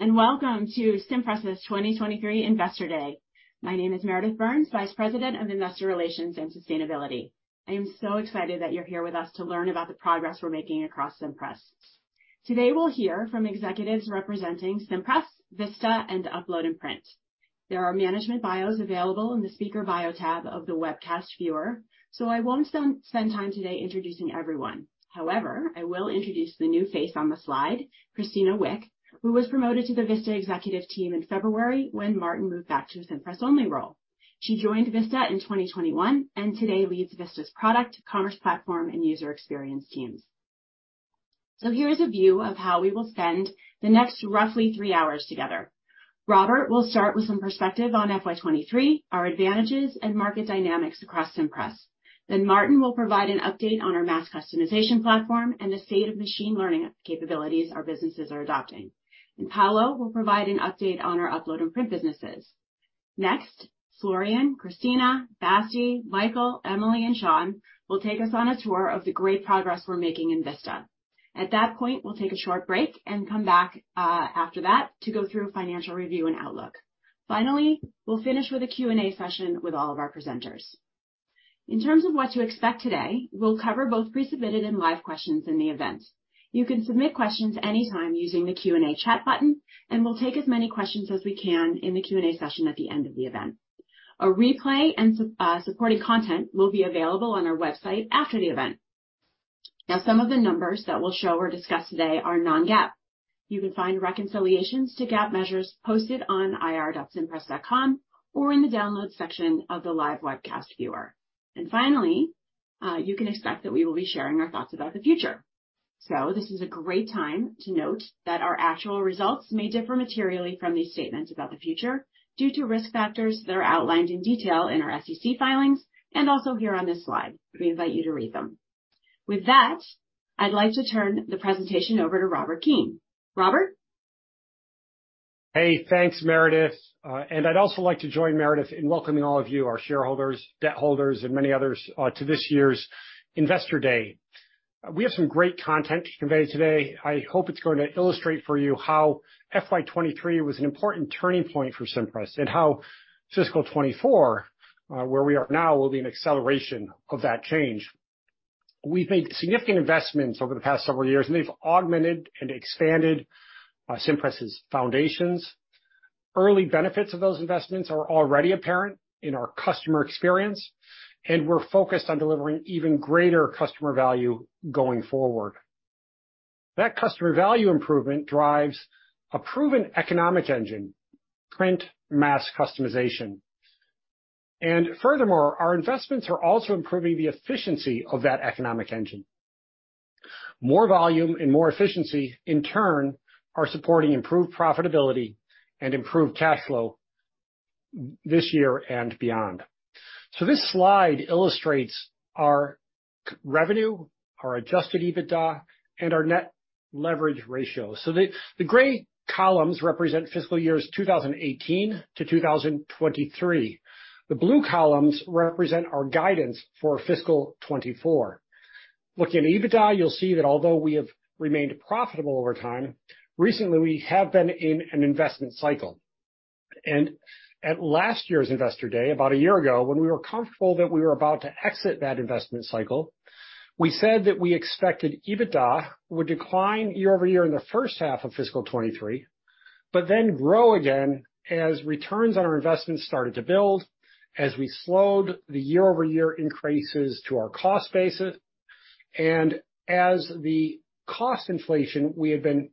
Hello, and welcome to Cimpress's 2023 Investor Day. My name is Meredith Burns, Vice President of Investor Relations and Sustainability. I am so excited that you're here with us to learn about the progress we're making across Cimpress. Today, we'll hear from executives representing Cimpress, Vista, and Upload and Print. There are management bios available in the Speaker Bio tab of the webcast viewer, so I won't spend time today introducing everyone. However, I will introduce the new face on the slide, Christina Wick, who was promoted to the Vista executive team in February when Maarten moved back to a Cimpress-only role. She joined Vista in 2021, and today leads Vista's product, commerce platform, and user experience teams. So here is a view of how we will spend the next roughly three hours together. Robert will start with some perspective on FY 2023, our advantages and market dynamics across Cimpress. Then Maarten will provide an update on our mass customization platform and the state of machine learning capabilities our businesses are adopting. Paolo will provide an update on our Upload and Print businesses. Next, Florian, Christina, Basti, Michael, Emily, and Sean will take us on a tour of the great progress we're making in Vista. At that point, we'll take a short break and come back after that to go through a financial review and outlook. Finally, we'll finish with a Q&A session with all of our presenters. In terms of what to expect today, we'll cover both pre-submitted and live questions in the event. You can submit questions anytime using the Q&A chat button, and we'll take as many questions as we can in the Q&A session at the end of the event. A replay and supporting content will be available on our website after the event. Now, some of the numbers that we'll show or discuss today are non-GAAP. You can find reconciliations to GAAP measures posted on ir.cimpress.com or in the Downloads section of the live webcast viewer. Finally, you can expect that we will be sharing our thoughts about the future. So this is a great time to note that our actual results may differ materially from these statements about the future due to risk factors that are outlined in detail in our SEC filings, and also here on this slide. We invite you to read them. With that, I'd like to turn the presentation over to Robert Keane. Robert? Hey, thanks, Meredith. I'd also like to join Meredith in welcoming all of you, our shareholders, debt holders, and many others, to this year's Investor Day. We have some great content to convey today. I hope it's going to illustrate for you how FY 2023 was an important turning point for Cimpress, and how fiscal 2024, where we are now, will be an acceleration of that change. We've made significant investments over the past several years, and they've augmented and expanded, Cimpress's foundations. Early benefits of those investments are already apparent in our customer experience, and we're focused on delivering even greater customer value going forward. That customer value improvement drives a proven economic engine: print, mass customization. And furthermore, our investments are also improving the efficiency of that economic engine. More volume and more efficiency, in turn, are supporting improved profitability and improved cash flow this year and beyond. So this slide illustrates our revenue, our Adjusted EBITDA, and our net leverage ratio. So the gray columns represent fiscal years 2018 to 2023. The blue columns represent our guidance for fiscal 2024. Looking at EBITDA, you'll see that although we have remained profitable over time, recently, we have been in an investment cycle. At last year's Investor Day, about a year ago, when we were comfortable that we were about to exit that investment cycle, we said that we expected EBITDA would decline year-over-year in the first half of fiscal 2023, but then grow again as returns on our investment started to build, as we slowed the year-over-year increases to our cost base, and as the cost inflation we had been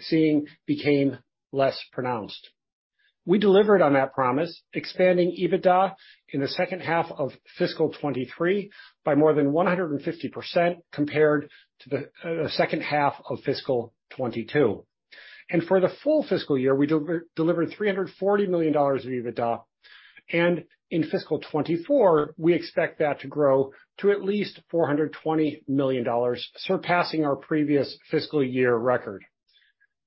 seeing became less pronounced. We delivered on that promise, expanding EBITDA in the second half of fiscal 2023 by more than 150% compared to the second half of fiscal 2022. For the full fiscal year, we delivered $340 million of EBITDA, and in fiscal 2024, we expect that to grow to at least $420 million, surpassing our previous fiscal year record.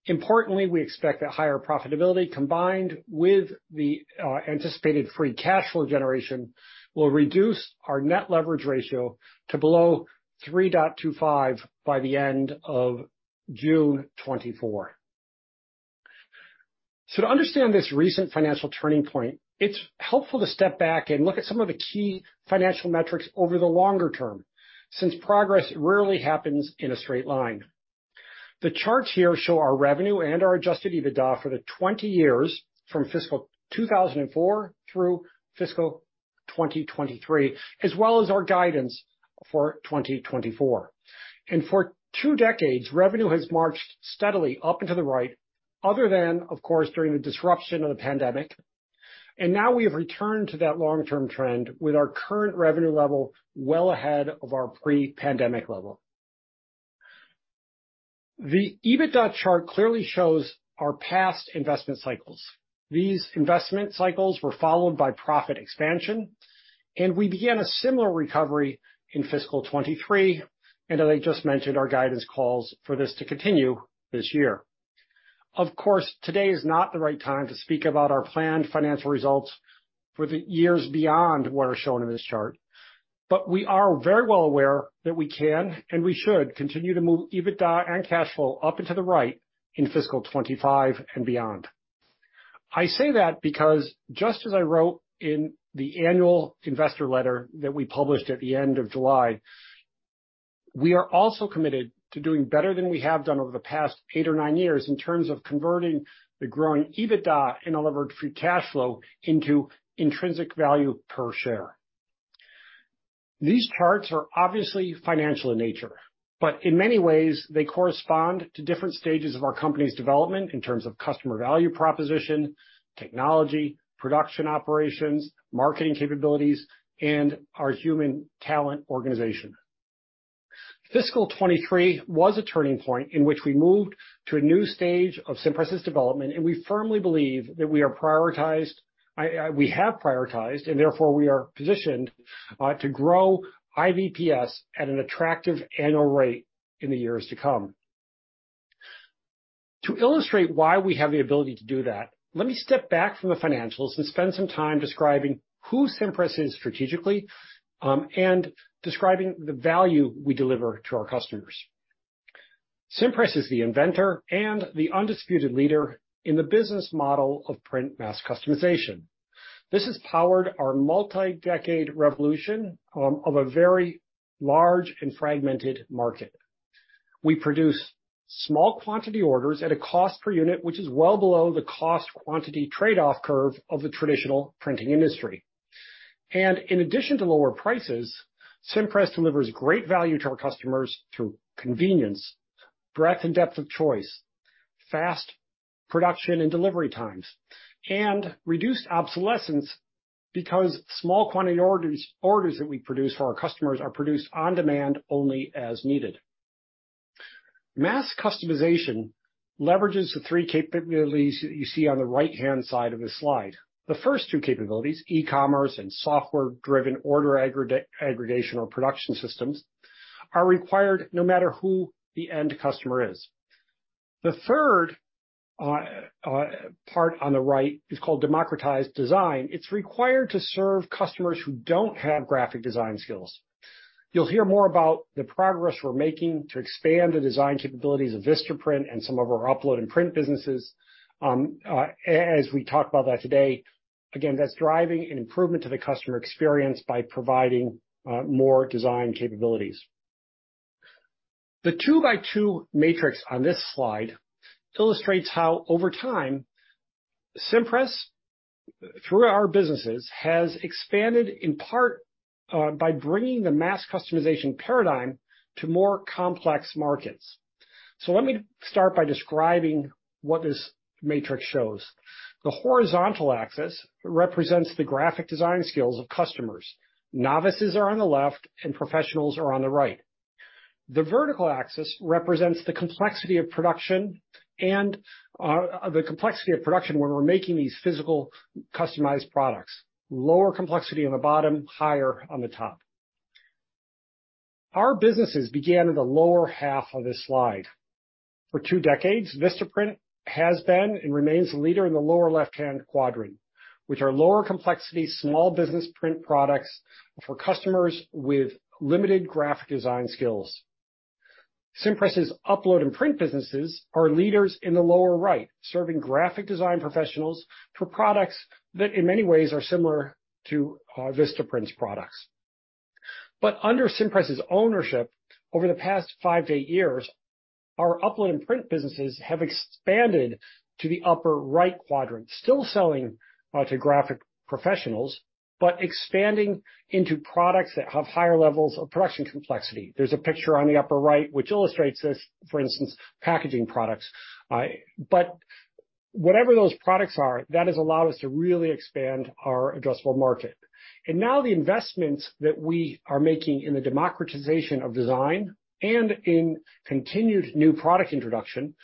Importantly, we expect that higher profitability, combined with the anticipated free cash flow generation, will reduce our net leverage ratio to below 3.25 by the end of June 2024. So to understand this recent financial turning point, it's helpful to step back and look at some of the key financial metrics over the longer term, since progress rarely happens in a straight line. The charts here show our revenue and our Adjusted EBITDA for the 20 years, from fiscal 2004 through fiscal 2023, as well as our guidance for 2024. For two decades, revenue has marched steadily up into the right, other than, of course, during the disruption of the pandemic. Now we have returned to that long-term trend with our current revenue level well ahead of our pre-pandemic level. The EBITDA chart clearly shows our past investment cycles. These investment cycles were followed by profit expansion, and we began a similar recovery in fiscal 2023, and as I just mentioned, our guidance calls for this to continue this year. Of course, today is not the right time to speak about our planned financial results for the years beyond what are shown in this chart. But we are very well aware that we can, and we should, continue to move EBITDA and cash flow up and to the right in fiscal 2025 and beyond. I say that because just as I wrote in the annual investor letter that we published at the end of July, we are also committed to doing better than we have done over the past eight or nine years in terms of converting the growing EBITDA and delivered free cash flow into intrinsic value per share. These charts are obviously financial in nature, but in many ways they correspond to different stages of our company's development in terms of customer value proposition, technology, production, operations, marketing capabilities, and our human talent organization. Fiscal 2023 was a turning point in which we moved to a new stage of Cimpress's development, and we firmly believe that we have prioritized, and therefore we are positioned to grow IVPS at an attractive annual rate in the years to come. To illustrate why we have the ability to do that, let me step back from the financials and spend some time describing who Cimpress is strategically, and describing the value we deliver to our customers. Cimpress is the inventor and the undisputed leader in the business model of print mass customization. This has powered our multi-decade revolution of a very large and fragmented market. We produce small quantity orders at a cost per unit, which is well below the cost quantity trade-off curve of the traditional printing industry. And in addition to lower prices, Cimpress delivers great value to our customers through convenience, breadth and depth of choice, fast production and delivery times, and reduced obsolescence, because small quantity orders, orders that we produce for our customers are produced on demand only as needed. Mass customization leverages the three capabilities that you see on the right-hand side of this slide. The first two capabilities, e-commerce and software-driven order aggregation or production systems, are required no matter who the end customer is. The third part on the right is called democratized design. It's required to serve customers who don't have graphic design skills. You'll hear more about the progress we're making to expand the design capabilities of VistaPrint and some of our Upload and Print businesses, as we talk about that today. Again, that's driving an improvement to the customer experience by providing more design capabilities. The two-by-two matrix on this slide illustrates how, over time, Cimpress, through our businesses, has expanded, in part, by bringing the mass customization paradigm to more complex markets. So let me start by describing what this matrix shows. The horizontal axis represents the graphic design skills of customers. Novices are on the left, and professionals are on the right. The vertical axis represents the complexity of production when we're making these physical, customized products. Lower complexity on the bottom, higher on the top. Our businesses began in the lower half of this slide. For two decades, VistaPrint has been and remains the leader in the lower left-hand quadrant, which are lower complexity, small business print products for customers with limited graphic design skills. Cimpress's Upload and Print businesses are leaders in the lower right, serving graphic design professionals for products that, in many ways, are similar to, VistaPrint's products. But under Cimpress's ownership, over the past 5-8 years, our Upload and Print businesses have expanded to the upper right quadrant, still selling, to graphic professionals, but expanding into products that have higher levels of production complexity. There's a picture on the upper right which illustrates this, for instance, packaging products. But whatever those products are, that has allowed us to really expand our addressable market. Now the investments that we are making in the democratization of design and in continued new product introduction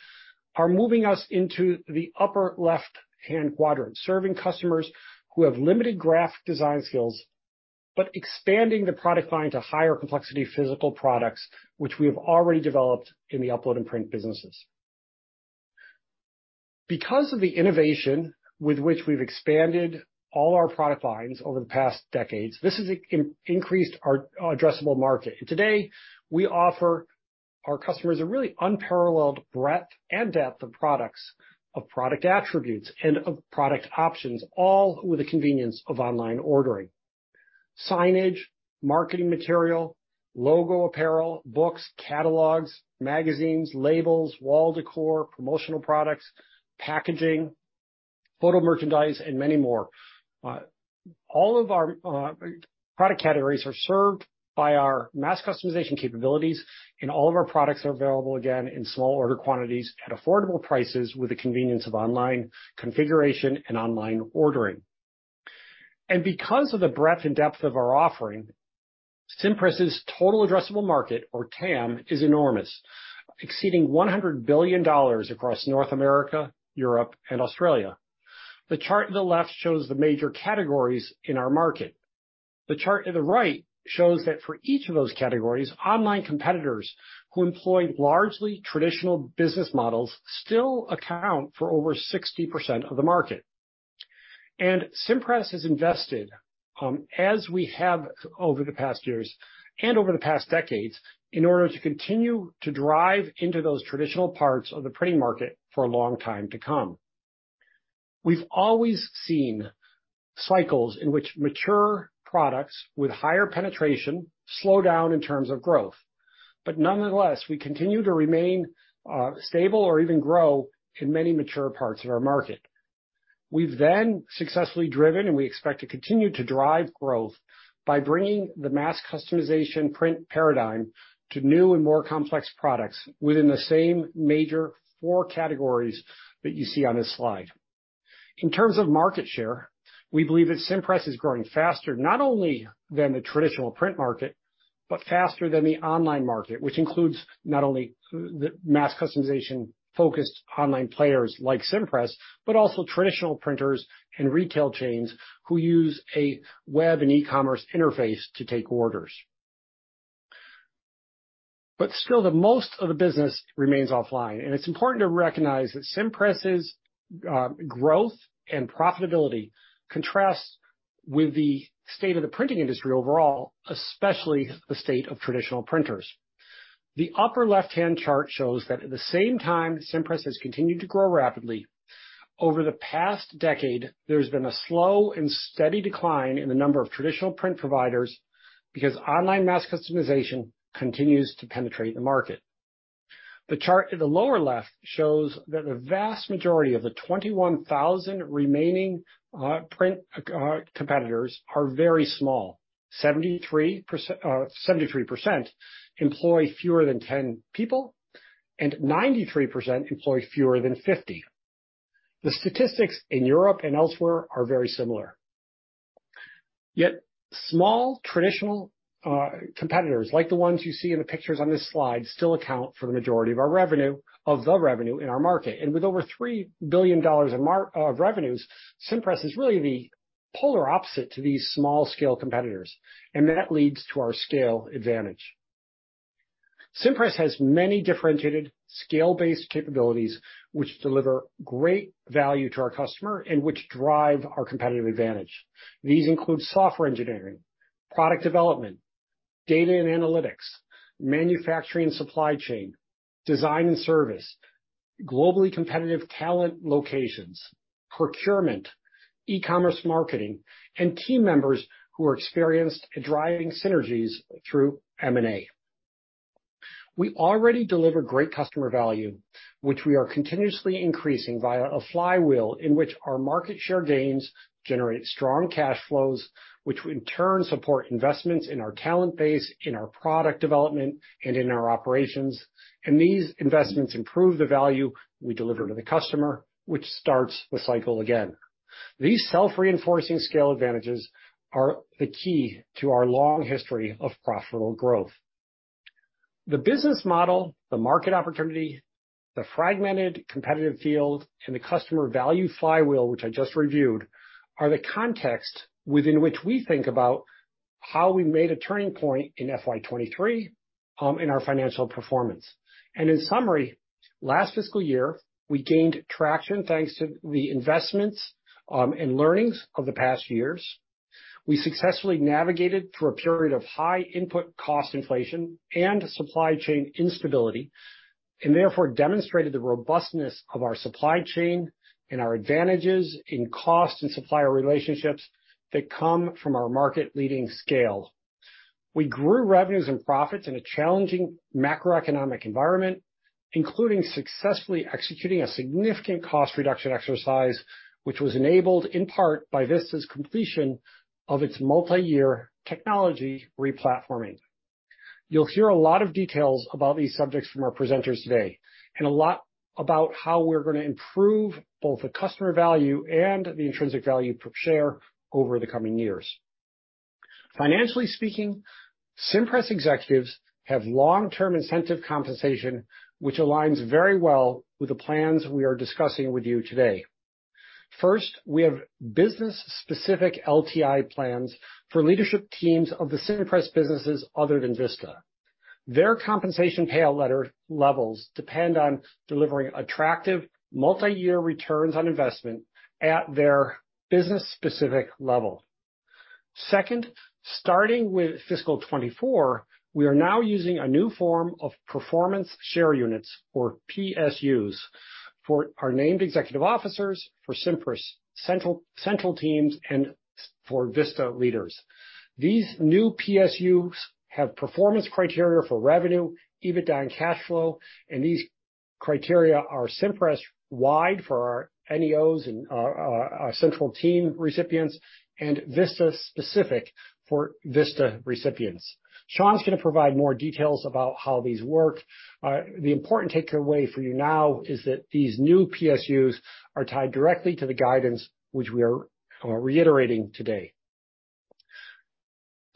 are moving us into the upper left-hand quadrant, serving customers who have limited graphic design skills, but expanding the product line to higher complexity physical products, which we have already developed in the Upload and Print businesses. Because of the innovation with which we've expanded all our product lines over the past decades, this has increased our addressable market. Today, we offer our customers a really unparalleled breadth and depth of products, of product attributes, and of product options, all with the convenience of online ordering. Signage, marketing material, logo apparel, books, catalogs, magazines, labels, wall decor, promotional products, packaging, photo merchandise, and many more. All of our product categories are served by our mass customization capabilities, and all of our products are available again in small order quantities at affordable prices with the convenience of online configuration and online ordering. And because of the breadth and depth of our offering, Cimpress's total addressable market, or TAM, is enormous, exceeding $100 billion across North America, Europe, and Australia. The chart on the left shows the major categories in our market.... The chart to the right shows that for each of those categories, online competitors who employ largely traditional business models still account for over 60% of the market. And Cimpress has invested, as we have over the past years and over the past decades, in order to continue to drive into those traditional parts of the printing market for a long time to come. We've always seen cycles in which mature products with higher penetration slow down in terms of growth. But nonetheless, we continue to remain stable or even grow in many mature parts of our market. We've then successfully driven, and we expect to continue to drive growth by bringing the mass customization print paradigm to new and more complex products within the same major four categories that you see on this slide. In terms of market share, we believe that Cimpress is growing faster, not only than the traditional print market, but faster than the online market, which includes not only the mass customization-focused online players like Cimpress, but also traditional printers and retail chains who use a web and e-commerce interface to take orders. But still, the most of the business remains offline, and it's important to recognize that Cimpress's growth and profitability contrasts with the state of the printing industry overall, especially the state of traditional printers. The upper left-hand chart shows that at the same time, Cimpress has continued to grow rapidly. Over the past decade, there's been a slow and steady decline in the number of traditional print providers, because online mass customization continues to penetrate the market. The chart in the lower left shows that the vast majority of the 21,000 remaining print competitors are very small. 73% employ fewer than 10 people, and 93% employ fewer than 50. The statistics in Europe and elsewhere are very similar. Yet small traditional competitors, like the ones you see in the pictures on this slide, still account for the majority of our revenue, of the revenue in our market. And with over $3 billion of revenues, Cimpress is really the polar opposite to these small scale competitors, and that leads to our scale advantage. Cimpress has many differentiated scale-based capabilities, which deliver great value to our customer and which drive our competitive advantage. These include software engineering, product development, data and analytics, manufacturing and supply chain, design and service, globally competitive talent locations, procurement, e-commerce marketing, and team members who are experienced in driving synergies through M&A. We already deliver great customer value, which we are continuously increasing via a flywheel in which our market share gains generate strong cash flows, which in turn support investments in our talent base, in our product development, and in our operations. And these investments improve the value we deliver to the customer, which starts the cycle again. These self-reinforcing scale advantages are the key to our long history of profitable growth. The business model, the market opportunity, the fragmented competitive field, and the customer value flywheel, which I just reviewed, are the context within which we think about how we made a turning point in FY 2023 in our financial performance. And in summary, last fiscal year, we gained traction thanks to the investments and learnings of the past years. We successfully navigated through a period of high input cost inflation and supply chain instability, and therefore demonstrated the robustness of our supply chain and our advantages in cost and supplier relationships that come from our market-leading scale. We grew revenues and profits in a challenging macroeconomic environment, including successfully executing a significant cost reduction exercise, which was enabled in part by Vista's completion of its multi-year technology replatforming. You'll hear a lot of details about these subjects from our presenters today, and a lot about how we're going to improve both the customer value and the intrinsic value per share over the coming years. Financially speaking, Cimpress executives have long-term incentive compensation, which aligns very well with the plans we are discussing with you today. First, we have business-specific LTI plans for leadership teams of the Cimpress businesses other than Vista. Their compensation payout letter levels depend on delivering attractive multi-year returns on investment at their business specific level. Second, starting with fiscal 2024, we are now using a new form of performance share units, or PSUs, for our named executive officers, for Cimpress central teams, and for Vista leaders. These new PSUs have performance criteria for revenue, EBITDA, and cash flow, and these criteria are Cimpress-wide for our NEOs and our central team recipients, and Vista-specific for Vista recipients. Sean's going to provide more details about how these work. The important takeaway for you now is that these new PSUs are tied directly to the guidance, which we are reiterating today.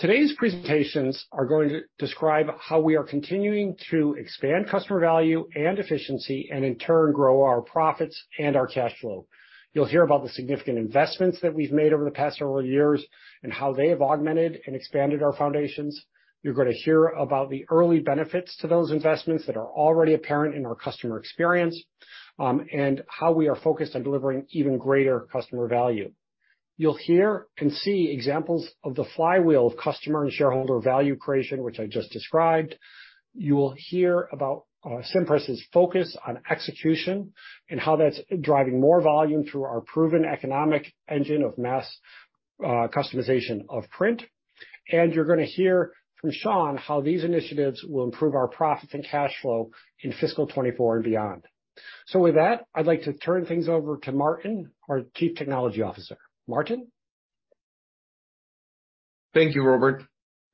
Today's presentations are going to describe how we are continuing to expand customer value and efficiency, and in turn, grow our profits and our cash flow. You'll hear about the significant investments that we've made over the past several years and how they have augmented and expanded our foundations. You're going to hear about the early benefits to those investments that are already apparent in our customer experience, and how we are focused on delivering even greater customer value. You'll hear and see examples of the flywheel of customer and shareholder value creation, which I just described. You will hear about Cimpress's focus on execution and how that's driving more volume through our proven economic engine of mass customization of print. And you're gonna hear from Sean how these initiatives will improve our profits and cash flow in fiscal 2024 and beyond. So with that, I'd like to turn things over to Maarten, our Chief Technology Officer. Maarten? Thank you, Robert.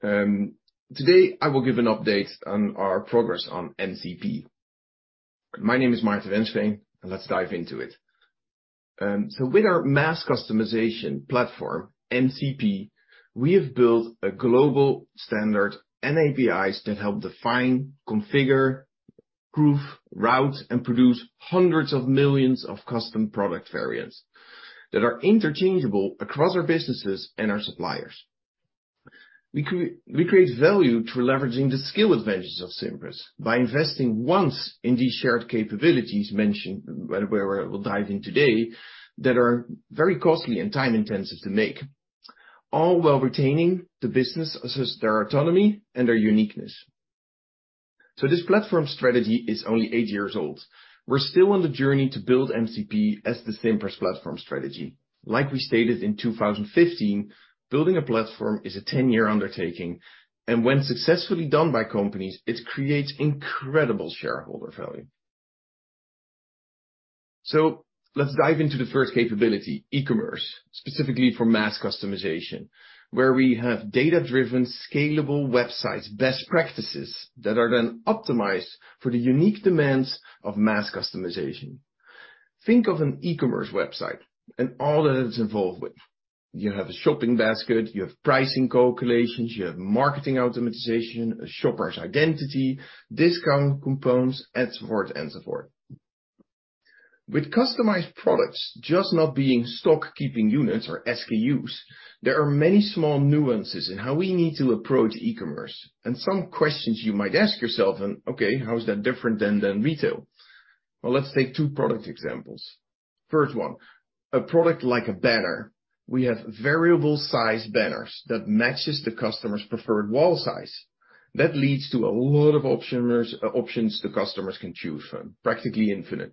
Today I will give an update on our progress on MCP. My name is Maarten Wensveen, and let's dive into it. So with our mass customization platform, MCP, we have built a global standard and APIs that help define, configure, proof, route, and produce hundreds of millions of custom product variants that are interchangeable across our businesses and our suppliers. We create value through leveraging the scale advantages of Cimpress by investing once in these shared capabilities mentioned, where, where we'll dive in today, that are very costly and time-intensive to make, all while retaining the business, as is their autonomy and their uniqueness. So this platform strategy is only eight years old. We're still on the journey to build MCP as the Cimpress platform strategy. Like we stated in 2015, building a platform is a 10-year undertaking, and when successfully done by companies, it creates incredible shareholder value. So let's dive into the first capability, e-commerce, specifically for mass customization, where we have data-driven, scalable websites, best practices, that are then optimized for the unique demands of mass customization. Think of an e-commerce website and all that it's involved with. You have a shopping basket, you have pricing calculations, you have marketing automation, a shopper's identity, discount coupons, and so forth, and so forth. With customized products just not being stock keeping units or SKUs, there are many small nuances in how we need to approach e-commerce, and some questions you might ask yourself, and okay, how is that different than retail? Well, let's take two product examples. First one, a product like a banner. We have variable size banners that matches the customer's preferred wall size. That leads to a lot of options, options the customers can choose from, practically infinite.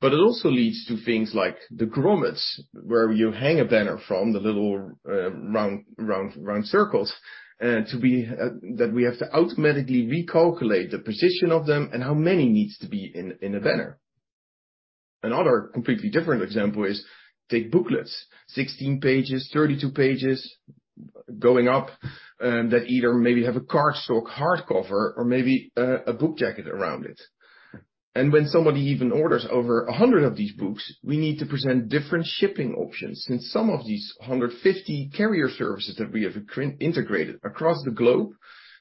But it also leads to things like the grommets, where you hang a banner from, the little, round circles, that we have to automatically recalculate the position of them and how many needs to be in a banner. Another completely different example is take booklets, 16 pages, 32 pages, going up, that either maybe have a cardstock hardcover or maybe, a book jacket around it. And when somebody even orders over 100 of these books, we need to present different shipping options, since some of these 150 carrier services that we have integrated across the globe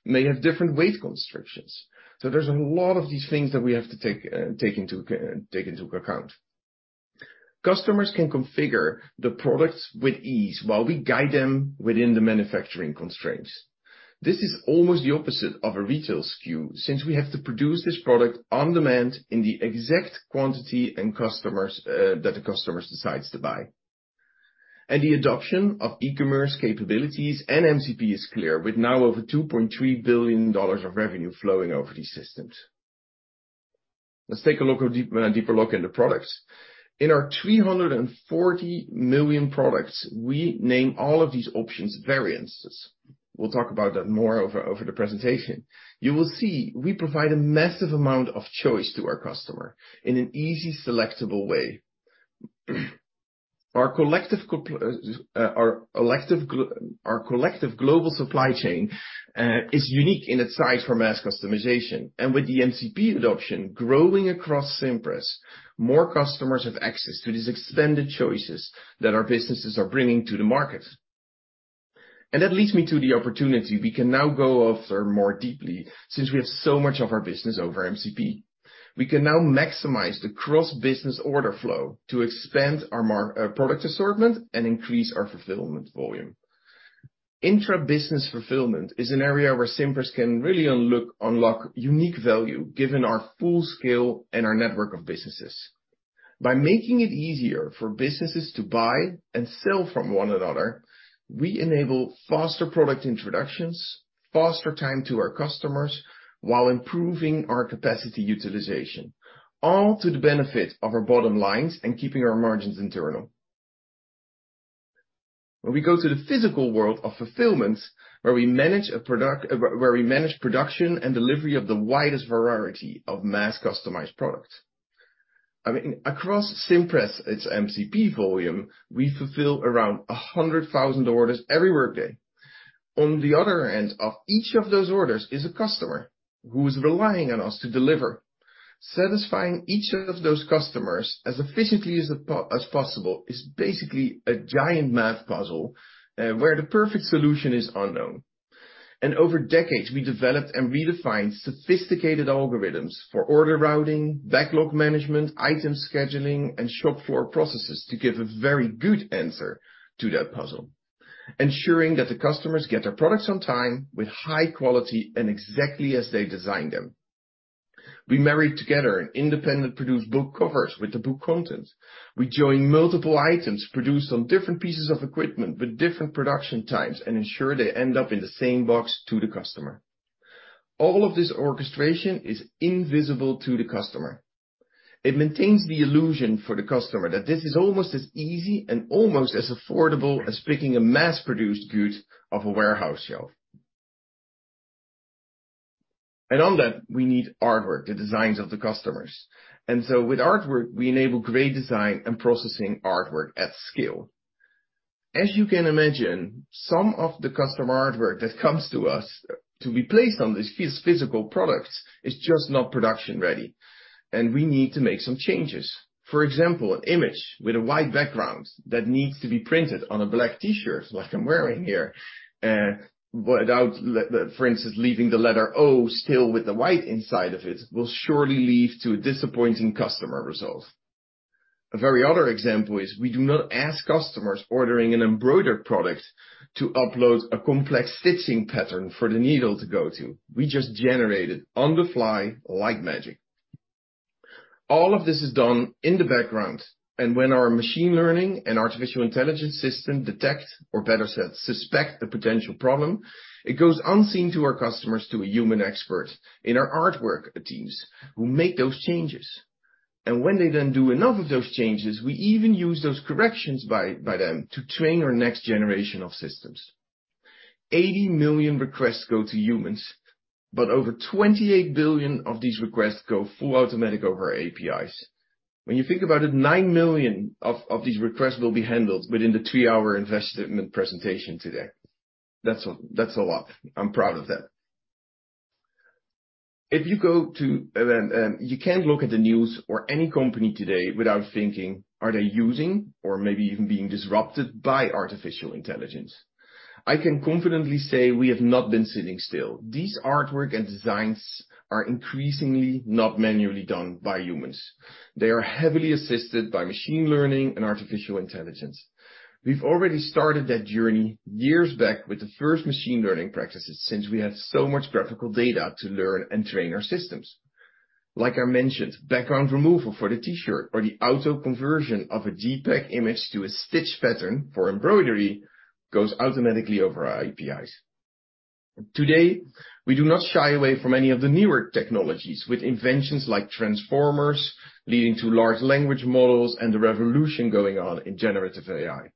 may have different weight constructions. So there's a lot of these things that we have to take into account. Customers can configure the products with ease while we guide them within the manufacturing constraints. This is almost the opposite of a retail SKU, since we have to produce this product on demand in the exact quantity and customers that the customers decides to buy. And the adoption of e-commerce capabilities and MCP is clear, with now over $2.3 billion of revenue flowing over these systems. Let's take a look of a deeper look in the products. In our 340 million products, we name all of these options, variances. We'll talk about that more over the presentation. You will see, we provide a massive amount of choice to our customer in an easy, selectable way. Our collective global supply chain is unique in its size for mass customization, and with the MCP adoption growing across Cimpress, more customers have access to these extended choices that our businesses are bringing to the market. And that leads me to the opportunity we can now go after more deeply since we have so much of our business over MCP. We can now maximize the cross-business order flow to expand our product assortment and increase our fulfillment volume. Intra-business fulfillment is an area where Cimpress can really unlock unique value, given our full scale and our network of businesses. By making it easier for businesses to buy and sell from one another, we enable faster product introductions, faster time to our customers, while improving our capacity utilization, all to the benefit of our bottom lines and keeping our margins internal. When we go to the physical world of fulfillment, where we manage a product, where we manage production and delivery of the widest variety of mass customized products. I mean, across Cimpress, its MCP volume, we fulfill around 100,000 orders every workday. On the other hand, of each of those orders is a customer who is relying on us to deliver. Satisfying each of those customers as efficiently as possible is basically a giant math puzzle, where the perfect solution is unknown. Over decades, we developed and redefined sophisticated algorithms for order routing, backlog management, item scheduling, and shop floor processes to give a very good answer to that puzzle. Ensuring that the customers get their products on time, with high quality, and exactly as they designed them. We married together independently produced book covers with the book content. We join multiple items produced on different pieces of equipment with different production times, and ensure they end up in the same box to the customer. All of this orchestration is invisible to the customer. It maintains the illusion for the customer that this is almost as easy and almost as affordable as picking a mass-produced good off a warehouse shelf. On that, we need artwork, the designs of the customers. With artwork, we enable great design and processing artwork at scale. As you can imagine, some of the customer artwork that comes to us to be placed on these physical products, is just not production ready, and we need to make some changes. For example, an image with a white background that needs to be printed on a black T-shirt, like I'm wearing here, without, for instance, leaving the letter O still with the white inside of it, will surely lead to a disappointing customer result. A very other example is, we do not ask customers ordering an embroidered product to upload a complex stitching pattern for the needle to go to. We just generate it on the fly, like magic. All of this is done in the background, and when our machine learning and artificial intelligence system detect, or better said, suspect a potential problem, it goes unseen to our customers, to a human expert in our artwork teams, who make those changes. And when they then do enough of those changes, we even use those corrections by them to train our next generation of systems. 80 million requests go to humans, but over 28 billion of these requests go full automatic over our APIs. When you think about it, 9 million of these requests will be handled within the 2-hour investment presentation today. That's a, that's a lot. I'm proud of that. If you go to... You can't look at the news or any company today without thinking, "Are they using or maybe even being disrupted by artificial intelligence?" I can confidently say we have not been sitting still. These artwork and designs are increasingly not manually done by humans. They are heavily assisted by machine learning and artificial intelligence. We've already started that journey years back with the first machine learning practices, since we had so much graphical data to learn and train our systems. Like I mentioned, background removal for the T-shirt or the auto conversion of a JPEG image to a stitch pattern for embroidery, goes automatically over our APIs. Today, we do not shy away from any of the newer technologies, with inventions like transformers, leading to large language models and the revolution going on in generative AI.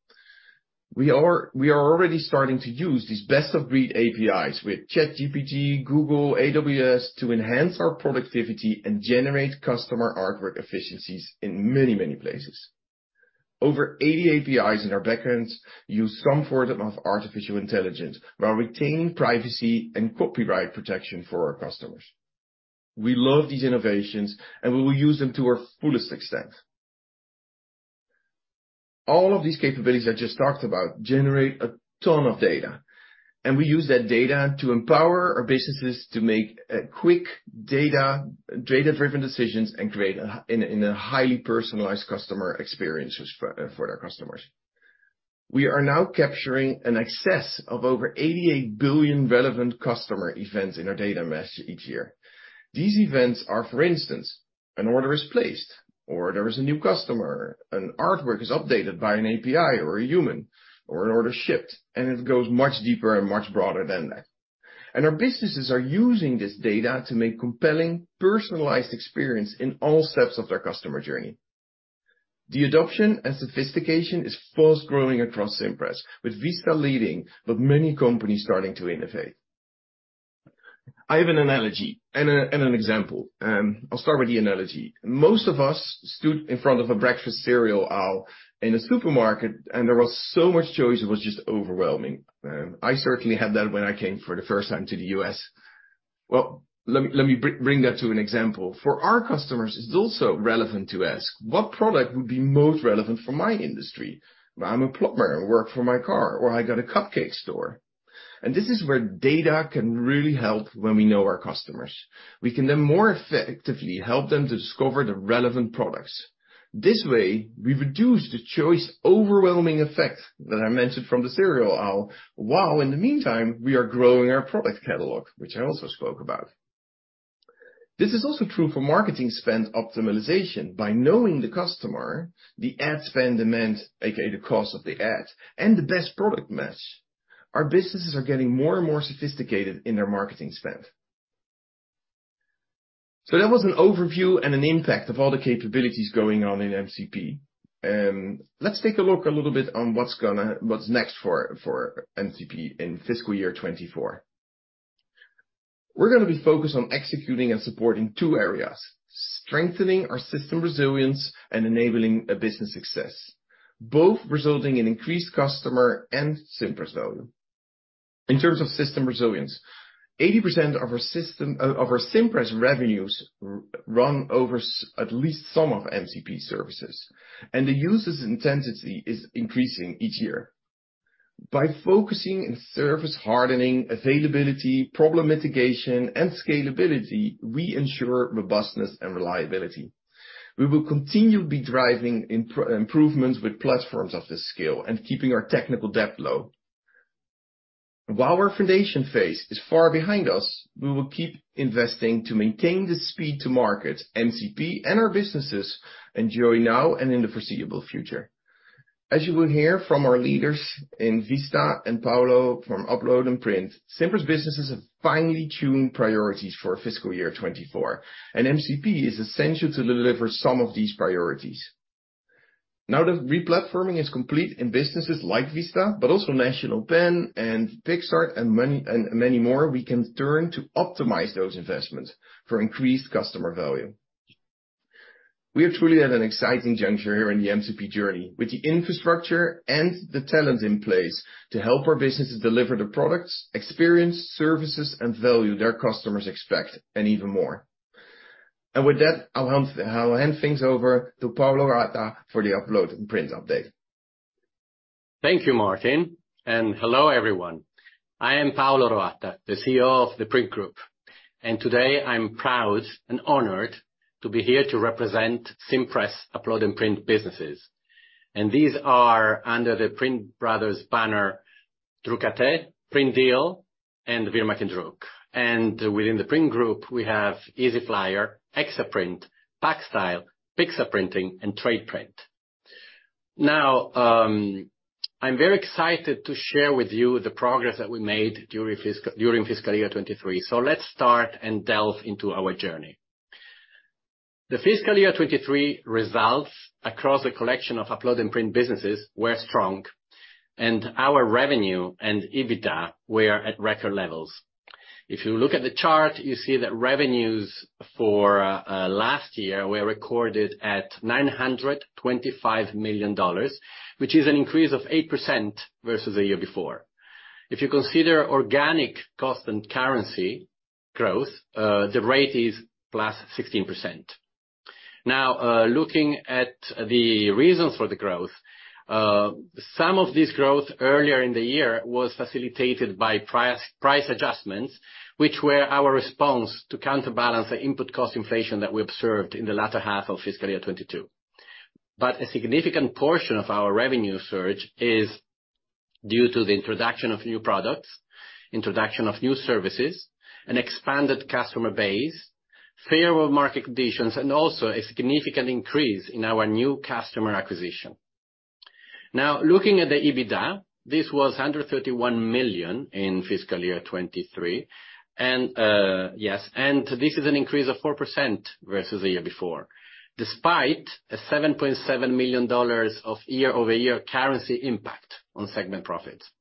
We are already starting to use these best-of-breed APIs with ChatGPT, Google, AWS, to enhance our productivity and generate customer artwork efficiencies in many, many places. Over 80 APIs in our backends use some form of artificial intelligence, while retaining privacy and copyright protection for our customers. We love these innovations, and we will use them to our fullest extent. All of these capabilities I just talked about generate a ton of data, and we use that data to empower our businesses to make quick data-driven decisions and create highly personalized customer experiences for their customers. We are now capturing an excess of over 88 billion relevant customer events in our data mesh each year. These events are, for instance, an order is placed, or there is a new customer, an artwork is updated by an API or a human, or an order shipped, and it goes much deeper and much broader than that. Our businesses are using this data to make compelling, personalized experience in all steps of their customer journey. The adoption and sophistication is fast growing across Cimpress, with Vista leading, but many companies starting to innovate. I have an analogy and an example. I'll start with the analogy. Most of us stood in front of a breakfast cereal aisle in a supermarket, and there was so much choice, it was just overwhelming. I certainly had that when I came for the first time to the U.S. Well, let me bring that to an example. For our customers, it's also relevant to ask, "What product would be most relevant for my industry? I'm a plumber, I work for my car, or I got a cupcake store." And this is where data can really help when we know our customers. We can then more effectively help them to discover the relevant products. This way, we reduce the choice overwhelming effect that I mentioned from the cereal aisle, while in the meantime, we are growing our product catalog, which I also spoke about. This is also true for marketing spend optimization. By knowing the customer, the ad spend demand, AKA the cost of the ad, and the best product match, our businesses are getting more and more sophisticated in their marketing spend. So that was an overview and an impact of all the capabilities going on in MCP. Let's take a look a little bit on what's next for MCP in fiscal year 2024. We're gonna be focused on executing and supporting two areas: strengthening our system resilience and enabling a business success, both resulting in increased customer and Cimpress volume. In terms of system resilience, 80% of our system of our Cimpress revenues run over at least some of MCP services, and the use's intensity is increasing each year. By focusing in service, hardening, availability, problem mitigation, and scalability, we ensure robustness and reliability. We will continue to be driving improvements with platforms of this scale and keeping our technical debt low. While our foundation phase is far behind us, we will keep investing to maintain the speed to market MCP and our businesses enjoy now and in the foreseeable future. As you will hear from our leaders in Vista and Paolo from Upload and Print, Cimpress businesses have finely tuned priorities for fiscal year 2024, and MCP is essential to deliver some of these priorities. Now that re-platforming is complete in businesses like Vista, but also, and many, and many more, we can turn to optimize those investments for increased customer value. We are truly at an exciting juncture here in the MCP journey, with the infrastructure and the talent in place to help our businesses deliver the products, experience, services, and value their customers expect, and even more. And with that, I'll hand, I'll hand things over to for the Upload and Print update. Thank you, Maarten, and hello, everyone. I am Paolo Roatta, the CEO of The Print Group, and today, I'm proud and honored to be here to represent Cimpress Upload and Print businesses. These are under the Print Brothers banner, druck.at, Printdeal, and WIRmachenDRUCK. Within The Print Group, we have Easyflyer, Exaprint, Packstyle, Pixartprinting, and Tradeprint. Now, I'm very excited to share with you the progress that we made during fiscal year 2023. Let's start and delve into our journey. The fiscal year 2023 results across the collection of Upload and Print businesses were strong, and our revenue and EBITDA were at record levels. If you look at the chart, you see that revenues for last year were recorded at $925 million, which is an increase of 8% versus the year before. If you consider organic cost and currency growth, the rate is +16%. Now, looking at the reasons for the growth, some of this growth earlier in the year was facilitated by price, price adjustments, which were our response to counterbalance the input cost inflation that we observed in the latter half of fiscal year 2022. But a significant portion of our revenue surge is due to the introduction of new products, introduction of new services, an expanded customer base, favorable market conditions, and also a significant increase in our new customer acquisition. Now, looking at the EBITDA, this was under $31 million in fiscal year 2023, and, yes, and this is an increase of 4% versus the year before, despite a $7.7 million of year-over-year currency impact on segment profits.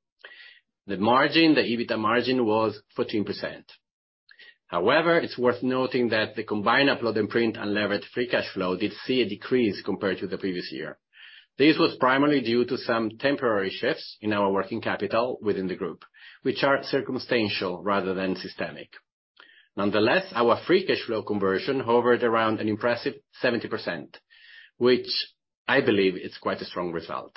The margin, the EBITDA margin, was 14%. However, it's worth noting that the combined Upload and Print Unlevered Free Cash Flow did see a decrease compared to the previous year. This was primarily due to some temporary shifts in our working capital within the group, which are circumstantial rather than systemic. Nonetheless, our free cash flow conversion hovered around an impressive 70%, which I believe is quite a strong result.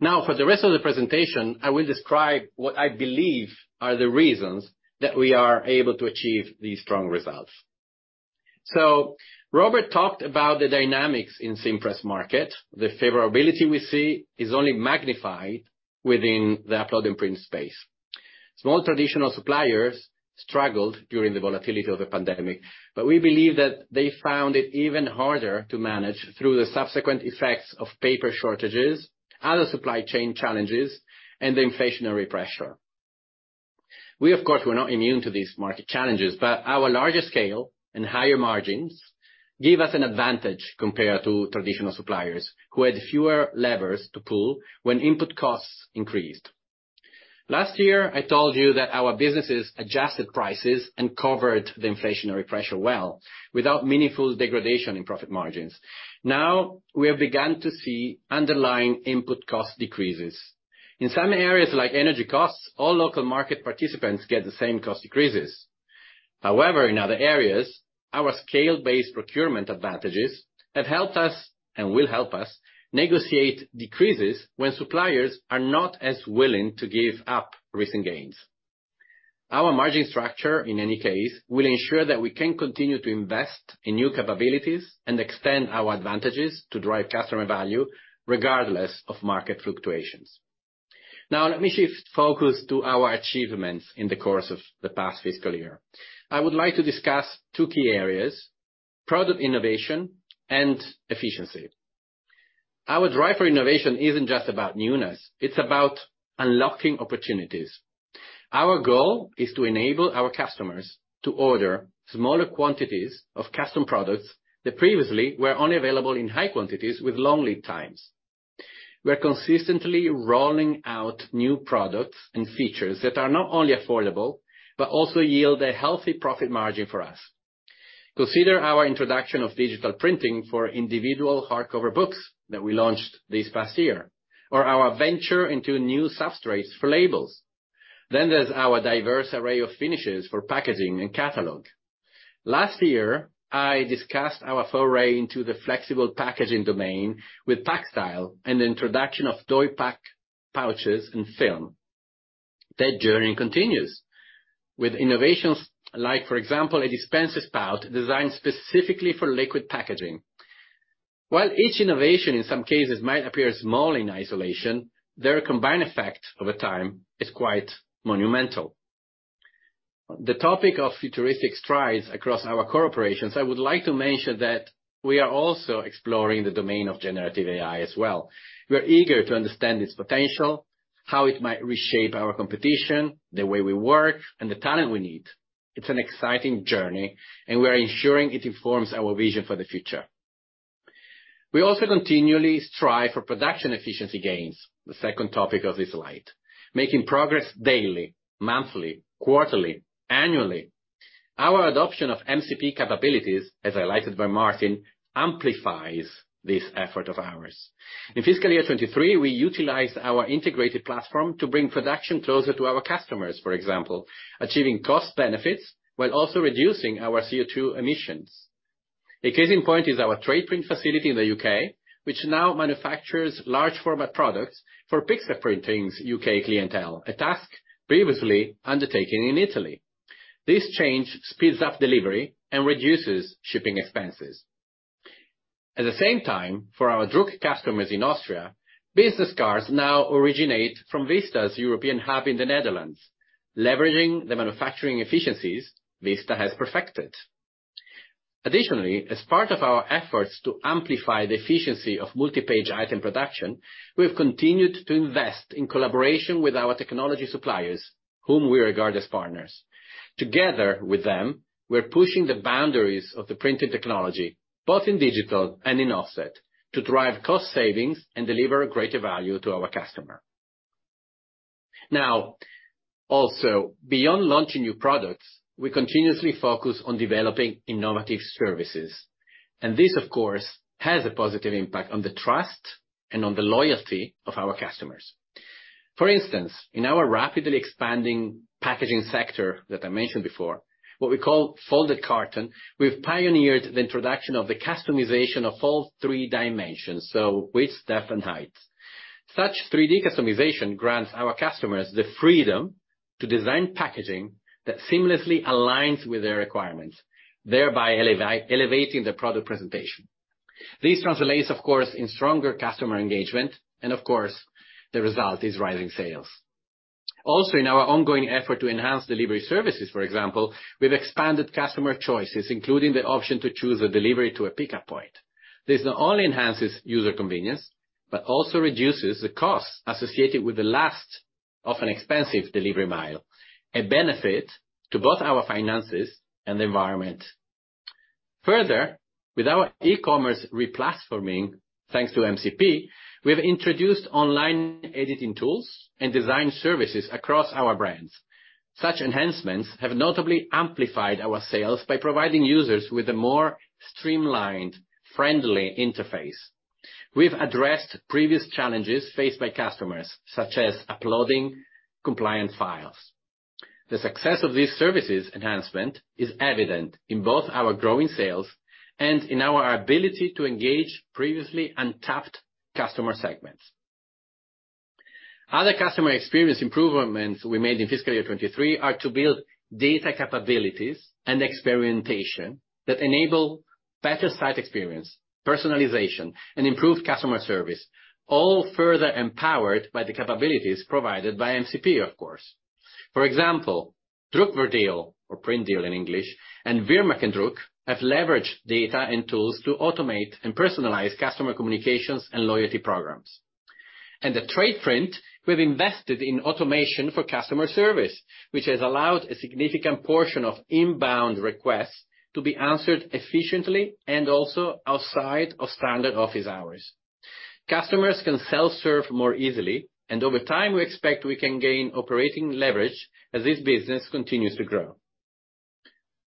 Now, for the rest of the presentation, I will describe what I believe are the reasons that we are able to achieve these strong results. So Robert talked about the dynamics in Cimpress market. The favorability we see is only magnified within the Upload and Print space. Small traditional suppliers struggled during the volatility of the pandemic, but we believe that they found it even harder to manage through the subsequent effects of paper shortages, other supply chain challenges, and the inflationary pressure. We, of course, were not immune to these market challenges, but our larger scale and higher margins gave us an advantage compared to traditional suppliers, who had fewer levers to pull when input costs increased. Last year, I told you that our businesses adjusted prices and covered the inflationary pressure well without meaningful degradation in profit margins. Now, we have begun to see underlying input cost decreases. In some areas, like energy costs, all local market participants get the same cost decreases. However, in other areas, our scale-based procurement advantages have helped us, and will help us, negotiate decreases when suppliers are not as willing to give up recent gains. Our margin structure, in any case, will ensure that we can continue to invest in new capabilities and extend our advantages to drive customer value regardless of market fluctuations. Now, let me shift focus to our achievements in the course of the past fiscal year. I would like to discuss two key areas: product innovation and efficiency. Our drive for innovation isn't just about newness; it's about unlocking opportunities. Our goal is to enable our customers to order smaller quantities of custom products that previously were only available in high quantities with long lead times. We're consistently rolling out new products and features that are not only affordable, but also yield a healthy profit margin for us. Consider our introduction of digital printing for individual hardcover books that we launched this past year, or our venture into new substrates for labels. Then there's our diverse array of finishes for packaging and catalog. Last year, I discussed our foray into the flexible packaging domain with Packstyle, and the introduction of Doypack pouches and film. That journey continues with innovations, like, for example, a dispenser spout designed specifically for liquid packaging. While each innovation, in some cases, might appear small in isolation, their combined effect over time is quite monumental. On the topic of futuristic strides across our corporations, I would like to mention that we are also exploring the domain of generative AI as well. We are eager to understand its potential, how it might reshape our competition, the way we work, and the talent we need. It's an exciting journey, and we are ensuring it informs our vision for the future. We also continually strive for production efficiency gains, the second topic of this slide, making progress daily, monthly, quarterly, annually. Our adoption of MCP capabilities, as highlighted by Maarten, amplifies this effort of ours. In fiscal year 2023, we utilized our integrated platform to bring production closer to our customers, for example, achieving cost benefits while also reducing our CO2 emissions. A case in point is our Tradeprint facility in the UK, which now manufactures large format products for Pixartprinting's UK clientele, a task previously undertaken in Italy. This change speeds up delivery and reduces shipping expenses. At the same time, for our Druck customers in Austria, business cards now originate from Vista's European hub in the Netherlands, leveraging the manufacturing efficiencies Vista has perfected. Additionally, as part of our efforts to amplify the efficiency of multi-page item production, we've continued to invest in collaboration with our technology suppliers, whom we regard as partners. Together with them, we're pushing the boundaries of the printing technology, both in digital and in offset, to drive cost savings and deliver greater value to our customer. Now, also, beyond launching new products, we continuously focus on developing innovative services, and this, of course, has a positive impact on the trust and on the loyalty of our customers. For instance, in our rapidly expanding packaging sector that I mentioned before, what we call folding carton, we've pioneered the introduction of the customization of all three dimensions, so width, depth, and height. Such 3D customization grants our customers the freedom to design packaging that seamlessly aligns with their requirements, thereby elevating the product presentation. This translates, of course, in stronger customer engagement, and of course, the result is rising sales. Also, in our ongoing effort to enhance delivery services, for example, we've expanded customer choices, including the option to choose a delivery to a pickup point. This not only enhances user convenience, but also reduces the costs associated with the last, often expensive, delivery mile, a benefit to both our finances and the environment. Further, with our e-commerce replatforming, thanks to MCP, we have introduced online editing tools and design services across our brands. Such enhancements have notably amplified our sales by providing users with a more streamlined, friendly interface. We've addressed previous challenges faced by customers, such as uploading compliant files. The success of these services enhancement is evident in both our growing sales and in our ability to engage previously untapped customer segments. Other customer experience improvements we made in fiscal year 2023 are to build data capabilities and experimentation that enable better site experience, personalization, and improved customer service, all further empowered by the capabilities provided by MCP, of course. For example, Drukwerkdeal, or Printdeal in English, and WIRmachenDRUCK, have leveraged data and tools to automate and personalize customer communications and loyalty programs. At Tradeprint, we've invested in automation for customer service, which has allowed a significant portion of inbound requests to be answered efficiently and also outside of standard office hours. Customers can self-serve more easily, and over time, we expect we can gain operating leverage as this business continues to grow.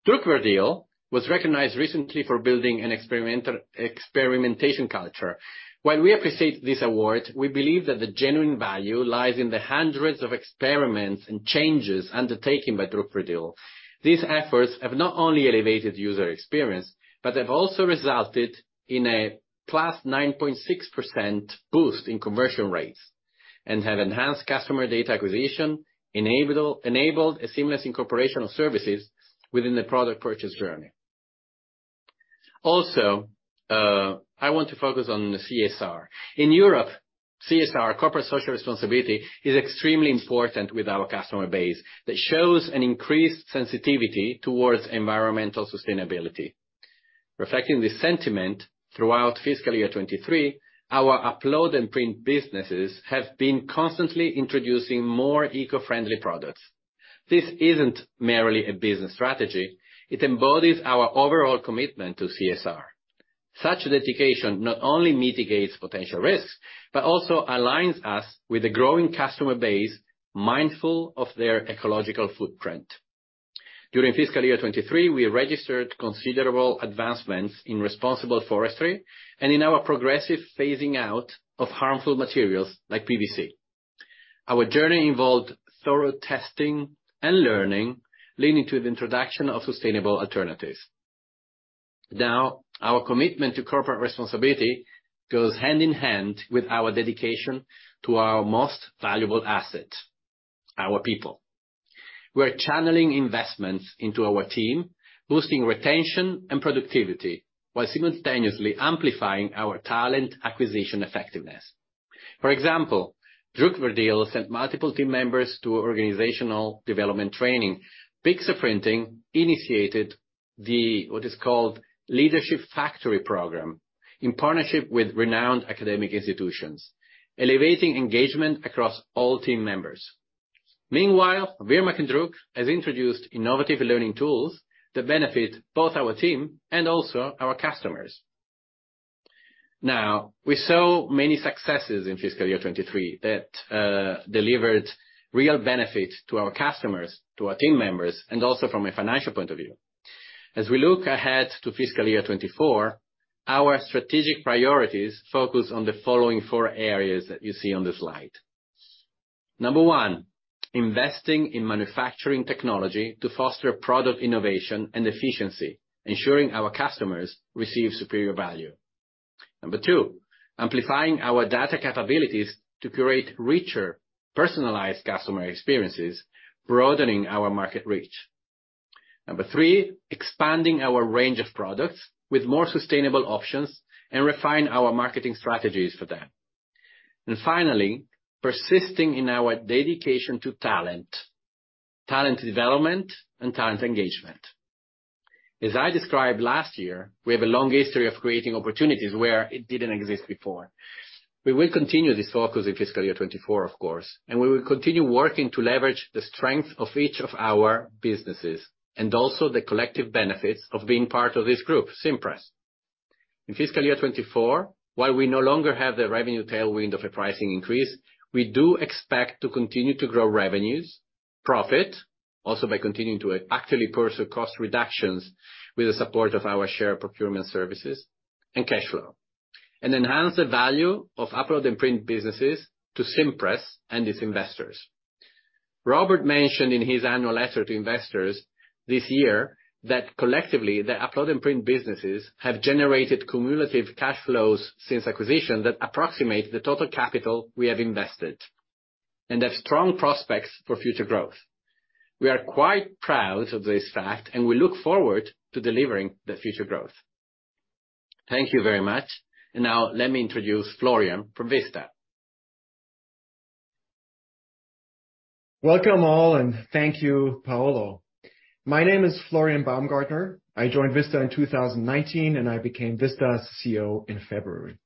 Drukwerkdeal was recognized recently for building an experimental... experimentation culture. While we appreciate this award, we believe that the genuine value lies in the hundreds of experiments and changes undertaken by Drukwerkdeal. These efforts have not only elevated user experience, but have also resulted in a +9.6% boost in conversion rates, and have enhanced customer data acquisition, enabled a seamless incorporation of services within the product purchase journey. Also, I want to focus on the CSR. In Europe, CSR, corporate social responsibility, is extremely important with our customer base that shows an increased sensitivity towards environmental sustainability. Reflecting this sentiment, throughout fiscal year 2023, our Upload and Print businesses have been constantly introducing more eco-friendly products. This isn't merely a business strategy. It embodies our overall commitment to CSR. Such dedication not only mitigates potential risks, but also aligns us with a growing customer base mindful of their ecological footprint. During fiscal year 2023, we registered considerable advancements in responsible forestry and in our progressive phasing out of harmful materials like PVC. Our journey involved thorough testing and learning, leading to the introduction of sustainable alternatives. Now, our commitment to corporate responsibility goes hand in hand with our dedication to our most valuable asset, our people. We're channeling investments into our team, boosting retention and productivity, while simultaneously amplifying our talent acquisition effectiveness. For example, Drukwerkdeal sent multiple team members to organizational development training. Pixartprinting initiated the, what is called Leadership Factory Program, in partnership with renowned academic institutions, elevating engagement across all team members. Meanwhile, WIRmachenDRUCK has introduced innovative learning tools that benefit both our team and also our customers. Now, we saw many successes in fiscal year 2023 that delivered real benefits to our customers, to our team members, and also from a financial point of view. As we look ahead to fiscal year 2024, our strategic priorities focus on the following four areas that you see on the slide. Number one, investing in manufacturing technology to foster product innovation and efficiency, ensuring our customers receive superior value. Number two, amplifying our data capabilities to create richer, personalized customer experiences, broadening our market reach. Number three, expanding our range of products with more sustainable options, and refine our marketing strategies for them. And finally, persisting in our dedication to talent, talent development, and talent engagement. As I described last year, we have a long history of creating opportunities where it didn't exist before. We will continue this focus in fiscal year 2024, of course, and we will continue working to leverage the strength of each of our businesses, and also the collective benefits of being part of this group, Cimpress. In fiscal year 2024, while we no longer have the revenue tailwind of a pricing increase, we do expect to continue to grow revenues, profit, also by continuing to actively pursue cost reductions with the support of our shared procurement services and cash flow, and enhance the value of Upload and Print businesses to Cimpress and its investors. Robert mentioned in his annual letter to investors this year, that collectively, the Upload and Print businesses have generated cumulative cash flows since acquisition, that approximate the total capital we have invested, and have strong prospects for future growth. We are quite proud of this fact, and we look forward to delivering the future growth. Thank you very much. And now let me introduce Florian from Vista. Welcome, all, and thank you, Paolo. My name is Florian Baumgartner. I joined Vista in 2019, and I became Vista's CEO in February.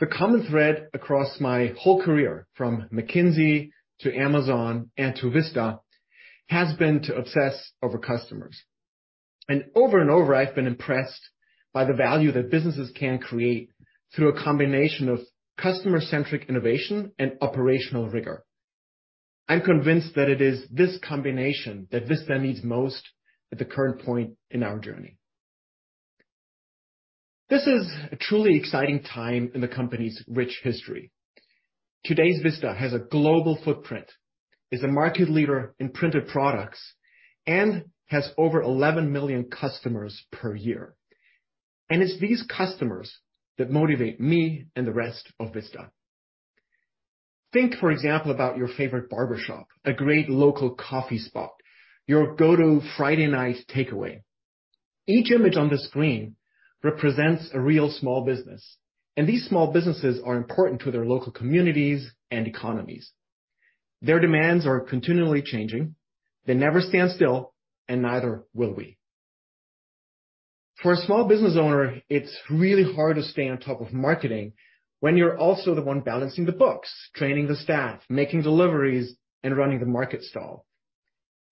The common thread across my whole career, from McKinsey to Amazon and to Vista, has been to obsess over customers. Over and over, I've been impressed by the value that businesses can create through a combination of customer-centric innovation and operational rigor. I'm convinced that it is this combination that Vista needs most at the current point in our journey. This is a truly exciting time in the company's rich history. Today's Vista has a global footprint, is a market leader in printed products, and has over 11 million customers per year, and it's these customers that motivate me and the rest of Vista. Think, for example, about your favorite barbershop, a great local coffee spot, your go-to Friday night takeaway. Each image on the screen represents a real small business, and these small businesses are important to their local communities and economies. Their demands are continually changing. They never stand still, and neither will we. For a small business owner, it's really hard to stay on top of marketing when you're also the one balancing the books, training the staff, making deliveries, and running the market stall.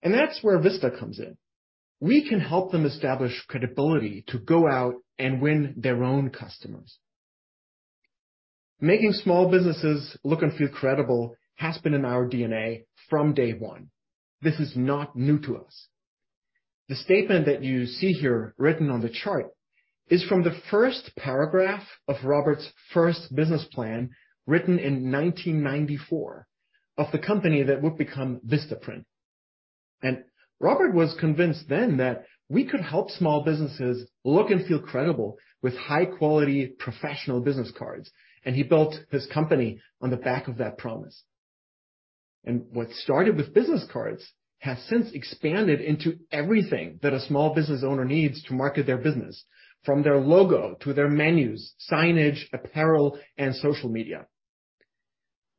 That's where Vista comes in. We can help them establish credibility to go out and win their own customers. Making small businesses look and feel credible has been in our DNA from day one. This is not new to us. The statement that you see here, written on the chart, is from the first paragraph of Robert's first business plan, written in 1994, of the company that would become VistaPrint. Robert was convinced then that we could help small businesses look and feel credible with high-quality, professional business cards, and he built this company on the back of that promise. What started with business cards has since expanded into everything that a small business owner needs to market their business, from their logo to their menus, signage, apparel, and social media.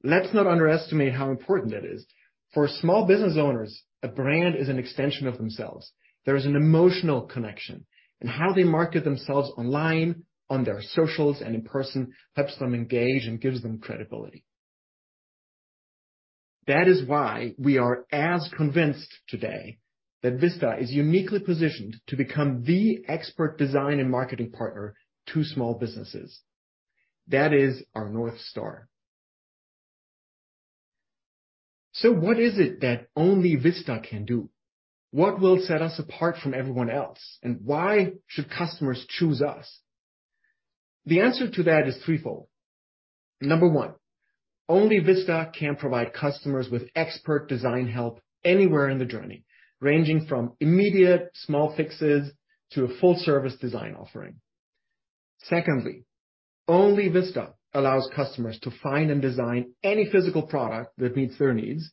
Let's not underestimate how important that is. For small business owners, a brand is an extension of themselves. There is an emotional connection, and how they market themselves online, on their socials, and in person, helps them engage and gives them credibility.... That is why we are as convinced today that Vista is uniquely positioned to become the expert design and marketing partner to small businesses. That is our North Star. What is it that only Vista can do? What will set us apart from everyone else, and why should customers choose us? The answer to that is threefold. Number one, only Vista can provide customers with expert design help anywhere in the journey, ranging from immediate small fixes to a full service design offering. Secondly, only Vista allows customers to find and design any physical product that meets their needs.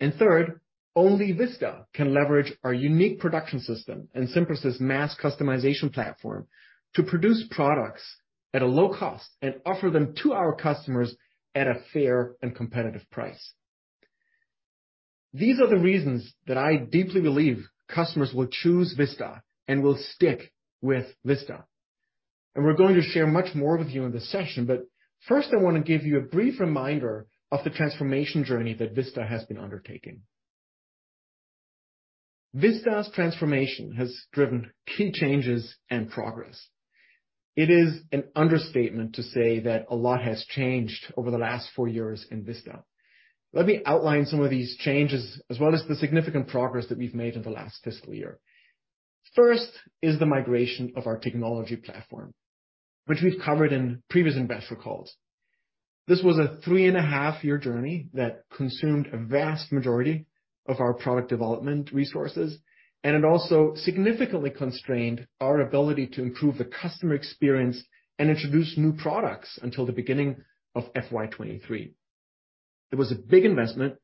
And third, only Vista can leverage our unique production system and Cimpress mass customization platform to produce products at a low cost and offer them to our customers at a fair and competitive price. These are the reasons that I deeply believe customers will choose Vista and will stick with Vista. And we're going to share much more with you in this session, but first, I want to give you a brief reminder of the transformation journey that Vista has been undertaking. Vista's transformation has driven key changes and progress. It is an understatement to say that a lot has changed over the last four years in Vista. Let me outline some of these changes, as well as the significant progress that we've made in the last fiscal year. First is the migration of our technology platform, which we've covered in previous investor calls. This was a three-and-a-half-year journey that consumed a vast majority of our product development resources, and it also significantly constrained our ability to improve the customer experience and introduce new products until the beginning of FY 2023. It was a big investment,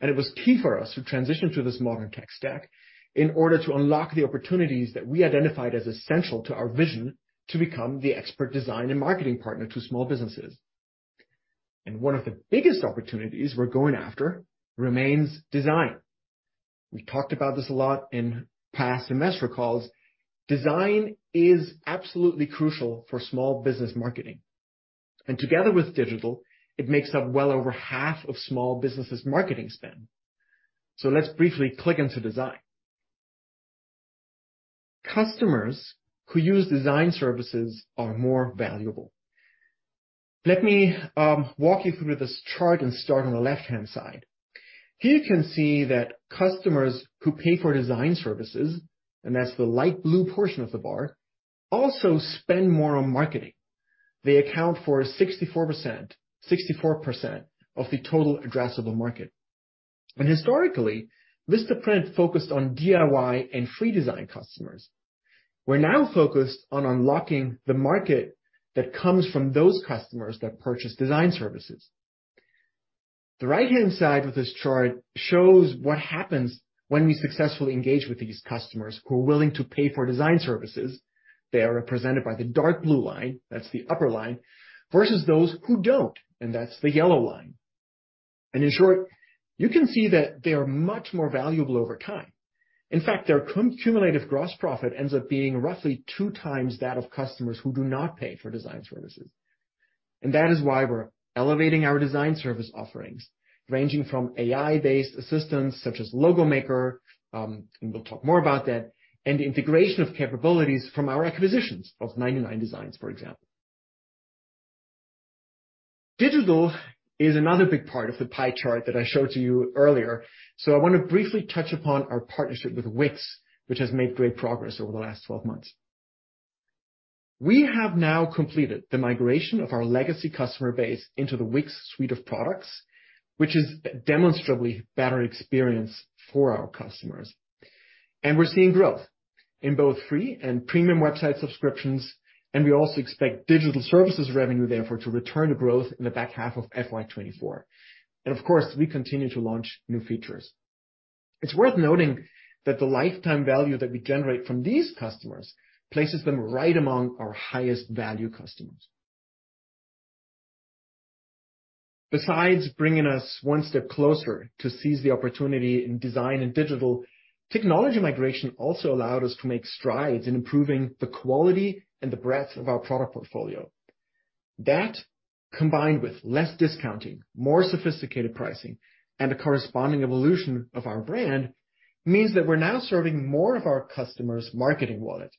and it was key for us to transition to this modern tech stack in order to unlock the opportunities that we identified as essential to our vision to become the expert design and marketing partner to small businesses. One of the biggest opportunities we're going after remains design. We talked about this a lot in past semester calls. Design is absolutely crucial for small business marketing, and together with digital, it makes up well over half of small businesses' marketing spend. So let's briefly click into design. Customers who use design services are more valuable. Let me, walk you through this chart and start on the left-hand side. Here you can see that customers who pay for design services, and that's the light blue portion of the bar, also spend more on marketing. They account for 64%, 64% of the total addressable market. And historically, VistaPrint focused on DIY and free design customers. We're now focused on unlocking the market that comes from those customers that purchase design services. The right-hand side of this chart shows what happens when we successfully engage with these customers who are willing to pay for design services. They are represented by the dark blue line, that's the upper line, versus those who don't, and that's the yellow line. And in short, you can see that they are much more valuable over time. In fact, their cumulative gross profit ends up being roughly 2x that of customers who do not pay for design services. And that is why we're elevating our design service offerings, ranging from AI-based assistance, such as Logo Maker, and we'll talk more about that, and the integration of capabilities from our acquisitions of 99designs, for example. Digital is another big part of the pie chart that I showed to you earlier, so I want to briefly touch upon our partnership with Wix, which has made great progress over the last 12 months. We have now completed the migration of our legacy customer base into the Wix suite of products, which is demonstrably better experience for our customers. We're seeing growth in both free and premium website subscriptions, and we also expect digital services revenue, therefore, to return to growth in the back half of FY 2024. Of course, we continue to launch new features. It's worth noting that the lifetime value that we generate from these customers places them right among our highest value customers. Besides bringing us one step closer to seize the opportunity in design and digital, technology migration also allowed us to make strides in improving the quality and the breadth of our product portfolio. That, combined with less discounting, more sophisticated pricing, and a corresponding evolution of our brand, means that we're now serving more of our customers' marketing wallet.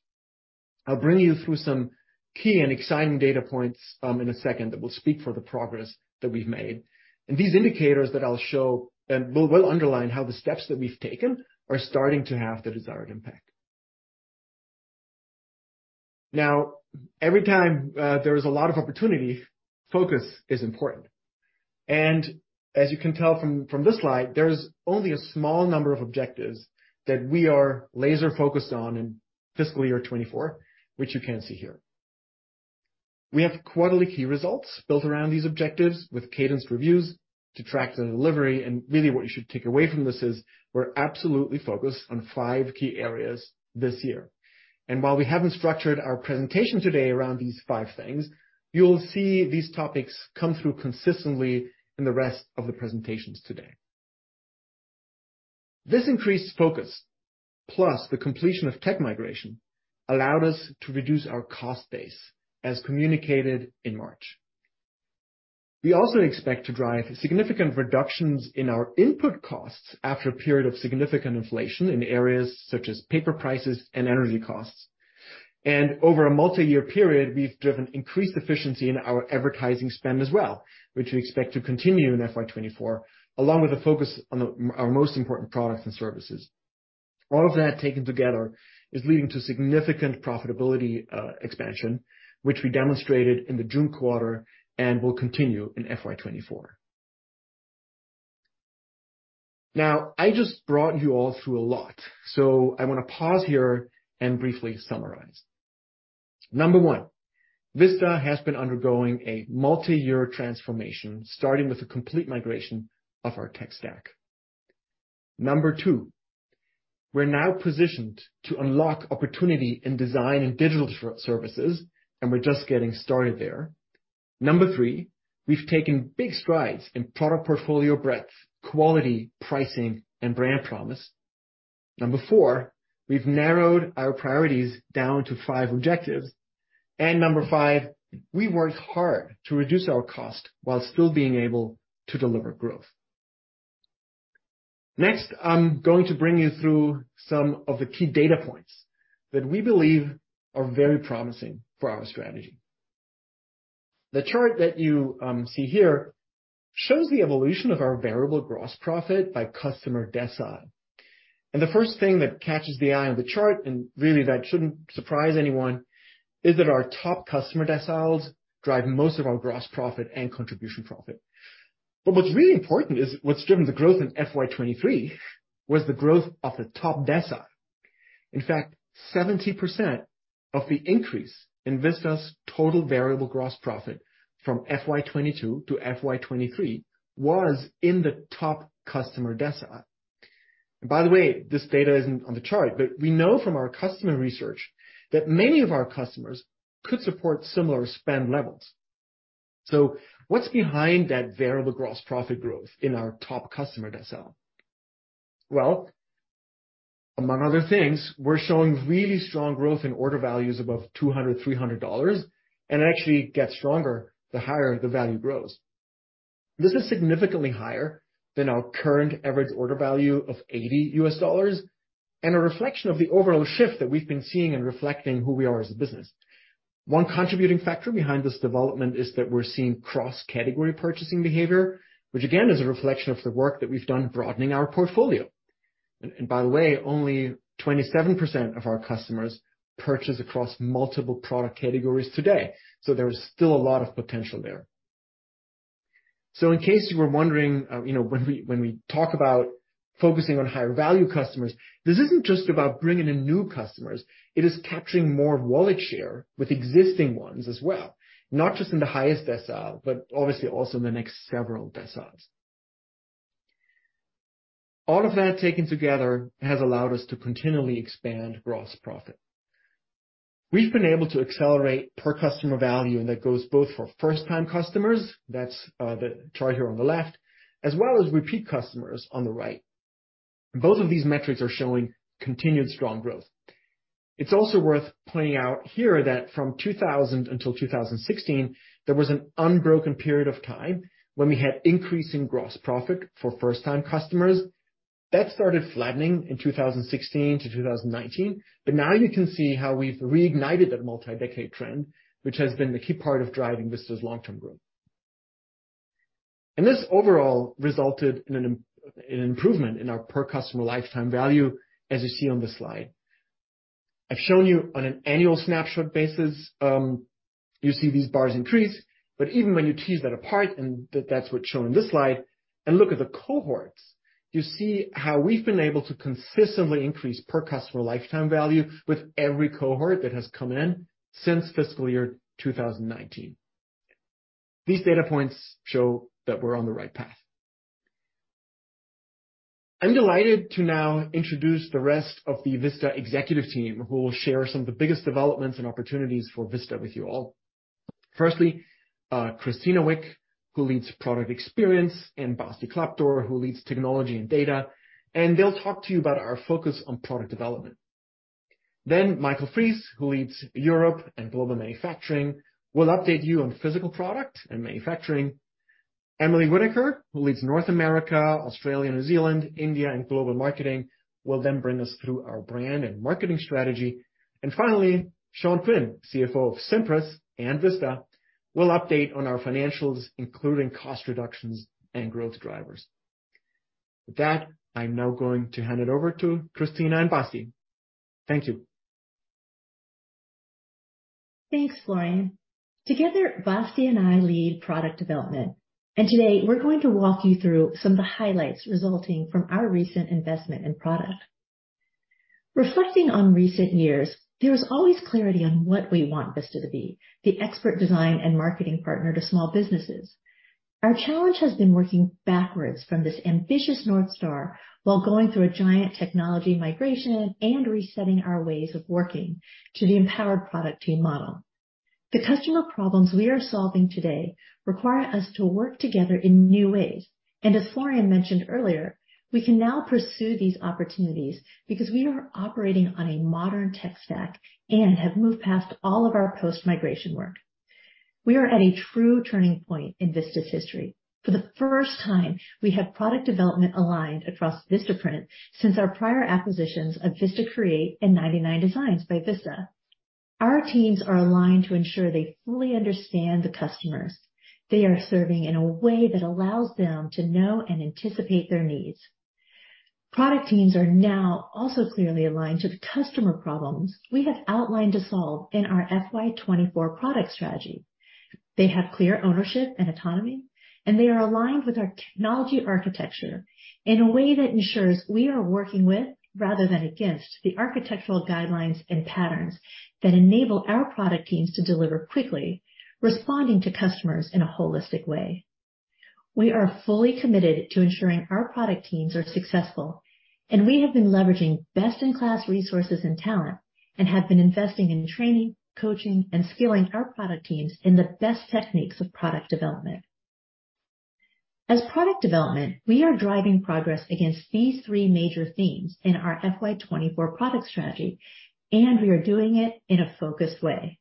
I'll bring you through some key and exciting data points in a second that will speak for the progress that we've made. And these indicators that I'll show and will underline how the steps that we've taken are starting to have the desired impact. Now, every time there is a lot of opportunity, focus is important, and as you can tell from this slide, there's only a small number of objectives that we are laser focused on in fiscal year 2024, which you can see here. We have quarterly key results built around these objectives, with cadenced reviews to track the delivery. Really what you should take away from this is, we're absolutely focused on five key areas this year. While we haven't structured our presentation today around these five things, you'll see these topics come through consistently in the rest of the presentations today... This increased focus, plus the completion of tech migration, allowed us to reduce our cost base, as communicated in March. We also expect to drive significant reductions in our input costs after a period of significant inflation in areas such as paper prices and energy costs. Over a multi-year period, we've driven increased efficiency in our advertising spend as well, which we expect to continue in FY 2024, along with a focus on the, our most important products and services. All of that taken together is leading to significant profitability expansion, which we demonstrated in the June quarter and will continue in FY 2024. Now, I just brought you all through a lot, so I wanna pause here and briefly summarize. Number 1, Vista has been undergoing a multi-year transformation, starting with a complete migration of our tech stack. Number 2, we're now positioned to unlock opportunity in design and digital services, and we're just getting started there. Number 3, we've taken big strides in product portfolio breadth, quality, pricing, and brand promise. Number 4, we've narrowed our priorities down to 5 objectives. Number 5, we worked hard to reduce our cost while still being able to deliver growth. Next, I'm going to bring you through some of the key data points that we believe are very promising for our strategy. The chart that you see here shows the evolution of our variable gross profit by customer decile. The first thing that catches the eye on the chart, and really that shouldn't surprise anyone, is that our top customer deciles drive most of our gross profit and contribution profit. What's really important is what's driven the growth in FY 2023 was the growth of the top decile. In fact, 70% of the increase in Vista's total variable gross profit from FY 2022 to FY 2023 was in the top customer decile. By the way, this data isn't on the chart, but we know from our customer research that many of our customers could support similar spend levels. What's behind that variable gross profit growth in our top customer decile? Well, among other things, we're showing really strong growth in order values above $200, $300, and it actually gets stronger the higher the value grows. This is significantly higher than our current average order value of $80, and a reflection of the overall shift that we've been seeing and reflecting who we are as a business. One contributing factor behind this development is that we're seeing cross-category purchasing behavior, which again, is a reflection of the work that we've done broadening our portfolio. And, by the way, only 27% of our customers purchase across multiple product categories today, so there is still a lot of potential there. So in case you were wondering, you know, when we talk about focusing on higher value customers, this isn't just about bringing in new customers, it is capturing more wallet share with existing ones as well, not just in the highest decile, but obviously also in the next several deciles. All of that taken together has allowed us to continually expand gross profit. We've been able to accelerate per customer value, and that goes both for first-time customers, that's, the chart here on the left, as well as repeat customers on the right. Both of these metrics are showing continued strong growth. It's also worth pointing out here that from 2000 until 2016, there was an unbroken period of time when we had increasing gross profit for first-time customers. That started flattening in 2016-2019, but now you can see how we've reignited that multi-decade trend, which has been the key part of driving Vista's long-term growth. And this overall resulted in an improvement in our per customer lifetime value, as you see on this slide. I've shown you on an annual snapshot basis, you see these bars increase, but even when you tease that apart, and that's what's shown in this slide, and look at the cohorts, you see how we've been able to consistently increase per customer lifetime value with every cohort that has come in since fiscal year 2019. These data points show that we're on the right path. I'm delighted to now introduce the rest of the Vista executive team, who will share some of the biggest developments and opportunities for Vista with you all. Firstly, Christina Wick, who leads Product Experience, and Basti Klapdor, who leads Technology and Data, and they'll talk to you about our focus on product development. Then Michael Fries, who leads Europe and Global Manufacturing, will update you on physical product and manufacturing. Emily Whittaker, who leads North America, Australia, New Zealand, India, and Global Marketing, will then bring us through our brand and marketing strategy. And finally, Sean Quinn, CFO of Cimpress and Vista, will update on our financials, including cost reductions and growth drivers. With that, I'm now going to hand it over to Christina and Basti. Thank you. Thanks, Florian. Together, Basti and I lead product development, and today we're going to walk you through some of the highlights resulting from our recent investment in product. Reflecting on recent years, there was always clarity on what we want Vista to be, the expert design and marketing partner to small businesses. Our challenge has been working backwards from this ambitious North Star while going through a giant technology migration and resetting our ways of working to the empowered product team model. The customer problems we are solving today require us to work together in new ways. As Florian mentioned earlier, we can now pursue these opportunities because we are operating on a modern tech stack and have moved past all of our post-migration work. We are at a true turning point in Vista's history. For the first time, we have product development aligned across VistaPrint since our prior acquisitions of VistaCreate and 99designs by Vista. Our teams are aligned to ensure they fully understand the customers. They are serving in a way that allows them to know and anticipate their needs. Product teams are now also clearly aligned to the customer problems we have outlined to solve in our FY 2024 product strategy. They have clear ownership and autonomy, and they are aligned with our technology architecture in a way that ensures we are working with, rather than against, the architectural guidelines and patterns that enable our product teams to deliver quickly, responding to customers in a holistic way. We are fully committed to ensuring our product teams are successful, and we have been leveraging best-in-class resources and talent, and have been investing in training, coaching, and skilling our product teams in the best techniques of product development. As product development, we are driving progress against these three major themes in our FY 2024 product strategy, and we are doing it in a focused way.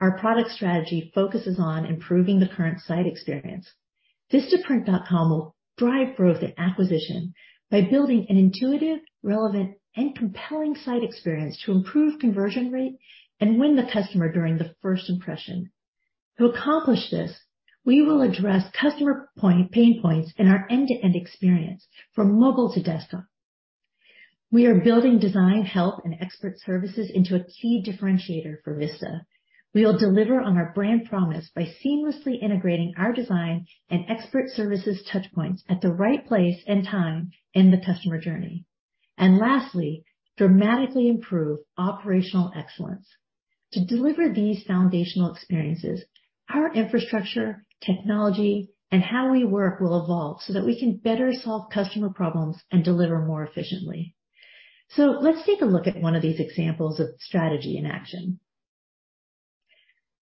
Our product strategy focuses on improving the current site experience. VistaPrint.com will drive growth and acquisition by building an intuitive, relevant, and compelling site experience to improve conversion rate and win the customer during the first impression. To accomplish this, we will address customer pain points in our end-to-end experience, from mobile to desktop. We are building design, help, and expert services into a key differentiator for Vista. We will deliver on our brand promise by seamlessly integrating our design and expert services touch points at the right place and time in the customer journey. And lastly, dramatically improve operational excellence. To deliver these foundational experiences, our infrastructure, technology, and how we work will evolve so that we can better solve customer problems and deliver more efficiently. So let's take a look at one of these examples of strategy in action.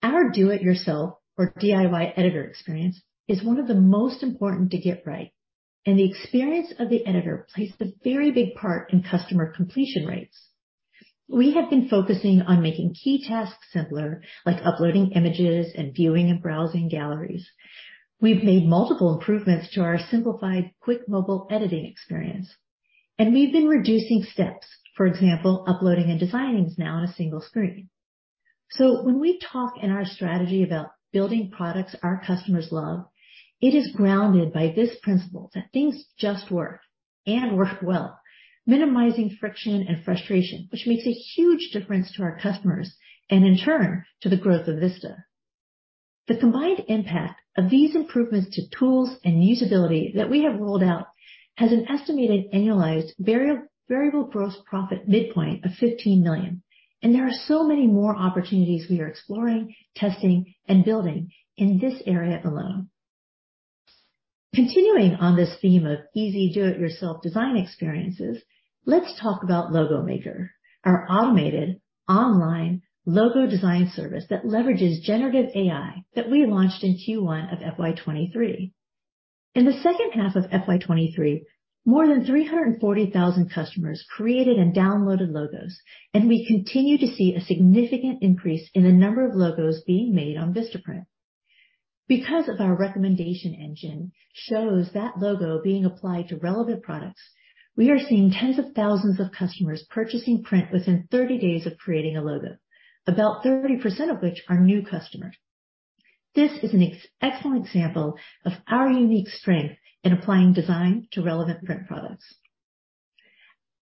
Our Do-It-Yourself, or DIY editor experience, is one of the most important to get right, and the experience of the editor plays a very big part in customer completion rates. We have been focusing on making key tasks simpler, like uploading images and viewing and browsing galleries. We've made multiple improvements to our simplified, quick mobile editing experience, and we've been reducing steps. For example, uploading and designing is now on a single screen. So when we talk in our strategy about building products our customers love, it is grounded by this principle that things just work and work well, minimizing friction and frustration, which makes a huge difference to our customers and in turn, to the growth of Vista. The combined impact of these improvements to tools and usability that we have rolled out has an estimated annualized variable gross profit midpoint of $15 million, and there are so many more opportunities we are exploring, testing, and building in this area alone. Continuing on this theme of easy do-it-yourself design experiences, let's talk about Logo Maker, our automated online logo design service that leverages generative AI that we launched in Q1 of FY 2023. In the second half of FY 2023, more than 340,000 customers created and downloaded logos, and we continue to see a significant increase in the number of logos being made on VistaPrint. Because of our recommendation engine shows that logo being applied to relevant products, we are seeing tens of thousands of customers purchasing print within 30 days of creating a logo, about 30% of which are new customers. This is an excellent example of our unique strength in applying design to relevant print products.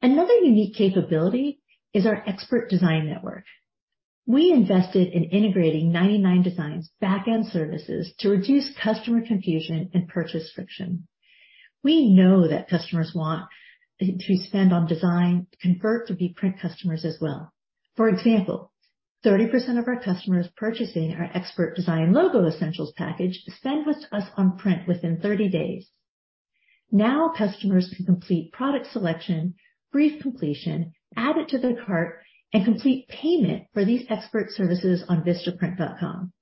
Another unique capability is our expert design network. We invested in integrating 99designs back-end services to reduce customer confusion and purchase friction. We know that customers want to spend on design convert to be print customers as well. For example, 30% of our customers purchasing our expert design Logo Essentials package spend with us on print within 30 days. Now, customers can complete product selection, brief completion, add it to their cart, and complete payment for these expert services on VistaPrint.com.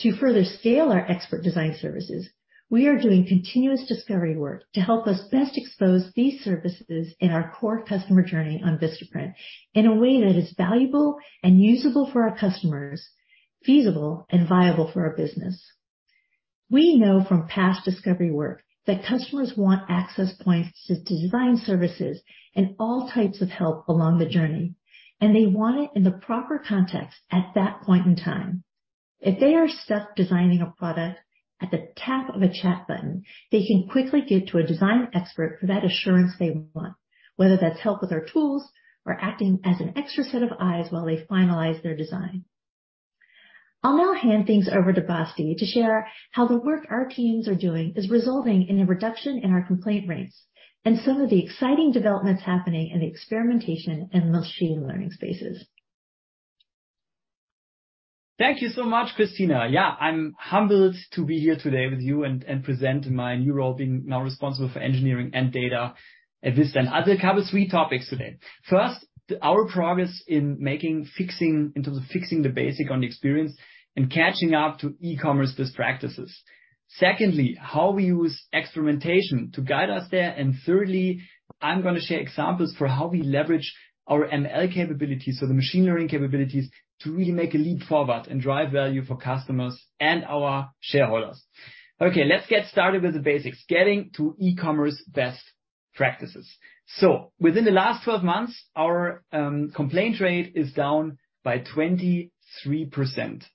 To further scale our expert design services, we are doing continuous discovery work to help us best expose these services in our core customer journey on VistaPrint in a way that is valuable and usable for our customers, feasible and viable for our business. We know from past discovery work that customers want access points to design services and all types of help along the journey, and they want it in the proper context at that point in time. If they are stuck designing a product, at the tap of a chat button, they can quickly get to a design expert for that assurance they want, whether that's help with our tools or acting as an extra set of eyes while they finalize their design. I'll now hand things over to Basti to share how the work our teams are doing is resulting in a reduction in our complaint rates and some of the exciting developments happening in the experimentation and machine learning spaces.... Thank you so much, Christina. Yeah, I'm humbled to be here today with you and, and present my new role, being now responsible for engineering and data at Vista. I will cover 3 topics today. First, our progress in making, fixing, in terms of fixing the basic on the experience and catching up to e-commerce best practices. Secondly, how we use experimentation to guide us there. And thirdly, I'm going to share examples for how we leverage our ML capabilities, so the machine learning capabilities, to really make a leap forward and drive value for customers and our shareholders. Okay, let's get started with the basics: getting to e-commerce best practices. So within the last 12 months, our complaint rate is down by 23%.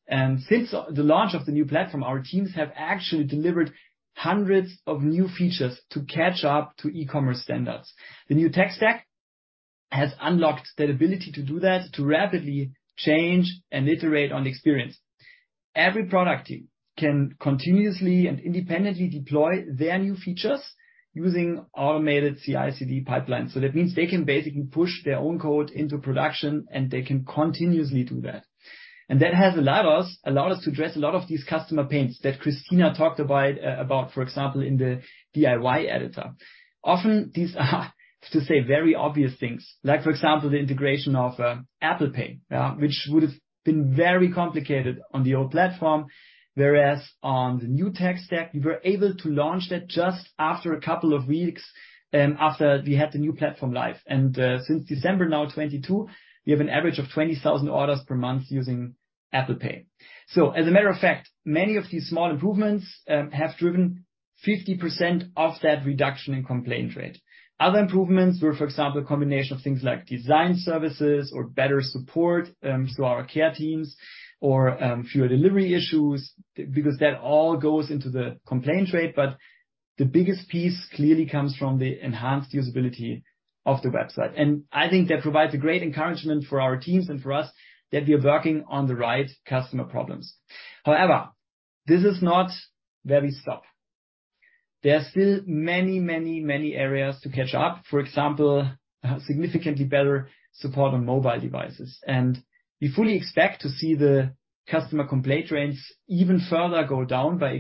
And since the launch of the new platform, our teams have actually delivered hundreds of new features to catch up to e-commerce standards. The new tech stack has unlocked the ability to do that, to rapidly change and iterate on the experience. Every product team can continuously and independently deploy their new features using automated CI/CD pipeline. So that means they can basically push their own code into production, and they can continuously do that. And that has allowed us to address a lot of these customer pains that Christina talked about, about, for example, in the DIY editor. Often, these are, to say, very obvious things like, for example, the integration of Apple Pay, which would have been very complicated on the old platform, whereas on the new tech stack, we were able to launch that just after a couple of weeks, after we had the new platform live. And since December 2022, we have an average of 20,000 orders per month using Apple Pay. So as a matter of fact, many of these small improvements have driven 50% of that reduction in complaint rate. Other improvements were, for example, a combination of things like design services or better support through our care teams or fewer delivery issues, because that all goes into the complaint rate. But the biggest piece clearly comes from the enhanced usability of the website, and I think that provides a great encouragement for our teams and for us that we are working on the right customer problems. However, this is not where we stop. There are still many, many, many areas to catch up. For example, significantly better support on mobile devices, and we fully expect to see the customer complaint rates even further go down by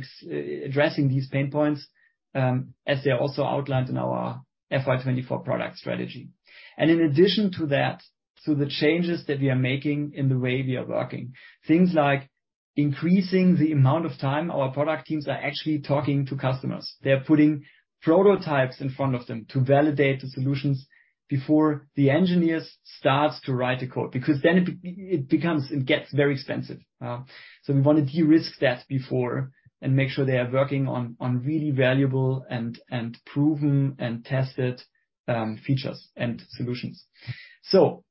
addressing these pain points, as they are also outlined in our FY 2024 product strategy. And in addition to that, through the changes that we are making in the way we are working, things like increasing the amount of time our product teams are actually talking to customers. They are putting prototypes in front of them to validate the solutions before the engineers starts to write the code, because then it becomes very expensive. So we want to de-risk that before and make sure they are working on really valuable and proven and tested features and solutions. So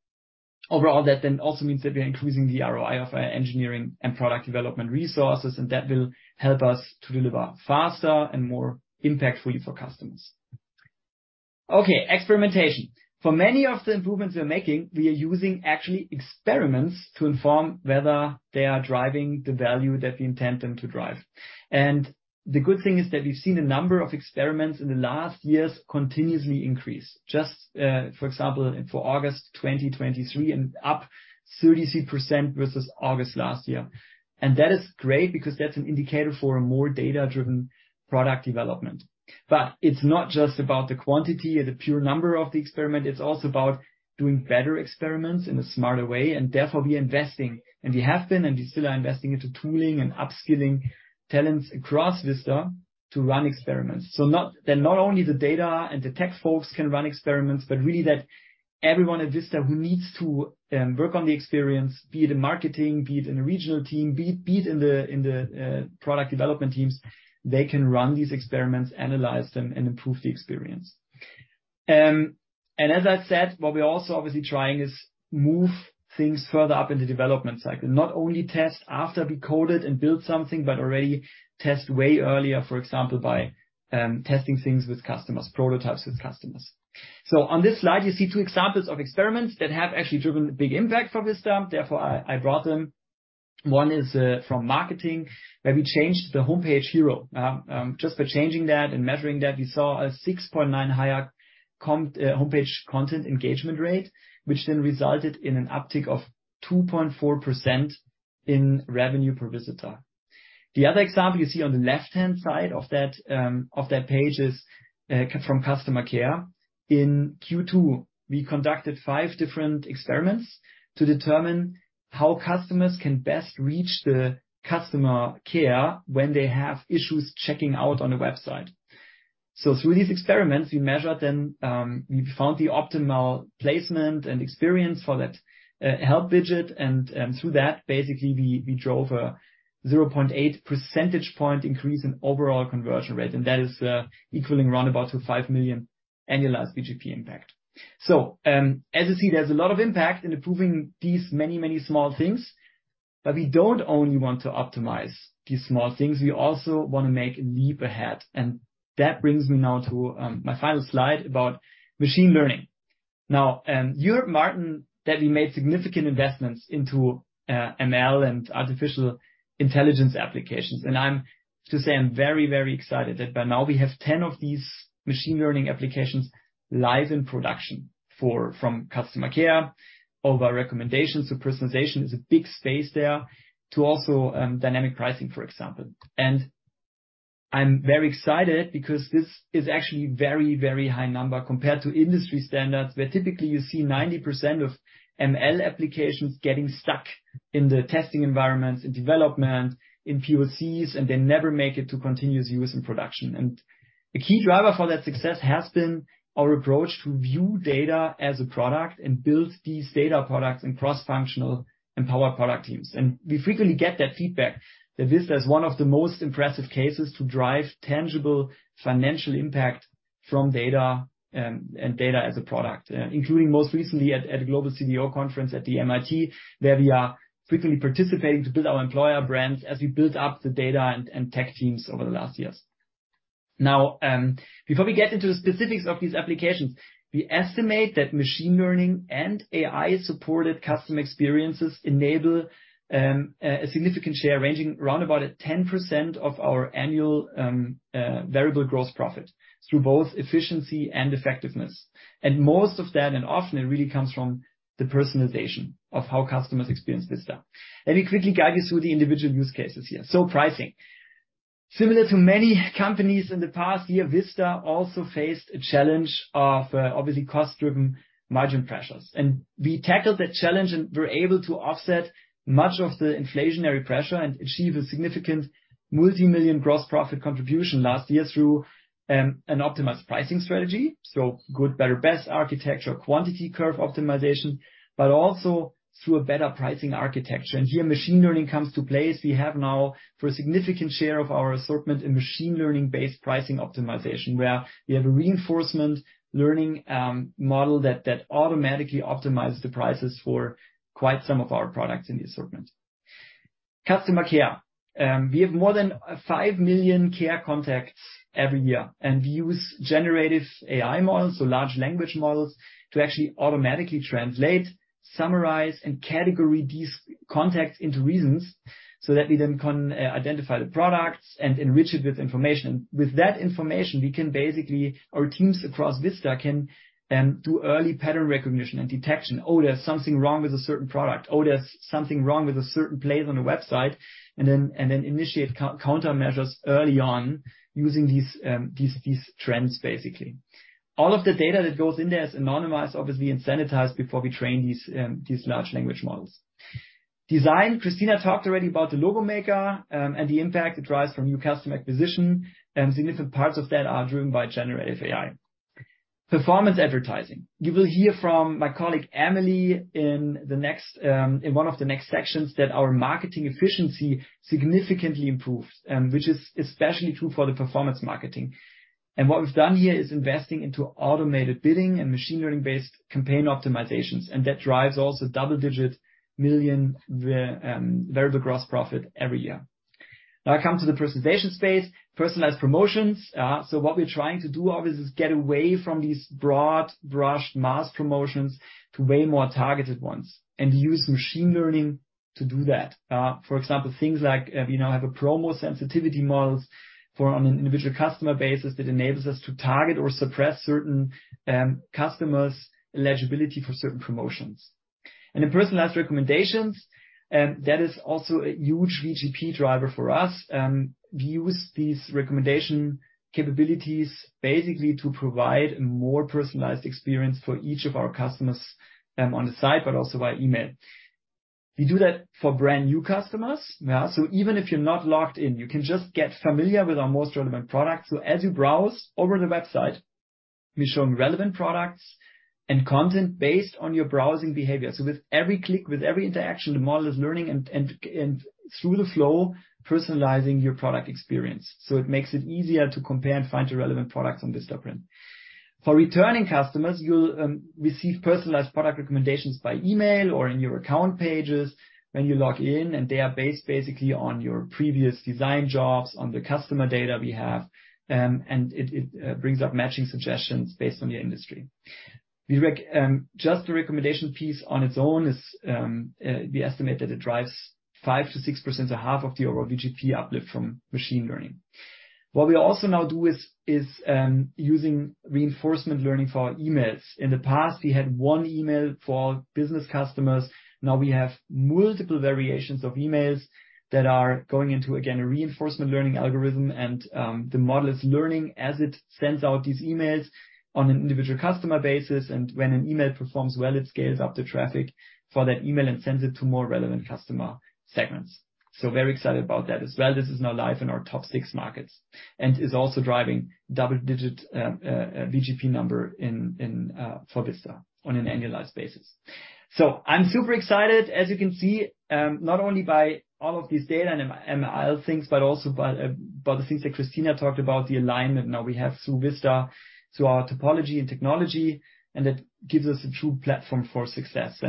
overall, that then also means that we are increasing the ROI of our engineering and product development resources, and that will help us to deliver faster and more impactfully for customers. Okay, experimentation. For many of the improvements we are making, we are using actually experiments to inform whether they are driving the value that we intend them to drive. And the good thing is that we've seen a number of experiments in the last years continuously increase. Just, for example, for August 2023 and up 33% versus August last year. And that is great because that's an indicator for a more data-driven product development. But it's not just about the quantity or the pure number of the experiment, it's also about doing better experiments in a smarter way, and therefore we are investing, and we have been, and we still are investing into tooling and upskilling talents across Vista to run experiments. So not only the data and the tech folks can run experiments, but really that everyone at Vista who needs to work on the experience, be it in marketing, be it in a regional team, be it in the product development teams, they can run these experiments, analyze them, and improve the experience. And as I said, what we're also obviously trying is move things further up in the development cycle. Not only test after we coded and built something, but already test way earlier, for example, by testing things with customers, prototypes with customers. So on this slide, you see two examples of experiments that have actually driven a big impact for Vista. Therefore, I brought them. One is from marketing, where we changed the homepage hero. Just by changing that and measuring that, we saw a 6.9 higher comp homepage content engagement rate, which then resulted in an uptick of 2.4% in revenue per visitor. The other example you see on the left-hand side of that page is from customer care. In Q2, we conducted 5 different experiments to determine how customers can best reach the customer care when they have issues checking out on the website. So through these experiments, we measured and we found the optimal placement and experience for that help widget, and through that, basically, we drove a 0.8 percentage point increase in overall conversion rate, and that is equaling roundabout to $5 million annualized VGP impact. So as you see, there's a lot of impact in improving these many, many small things, but we don't only want to optimize these small things, we also want to make a leap ahead. And that brings me now to my final slide about machine learning. Now, you heard Maarten that we made significant investments into ML and artificial intelligence applications, and I'm to say I'm very, very excited that by now we have 10 of these machine learning applications live in production from customer care, over recommendations to personalization, is a big space there, to also dynamic pricing, for example. I'm very excited because this is actually very, very high number compared to industry standards, where typically you see 90% of ML applications getting stuck in the testing environments, in development, in POCs, and they never make it to continuous use in production. And the key driver for that success has been our approach to view data as a product and build these data products in cross-functional and power product teams. We frequently get that feedback, that this is one of the most impressive cases to drive tangible financial impact from data and data as a product. Including most recently at a global CDO conference at the MIT, where we are frequently participating to build our employer brands as we build up the data and tech teams over the last years. Now, before we get into the specifics of these applications, we estimate that machine learning and AI-supported customer experiences enable a significant share, ranging around about 10% of our annual variable gross profit, through both efficiency and effectiveness. Most of that, and often it really comes from the personalization of how customers experience Vista. Let me quickly guide you through the individual use cases here. Pricing. Similar to many companies in the past year, Vista also faced a challenge of, obviously, cost-driven margin pressures, and we tackled that challenge, and we're able to offset much of the inflationary pressure and achieve a significant multimillion gross profit contribution last year through an optimized pricing strategy. So good, better, best architecture, quantity curve optimization, but also through a better pricing architecture. And here, machine learning comes to play, as we have now, for a significant share of our assortment in machine learning-based pricing optimization, where we have a reinforcement learning model that automatically optimizes the prices for quite some of our products in the assortment. Customer care. We have more than 5 million care contacts every year, and we use generative AI models, so large language models, to actually automatically translate, summarize, and categorize these contacts into reasons, so that we then can identify the products and enrich it with information. With that information, we can basically—our teams across Vista can do early pattern recognition and detection. "Oh, there's something wrong with a certain product. Oh, there's something wrong with a certain place on the website." And then, and then initiate countermeasures early on using these, these trends, basically. All of the data that goes in there is anonymized, obviously, and sanitized before we train these large language models. Design. Christina talked already about the Logo Maker, and the impact it drives from new customer acquisition, and significant parts of that are driven by generative AI. Performance advertising. You will hear from my colleague, Emily, in one of the next sections, that our marketing efficiency significantly improves, which is especially true for the performance marketing. What we've done here is investing into automated bidding and machine learning-based campaign optimizations, and that drives also $10-$99 million variable gross profit every year. Now I come to the personalization space, personalized promotions. So what we're trying to do, obviously, is get away from these broad-brushed mass promotions to way more targeted ones and use machine learning to do that. For example, things like, we now have a promo sensitivity models for on an individual customer basis that enables us to target or suppress certain, customers' eligibility for certain promotions. In personalized recommendations, that is also a huge VGP driver for us. We use these recommendation capabilities basically to provide a more personalized experience for each of our customers on the site, but also via email. We do that for brand-new customers. Yeah, so even if you're not logged in, you can just get familiar with our most relevant products. So as you browse over the website, we're showing relevant products and content based on your browsing behavior. So with every click, with every interaction, the model is learning and through the flow, personalizing your product experience. So it makes it easier to compare and find the relevant products on VistaPrint. For returning customers, you'll receive personalized product recommendations by email or in your account pages when you log in, and they are based basically on your previous design jobs, on the customer data we have, and it brings up matching suggestions based on your industry. Just the recommendation piece on its own is, we estimate that it drives 5%-6%, so half of the overall VGP uplift from machine learning. What we also now do is using reinforcement learning for our emails. In the past, we had one email for business customers. Now we have multiple variations of emails that are going into, again, a reinforcement learning algorithm, and the model is learning as it sends out these emails on an individual customer basis, and when an email performs well, it scales up the traffic for that email and sends it to more relevant customer segments. So very excited about that as well. This is now live in our top six markets and is also driving double-digit VGP number in for Vista on an annualized basis. So I'm super excited, as you can see, not only by all of these data and ML things, but also by the things that Christina talked about, the alignment. Now we have through Vista, through our topology and technology, and that gives us a true platform for success.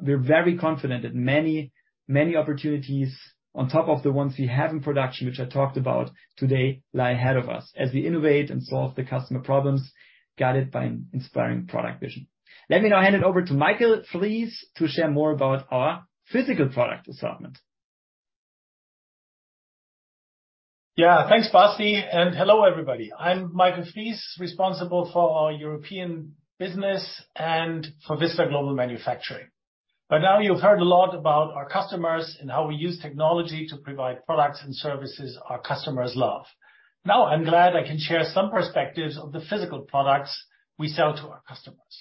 We're very confident that many, many opportunities on top of the ones we have in production, which I talked about today, lie ahead of us as we innovate and solve the customer problems, guided by an inspiring product vision. Let me now hand it over to Michael Fries to share more about our physical product assortment. Yeah. Thanks, Basti, and hello, everybody. I'm Michael Fries, responsible for our European business and for Vista Global Manufacturing.... By now, you've heard a lot about our customers and how we use technology to provide products and services our customers love. Now, I'm glad I can share some perspectives of the physical products we sell to our customers.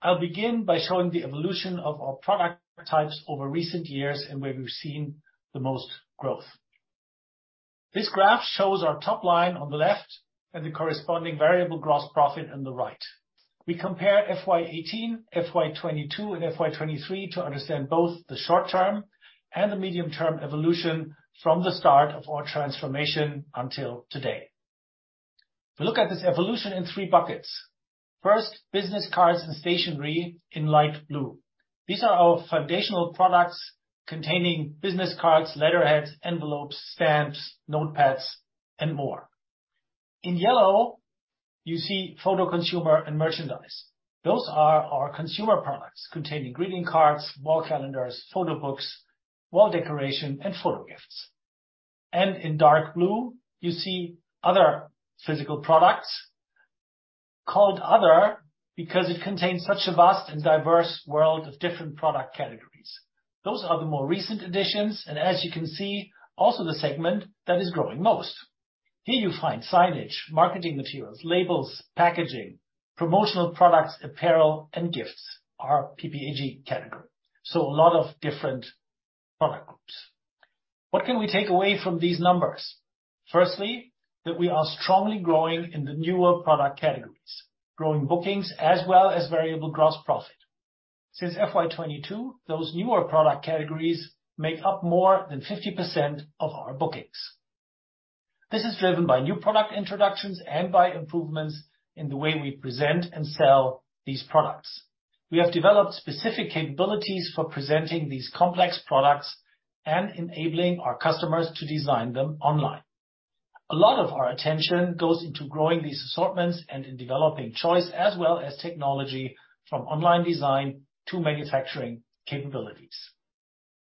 I'll begin by showing the evolution of our product types over recent years and where we've seen the most growth. This graph shows our top line on the left and the corresponding variable gross profit on the right. We compare FY 2018, FY 2022, and FY 2023 to understand both the short-term and the medium-term evolution from the start of our transformation until today. We look at this evolution in three buckets. First, business cards and stationery in light blue. These are our foundational products containing business cards, letterheads, envelopes, stamps, notepads, and more. In yellow, you see photo consumer and merchandise. Those are our consumer products, containing greeting cards, wall calendars, photo books, wall decoration, and photo gifts. And in dark blue, you see other physical products, called Other, because it contains such a vast and diverse world of different product categories. Those are the more recent additions, and as you can see, also the segment that is growing most. Here you find signage, marketing materials, labels, packaging, promotional products, apparel, and gifts, our PPAG category. So a lot of different product groups. What can we take away from these numbers? Firstly, that we are strongly growing in the newer product categories, growing bookings as well as variable gross profit. Since FY 2022, those newer product categories make up more than 50% of our bookings. This is driven by new product introductions and by improvements in the way we present and sell these products. We have developed specific capabilities for presenting these complex products and enabling our customers to design them online. A lot of our attention goes into growing these assortments and in developing choice, as well as technology, from online design to manufacturing capabilities.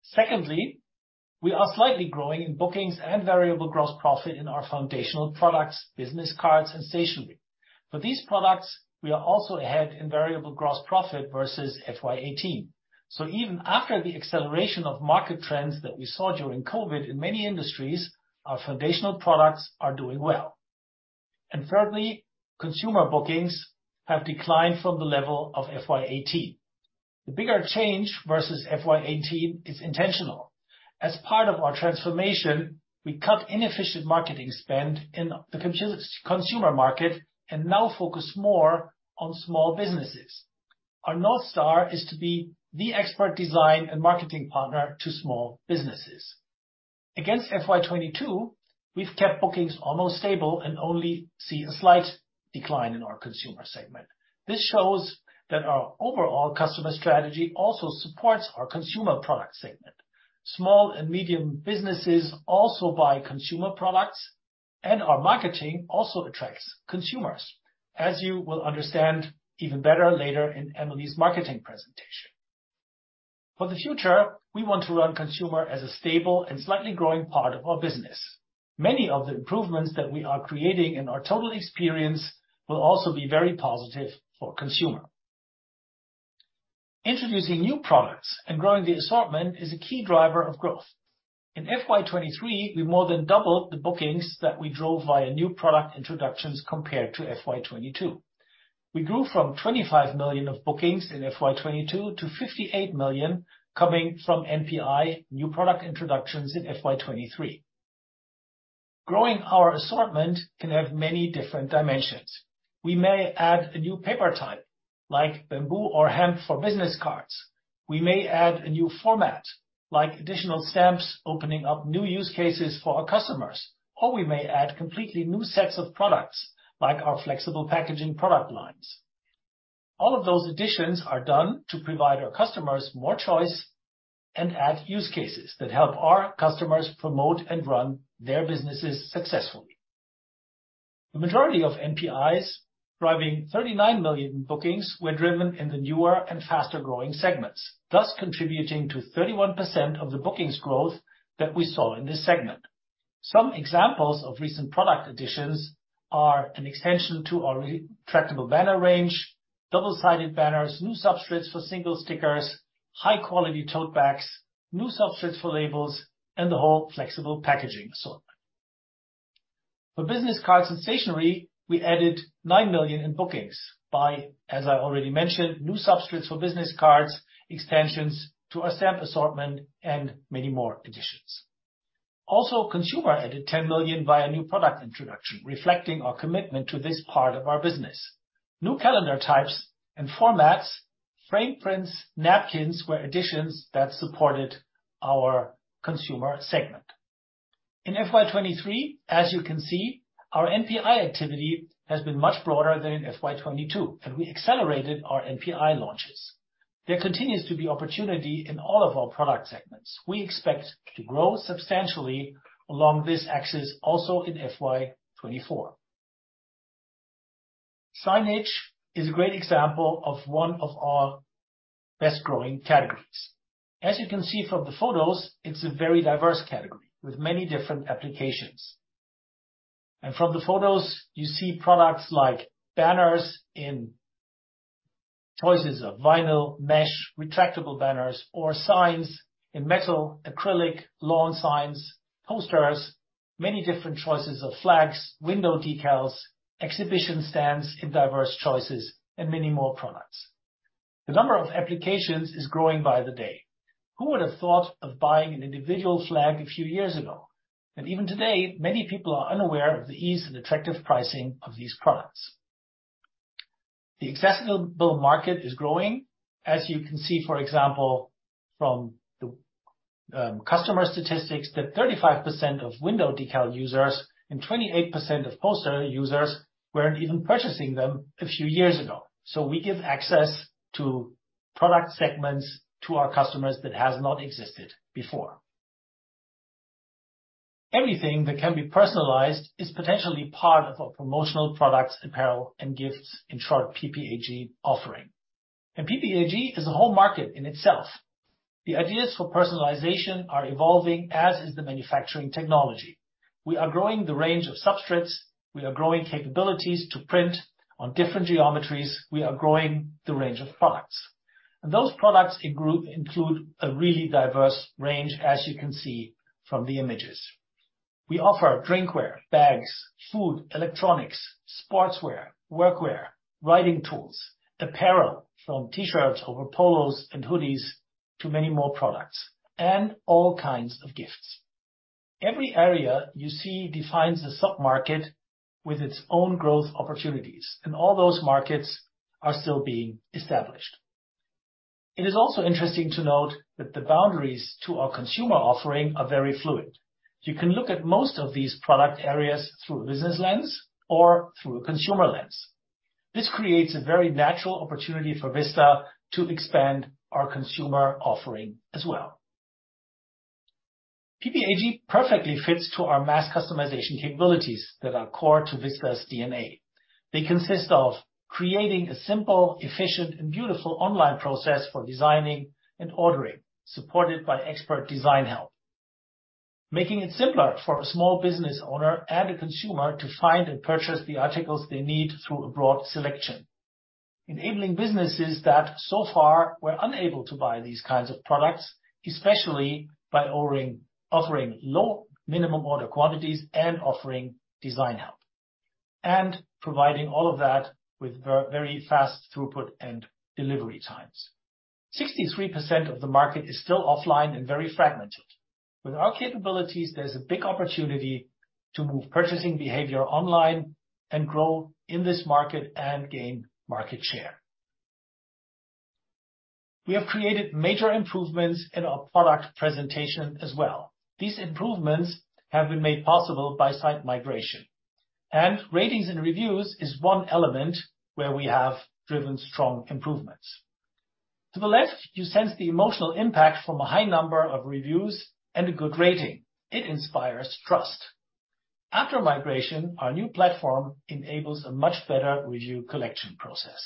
Secondly, we are slightly growing in bookings and variable gross profit in our foundational products, business cards, and stationery. For these products, we are also ahead in variable gross profit versus FY 2018. So even after the acceleration of market trends that we saw during COVID in many industries, our foundational products are doing well. And thirdly, consumer bookings have declined from the level of FY 2018. The bigger change versus FY 2018 is intentional. As part of our transformation, we cut inefficient marketing spend in the consumer market and now focus more on small businesses. Our North Star is to be the expert design and marketing partner to small businesses. Against FY 2022, we've kept bookings almost stable and only see a slight decline in our consumer segment. This shows that our overall customer strategy also supports our consumer product segment. Small and medium businesses also buy consumer products, and our marketing also attracts consumers, as you will understand even better later in Emily's marketing presentation. For the future, we want to run consumer as a stable and slightly growing part of our business. Many of the improvements that we are creating in our total experience will also be very positive for consumer. Introducing new products and growing the assortment is a key driver of growth. In FY 2023, we more than doubled the bookings that we drove via new product introductions compared to FY 2022. We grew from $25 million of bookings in FY 2022 to $58 million coming from NPI, new product introductions, in FY 2023. Growing our assortment can have many different dimensions. We may add a new paper type, like bamboo or hemp for business cards. We may add a new format, like additional stamps, opening up new use cases for our customers, or we may add completely new sets of products, like our flexible packaging product lines. All of those additions are done to provide our customers more choice and add use cases that help our customers promote and run their businesses successfully. The majority of NPIs, driving $39 million bookings, were driven in the newer and faster-growing segments, thus contributing to 31% of the bookings growth that we saw in this segment. Some examples of recent product additions are an extension to our retractable banner range, double-sided banners, new substrates for single stickers, high-quality tote bags, new substrates for labels, and the whole flexible packaging assortment. For business cards and stationery, we added $9 million in bookings by, as I already mentioned, new substrates for business cards, extensions to our stamp assortment, and many more additions. Also, consumer added $10 million via new product introduction, reflecting our commitment to this part of our business. New calendar types and formats, frame prints, napkins, were additions that supported our consumer segment. In FY 2023, as you can see, our NPI activity has been much broader than in FY 2022, and we accelerated our NPI launches. There continues to be opportunity in all of our product segments. We expect to grow substantially along this axis also in FY 2024. Signage is a great example of one of our best-growing categories. As you can see from the photos, it's a very diverse category with many different applications... And from the photos, you see products like banners in choices of vinyl, mesh, retractable banners, or signs in metal, acrylic, lawn signs, posters, many different choices of flags, window decals, exhibition stands in diverse choices, and many more products. The number of applications is growing by the day. Who would have thought of buying an individual flag a few years ago? And even today, many people are unaware of the ease and attractive pricing of these products. The accessible market is growing, as you can see, for example, from the customer statistics, that 35% of window decal users and 28% of poster users weren't even purchasing them a few years ago. So we give access to product segments to our customers that has not existed before. Everything that can be personalized is potentially part of our promotional products, apparel, and gifts, in short, PPAG offering. And PPAG is a whole market in itself. The ideas for personalization are evolving, as is the manufacturing technology. We are growing the range of substrates, we are growing capabilities to print on different geometries, we are growing the range of products. And those products in group include a really diverse range, as you can see from the images. We offer drinkware, bags, food, electronics, sportswear, workwear, writing tools, apparel from T-shirts, over polos and hoodies, to many more products, and all kinds of gifts. Every area you see defines a submarket with its own growth opportunities, and all those markets are still being established. It is also interesting to note that the boundaries to our consumer offering are very fluid. You can look at most of these product areas through a business lens or through a consumer lens. This creates a very natural opportunity for Vista to expand our consumer offering as well. PPAG perfectly fits to our mass customization capabilities that are core to Vista's DNA. They consist of creating a simple, efficient, and beautiful online process for designing and ordering, supported by expert design help. Making it simpler for a small business owner and a consumer to find and purchase the articles they need through a broad selection. Enabling businesses that so far were unable to buy these kinds of products, especially by offering low minimum order quantities and offering design help, and providing all of that with very fast throughput and delivery times. 63% of the market is still offline and very fragmented. With our capabilities, there's a big opportunity to move purchasing behavior online and grow in this market and gain market share. We have created major improvements in our product presentation as well. These improvements have been made possible by site migration, and ratings and reviews is one element where we have driven strong improvements. To the left, you sense the emotional impact from a high number of reviews and a good rating. It inspires trust. After migration, our new platform enables a much better review collection process.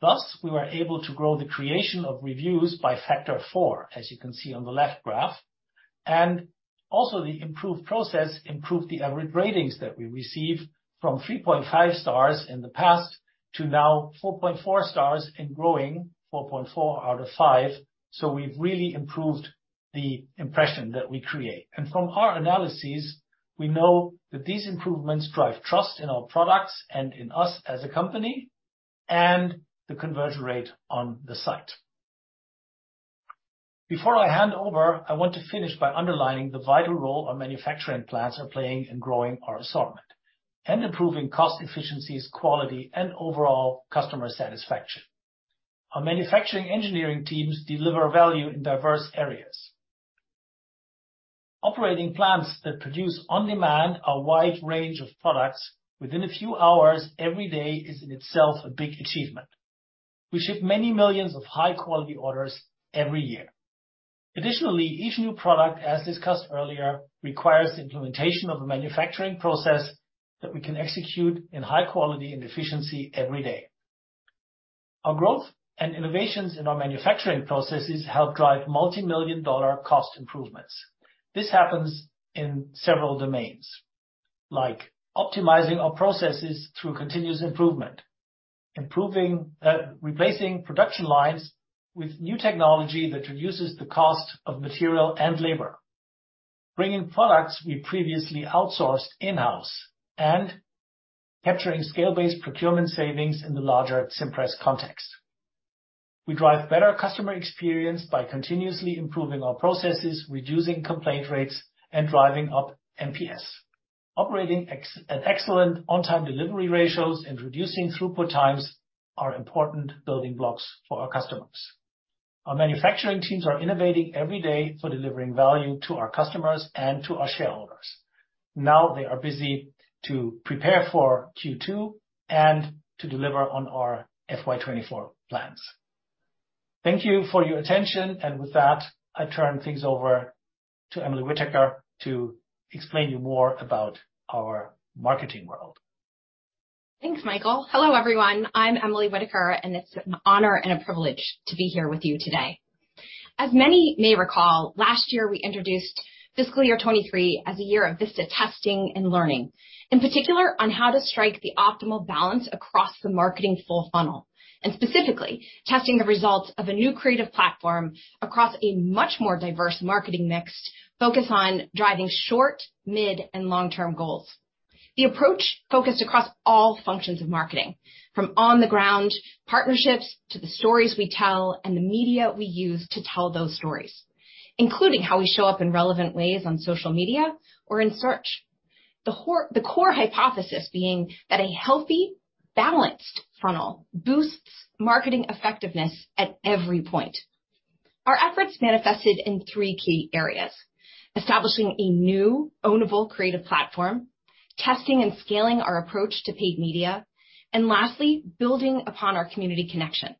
Thus, we were able to grow the creation of reviews by a factor of 4, as you can see on the left graph, and also the improved process improved the average ratings that we received from 3.5 stars in the past to now 4.4 stars and growing, 4.4 out of 5. So we've really improved the impression that we create. And from our analyses, we know that these improvements drive trust in our products and in us as a company, and the conversion rate on the site. Before I hand over, I want to finish by underlining the vital role our manufacturing plants are playing in growing our assortment and improving cost efficiencies, quality, and overall customer satisfaction. Our manufacturing engineering teams deliver value in diverse areas. Operating plants that produce on demand a wide range of products within a few hours every day, is in itself a big achievement. We ship many millions of high-quality orders every year. Additionally, each new product, as discussed earlier, requires implementation of a manufacturing process that we can execute in high quality and efficiency every day. Our growth and innovations in our manufacturing processes help drive multi-million-dollar cost improvements. This happens in several domains, like optimizing our processes through continuous improvement, improving, replacing production lines with new technology that reduces the cost of material and labor, bringing products we previously outsourced in-house, and capturing scale-based procurement savings in the larger Cimpress context. We drive better customer experience by continuously improving our processes, reducing complaint rates, and driving up NPS. Operating excellent on-time delivery ratios and reducing throughput times are important building blocks for our customers. Our manufacturing teams are innovating every day for delivering value to our customers and to our shareholders. Now, they are busy to prepare for Q2 and to deliver on our FY 2024 plans. Thank you for your attention, and with that, I turn things over to Emily Whittaker to explain you more about our marketing world.... Thanks, Michael. Hello, everyone. I'm Emily Whittaker, and it's an honor and a privilege to be here with you today. As many may recall, last year, we introduced fiscal year 2023 as a year of Vista testing and learning, in particular, on how to strike the optimal balance across the marketing full funnel, and specifically testing the results of a new creative platform across a much more diverse marketing mix, focused on driving short, mid, and long-term goals. The approach focused across all functions of marketing, from on the ground partnerships, to the stories we tell, and the media we use to tell those stories, including how we show up in relevant ways on social media or in search. The core hypothesis being that a healthy, balanced funnel boosts marketing effectiveness at every point. Our efforts manifested in three key areas: establishing a new ownable creative platform, testing and scaling our approach to paid media, and lastly, building upon our community connection.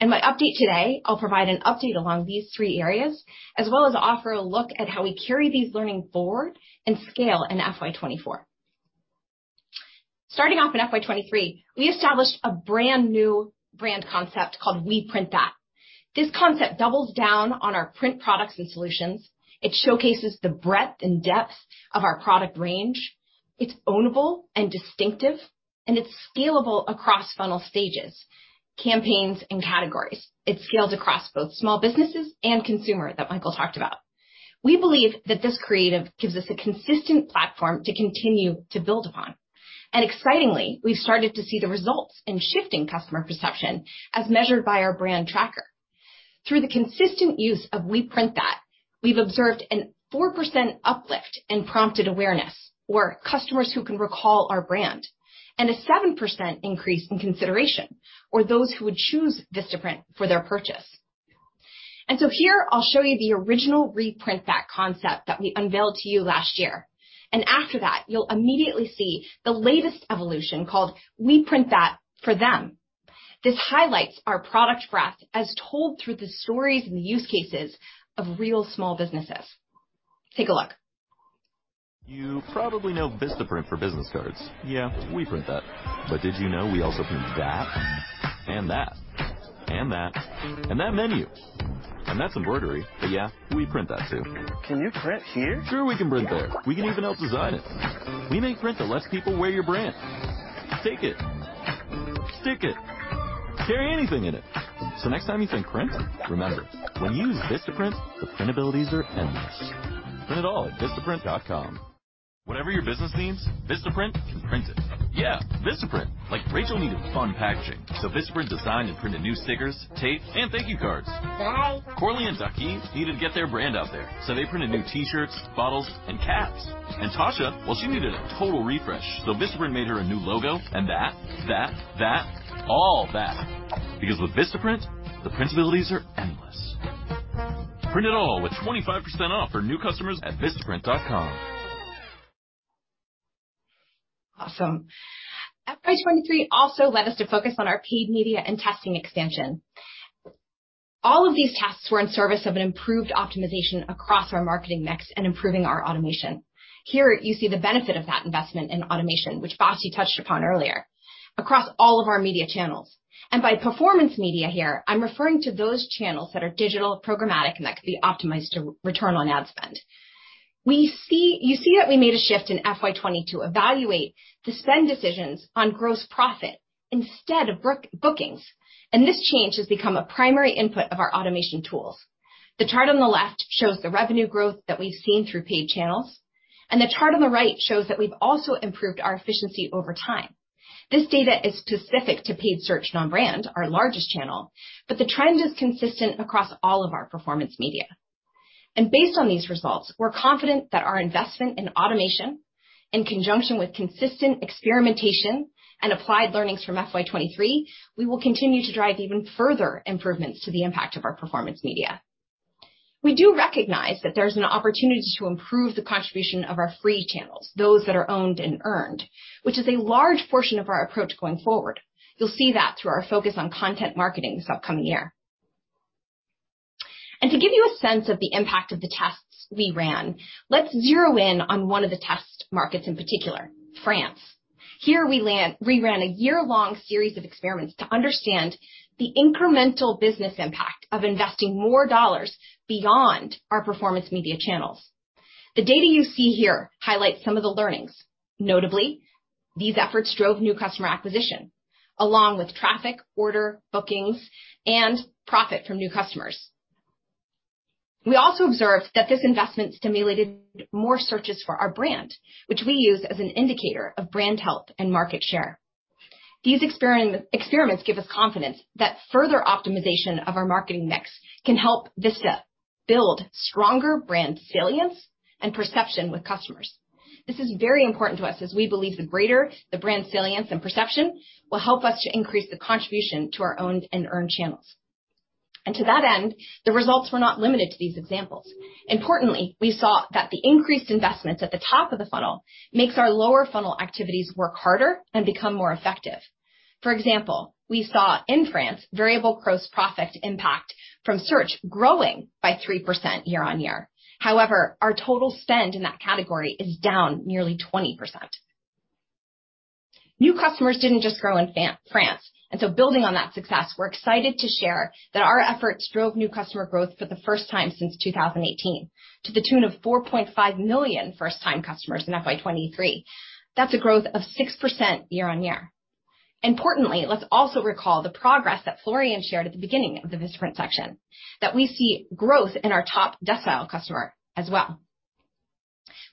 In my update today, I'll provide an update along these three areas, as well as offer a look at how we carry these learnings forward and scale in FY 2024. Starting off in FY 2023, we established a brand-new brand concept called We Print That. This concept doubles down on our print products and solutions. It showcases the breadth and depth of our product range. It's ownable and distinctive, and it's scalable across funnel stages, campaigns, and categories. It's scaled across both small businesses and consumer that Michael talked about. We believe that this creative gives us a consistent platform to continue to build upon, and excitingly, we've started to see the results in shifting customer perception as measured by our brand tracker. Through the consistent use of We Print That, we've observed a 4% uplift in prompted awareness, or customers who can recall our brand, and a 7% increase in consideration, or those who would choose VistaPrint for their purchase. And so here, I'll show you the original We Print That concept that we unveiled to you last year, and after that, you'll immediately see the latest evolution called We Print That for them. This highlights our product breadth as told through the stories and the use cases of real small businesses. Take a look. You probably know VistaPrint for business cards. Yeah, we print that. But did you know we also print that, and that, and that, and that menu? And that's embroidery, but, yeah, we print that, too. Can you print here? Sure, we can print there. We can even help design it. We make print that lets people wear your brand. Take it, stick it, carry anything in it. So next time you think print, remember, when you use VistaPrint, the print abilities are endless. Print it all at VistaPrint.com. Whatever your business needs, VistaPrint can print it. Yeah, VistaPrint. Like, Rachel needed fun packaging, so VistaPrint designed and printed new stickers, tape, and thank you cards. Bye! Corley and Ducky needed to get their brand out there, so they printed new T-shirts, bottles, and caps. Tasha, well, she needed a total refresh, so VistaPrint made her a new logo, and that, that, that, all that! Because with VistaPrint, the print abilities are endless. Print it all with 25% off for new customers at VistaPrint.com. Awesome. FY 2023 also led us to focus on our paid media and testing expansion. All of these tests were in service of an improved optimization across our marketing mix and improving our automation. Here, you see the benefit of that investment in automation, which Basti touched upon earlier, across all of our media channels. And by performance media here, I'm referring to those channels that are digital, programmatic, and that can be optimized to return on ad spend. You see that we made a shift in FY 2022, evaluate the spend decisions on gross profit instead of bookings, and this change has become a primary input of our automation tools. The chart on the left shows the revenue growth that we've seen through paid channels, and the chart on the right shows that we've also improved our efficiency over time. This data is specific to paid search non-brand, our largest channel, but the trend is consistent across all of our performance media. Based on these results, we're confident that our investment in automation, in conjunction with consistent experimentation and applied learnings from FY 2023, we will continue to drive even further improvements to the impact of our performance media. We do recognize that there's an opportunity to improve the contribution of our free channels, those that are owned and earned, which is a large portion of our approach going forward. You'll see that through our focus on content marketing this upcoming year. To give you a sense of the impact of the tests we ran, let's zero in on one of the test markets, in particular, France. Here, we ran a year-long series of experiments to understand the incremental business impact of investing more dollars beyond our performance media channels. The data you see here highlights some of the learnings. Notably, these efforts drove new customer acquisition, along with traffic, order, bookings, and profit from new customers. We also observed that this investment stimulated more searches for our brand, which we use as an indicator of brand health and market share. These experiments give us confidence that further optimization of our marketing mix can help Vista build stronger brand salience and perception with customers. This is very important to us as we believe the greater the brand salience and perception will help us to increase the contribution to our owned and earned channels. And to that end, the results were not limited to these examples. Importantly, we saw that the increased investments at the top of the funnel makes our lower funnel activities work harder and become more effective. For example, we saw in France, variable gross profit impact from search growing by 3% year-on-year. However, our total spend in that category is down nearly 20%. New customers didn't just grow in France, and so building on that success, we're excited to share that our efforts drove new customer growth for the first time since 2018, to the tune of 4.5 million first-time customers in FY 2023. That's a growth of 6% year-on-year. Importantly, let's also recall the progress that Florian shared at the beginning of the VistaPrint section, that we see growth in our top decile customer as well.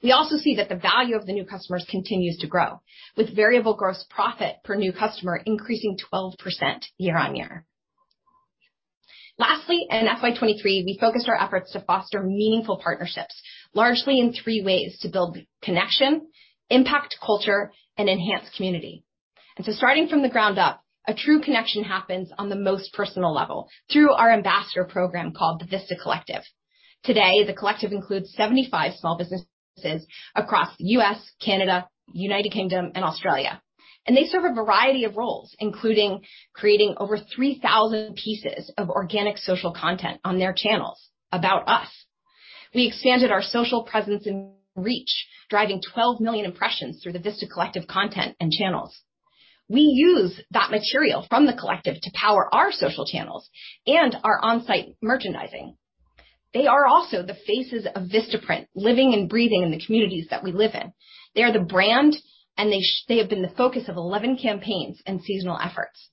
We also see that the value of the new customers continues to grow, with variable gross profit per new customer increasing 12% year-on-year. Lastly, in FY 2023, we focused our efforts to foster meaningful partnerships, largely in three ways: to build connection, impact culture, and enhance community. And so starting from the ground up, a true connection happens on the most personal level through our ambassador program called the Vista Collective. Today, the collective includes 75 small businesses across the U.S., Canada, United Kingdom, and Australia, and they serve a variety of roles, including creating over 3,000 pieces of organic social content on their channels about us. We expanded our social presence and reach, driving 12 million impressions through the Vista Collective content and channels. We use that material from the collective to power our social channels and our on-site merchandising. They are also the faces of VistaPrint, living and breathing in the communities that we live in. They are the brand, and they have been the focus of 11 campaigns and seasonal efforts.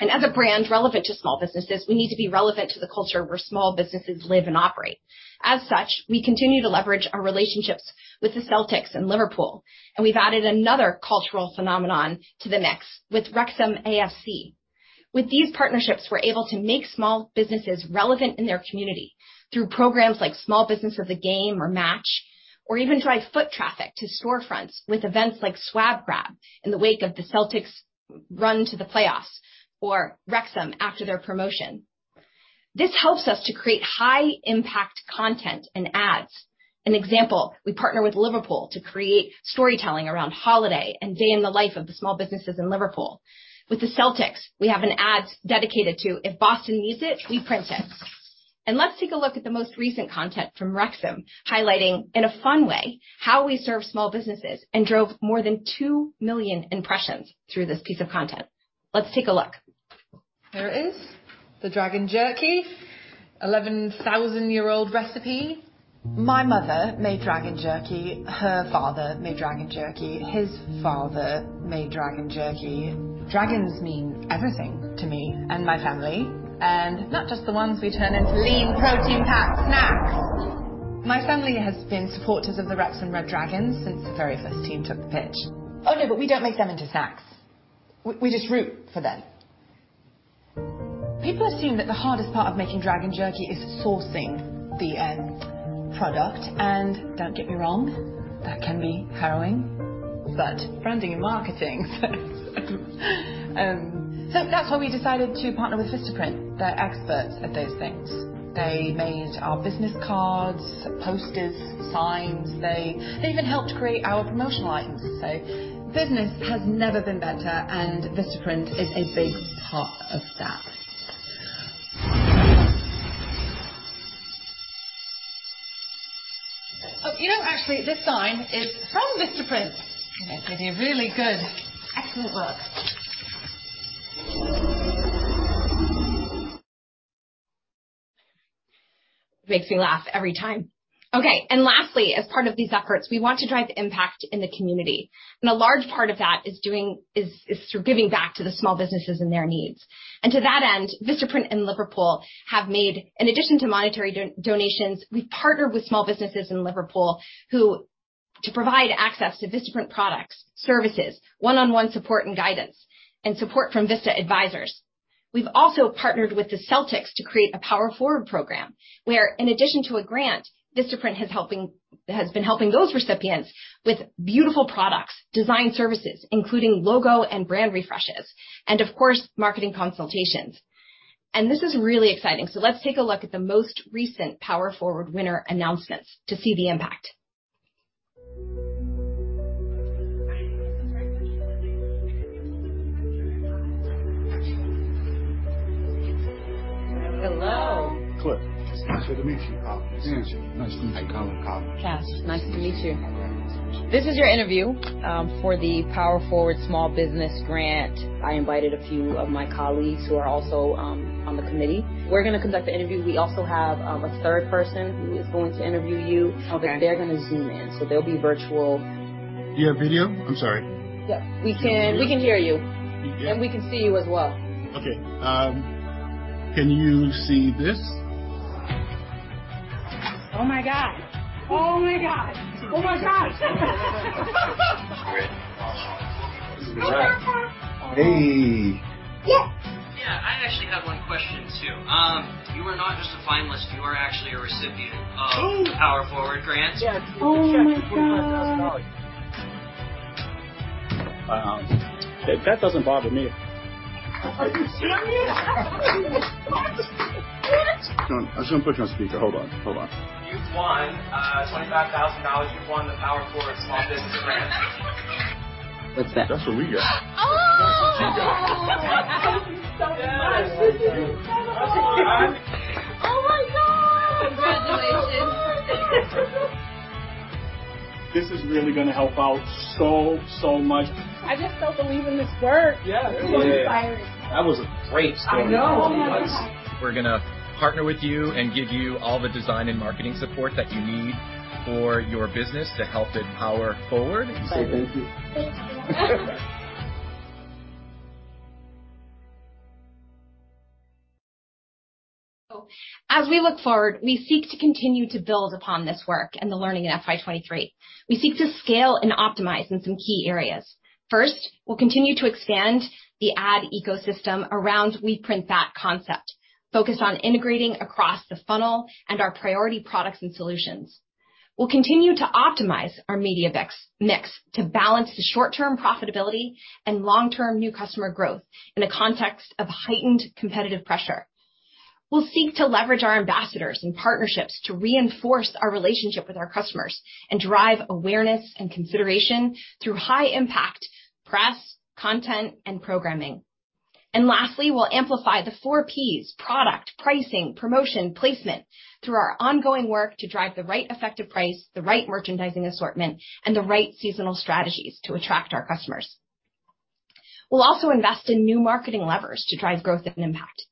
And as a brand relevant to small businesses, we need to be relevant to the culture where small businesses live and operate. As such, we continue to leverage our relationships with the Celtics and Liverpool, and we've added another cultural phenomenon to the mix with Wrexham AFC. With these partnerships, we're able to make small businesses relevant in their community through programs like Small Business of the Game or Match, or even drive foot traffic to storefronts with events like Swag Grab in the wake of the Celtics' run to the playoffs, or Wrexham after their promotion. This helps us to create high impact content and ads. An example, we partner with Liverpool to create storytelling around holiday and day in the life of the small businesses in Liverpool. With the Celtics, we have an ad dedicated to, "If Boston needs it, we print it." And let's take a look at the most recent content from Wrexham, highlighting, in a fun way, how we serve small businesses and drove more than 2 million impressions through this piece of content. Let's take a look. Here it is, the Dragon Jerky. 11,000-year-old recipe. My mother made Dragon Jerky. Her father made Dragon Jerky. His father made Dragon Jerky. Dragons mean everything to me and my family, and not just the ones we turn into lean protein-packed snack. My family has been supporters of the Wrexham Red Dragons since the very first team took the pitch. Oh, no, but we don't make them into snacks. We just root for them. People assume that the hardest part of making Dragon Jerky is sourcing the end product, and don't get me wrong, that can be harrowing, but branding and marketing. So that's when we decided to partner with VistaPrint. They're experts at those things. They made our business cards, posters, signs. They even helped create our promotional items. So business has never been better, and VistaPrint is a big part of that. Oh, you know, actually, this sign is from VistaPrint. They did a really good, excellent work. Makes me laugh every time. Okay, and lastly, as part of these efforts, we want to drive impact in the community, and a large part of that is through giving back to the small businesses and their needs. To that end, VistaPrint and Liverpool have made, in addition to monetary donations, we've partnered with small businesses in Liverpool who to provide access to VistaPrint products, services, one-on-one support and guidance, and support from Vista advisors. We've also partnered with the Celtics to create a Power Forward program, where, in addition to a grant, VistaPrint has been helping those recipients with beautiful products, design services, including logo and brand refreshes, and of course, marketing consultations. And this is really exciting, so let's take a look at the most recent Power Forward winner announcements to see the impact. Hello. Cliff. Nice to meet you, Carl. Nice to meet you. Hi, Colin. Carl. Cass, nice to meet you. This is your interview for the Power Forward Small Business Grant. I invited a few of my colleagues who are also on the committee. We're gonna conduct the interview. We also have a third person who is going to interview you. Okay. But they're gonna Zoom in, so they'll be virtual. You have video? I'm sorry. Yep, we can- Video. We can hear you. Yeah. We can see you as well. Okay, can you see this? Oh, my God! Oh, my God. Oh, my God. Hey. Yeah. I actually have one question, too. You are not just a finalist, you are actually a recipient of- Ooh. - the Power Forward grant. Yes, it's a check for $4,000. That doesn't bother me.... Are you serious? What? What? I'm just going to put you on speaker. Hold on, hold on. You've won $25,000. You've won the Power Forward small business grant. That's what we got. Oh! That's what you got. Thank you so much. Yeah. Oh, my God! Congratulations. Oh, my God. This is really going to help out so, so much. I just so believe in this work. Yeah. So inspiring. That was a great story. I know. We're going to partner with you and give you all the design and marketing support that you need for your business to help it power forward. Say thank you. Thank you. So as we look forward, we seek to continue to build upon this work and the learning in FY 2023. We seek to scale and optimize in some key areas. First, we'll continue to expand the ad ecosystem around We Print That concept, focused on integrating across the funnel and our priority products and solutions. We'll continue to optimize our media mix to balance the short-term profitability and long-term new customer growth in the context of heightened competitive pressure. We'll seek to leverage our ambassadors and partnerships to reinforce our relationship with our customers and drive awareness and consideration through high-impact press, content, and programming. And lastly, we'll amplify the four P's: product, pricing, promotion, placement, through our ongoing work to drive the right effective price, the right merchandising assortment, and the right seasonal strategies to attract our customers. We'll also invest in new marketing levers to drive growth and impact.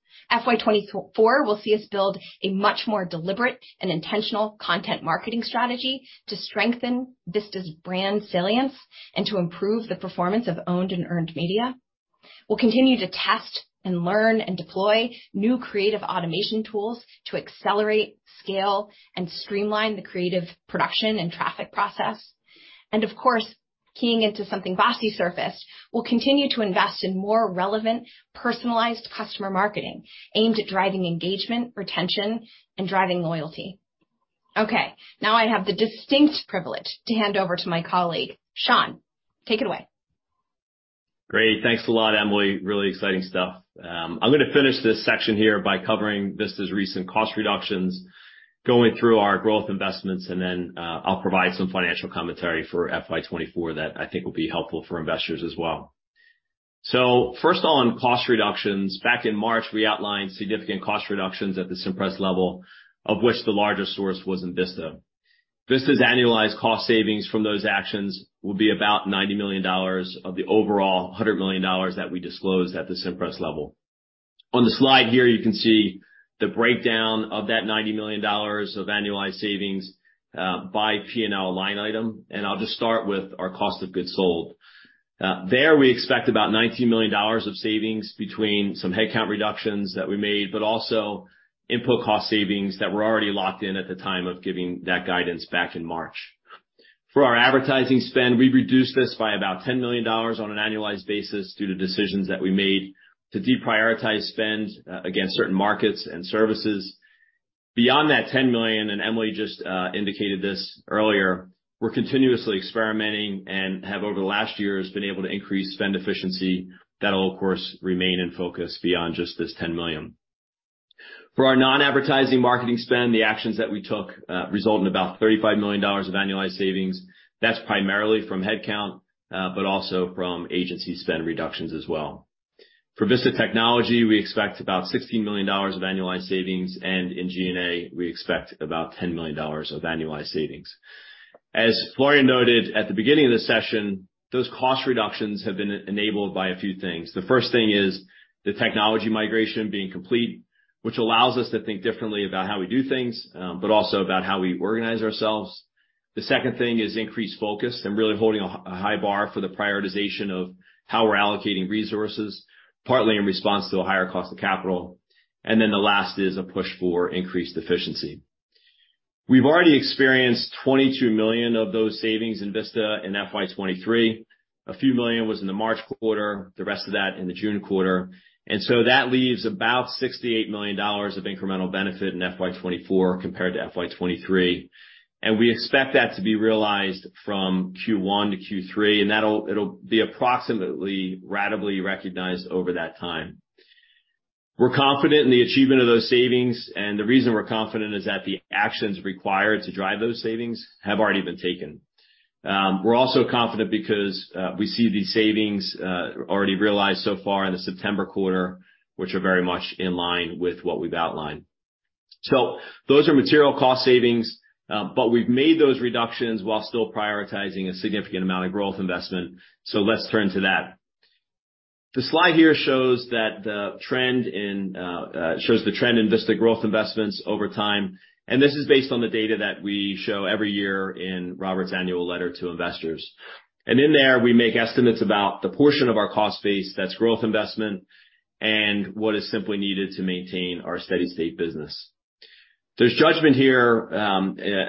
FY 2024 will see us build a much more deliberate and intentional content marketing strategy to strengthen Vista's brand salience and to improve the performance of owned and earned media. We'll continue to test and learn and deploy new creative automation tools to accelerate, scale, and streamline the creative production and traffic process. And of course, keying into something Basti surfaced, we'll continue to invest in more relevant, personalized customer marketing aimed at driving engagement, retention, and driving loyalty. Okay, now I have the distinct privilege to hand over to my colleague. Sean, take it away. Great. Thanks a lot, Emily. Really exciting stuff. I'm going to finish this section here by covering Vista's recent cost reductions, going through our growth investments, and then, I'll provide some financial commentary for FY 2024 that I think will be helpful for investors as well. So first of all, on cost reductions. Back in March, we outlined significant cost reductions at the Cimpress level, of which the largest source was in Vista. Vista's annualized cost savings from those actions will be about $90 million of the overall $100 million that we disclosed at the Cimpress level. On the slide here, you can see the breakdown of that $90 million of annualized savings by P&L line item, and I'll just start with our cost of goods sold. There, we expect about $19 million of savings between some headcount reductions that we made, but also input cost savings that were already locked in at the time of giving that guidance back in March. For our advertising spend, we've reduced this by about $10 million on an annualized basis due to decisions that we made to deprioritize spend against certain markets and services. Beyond that $10 million, and Emily just indicated this earlier, we're continuously experimenting and have, over the last years, been able to increase spend efficiency. That'll, of course, remain in focus beyond just this $10 million. For our non-advertising marketing spend, the actions that we took result in about $35 million of annualized savings. That's primarily from headcount, but also from agency spend reductions as well. For Vista Technology, we expect about $16 million of annualized savings, and in G&A, we expect about $10 million of annualized savings. As Florian noted at the beginning of the session, those cost reductions have been enabled by a few things. The first thing is the technology migration being complete, which allows us to think differently about how we do things, but also about how we organize ourselves. The second thing is increased focus and really holding a high bar for the prioritization of how we're allocating resources, partly in response to a higher cost of capital. And then the last is a push for increased efficiency. We've already experienced $22 million of those savings in Vista in FY 2023. A few million was in the March quarter, the rest of that in the June quarter. And so that leaves about $68 million of incremental benefit in FY 2024 compared to FY 2023, and we expect that to be realized from Q1 to Q3, and it'll be approximately ratably recognized over that time. We're confident in the achievement of those savings, and the reason we're confident is that the actions required to drive those savings have already been taken. We're also confident because we see these savings already realized so far in the September quarter, which are very much in line with what we've outlined. So those are material cost savings, but we've made those reductions while still prioritizing a significant amount of growth investment. So let's turn to that. The slide here shows the trend in Vista growth investments over time, and this is based on the data that we show every year in Robert's annual letter to investors. In there, we make estimates about the portion of our cost base that's growth investment and what is simply needed to maintain our steady state business. There's judgment here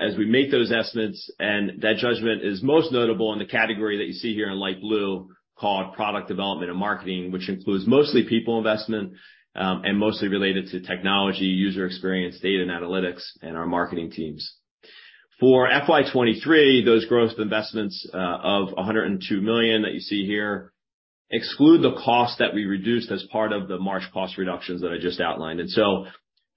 as we make those estimates, and that judgment is most notable in the category that you see here in light blue, called product development and marketing, which includes mostly people investment and mostly related to technology, user experience, data and analytics, and our marketing teams. For FY 2023, those growth investments of $102 million that you see here exclude the cost that we reduced as part of the March cost reductions that I just outlined. And so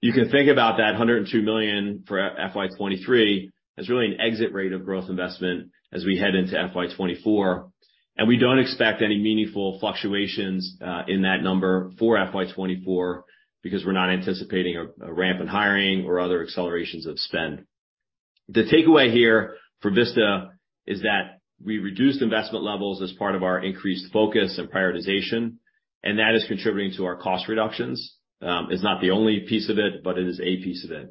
you can think about that $102 million for FY 2023 as really an exit rate of growth investment as we head into FY 2024. And we don't expect any meaningful fluctuations in that number for FY 2024, because we're not anticipating a ramp in hiring or other accelerations of spend. The takeaway here for Vista is that we reduced investment levels as part of our increased focus and prioritization, and that is contributing to our cost reductions. It's not the only piece of it, but it is a piece of it.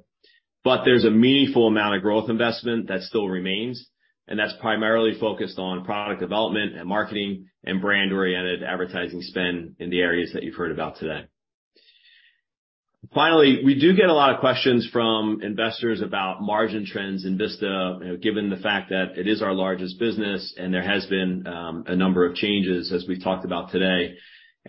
But there's a meaningful amount of growth investment that still remains, and that's primarily focused on product development and marketing and brand-oriented advertising spend in the areas that you've heard about today. Finally, we do get a lot of questions from investors about margin trends in Vista, you know, given the fact that it is our largest business and there has been a number of changes as we've talked about today.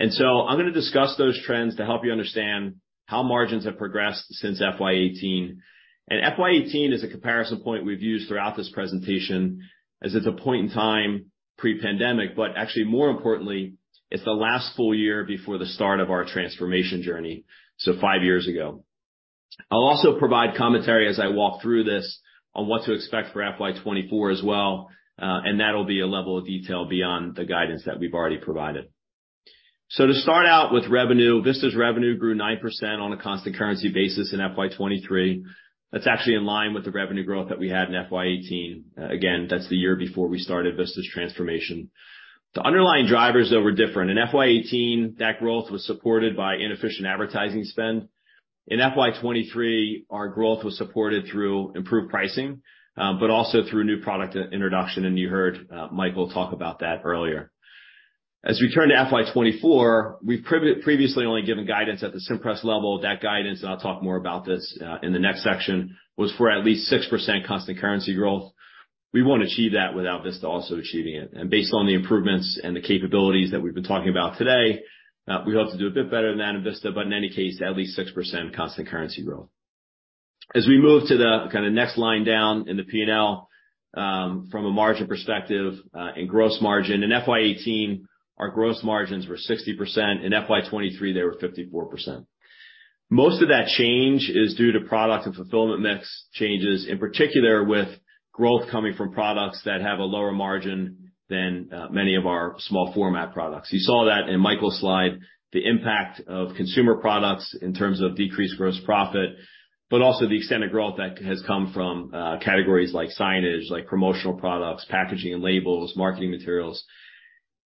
So I'm gonna discuss those trends to help you understand how margins have progressed since FY 2018. FY 2018 is a comparison point we've used throughout this presentation, as it's a point in time pre-pandemic, but actually more importantly, it's the last full year before the start of our transformation journey, so five years ago. I'll also provide commentary as I walk through this on what to expect for FY 2024 as well, and that'll be a level of detail beyond the guidance that we've already provided. To start out with revenue, Vista's revenue grew 9% on a constant currency basis in FY 2023. That's actually in line with the revenue growth that we had in FY 2018. Again, that's the year before we started Vista's transformation. The underlying drivers, though, were different. In FY 2018, that growth was supported by inefficient advertising spend. In FY 2023, our growth was supported through improved pricing, but also through new product introduction, and you heard Michael talk about that earlier. As we turn to FY 2024, we've previously only given guidance at the Cimpress level. That guidance, and I'll talk more about this in the next section, was for at least 6% constant currency growth. We won't achieve that without Vista also achieving it. And based on the improvements and the capabilities that we've been talking about today, we hope to do a bit better than that in Vista, but in any case, at least 6% constant currency growth. As we move to the kinda next line down in the P&L, from a margin perspective, in gross margin, in FY 2018, our gross margins were 60%. In FY 2023, they were 54%. Most of that change is due to product and fulfillment mix changes, in particular, with growth coming from products that have a lower margin than many of our small format products. You saw that in Michael's slide, the impact of consumer products in terms of decreased gross profit, but also the extent of growth that has come from categories like signage, like promotional products, packaging and labels, marketing materials.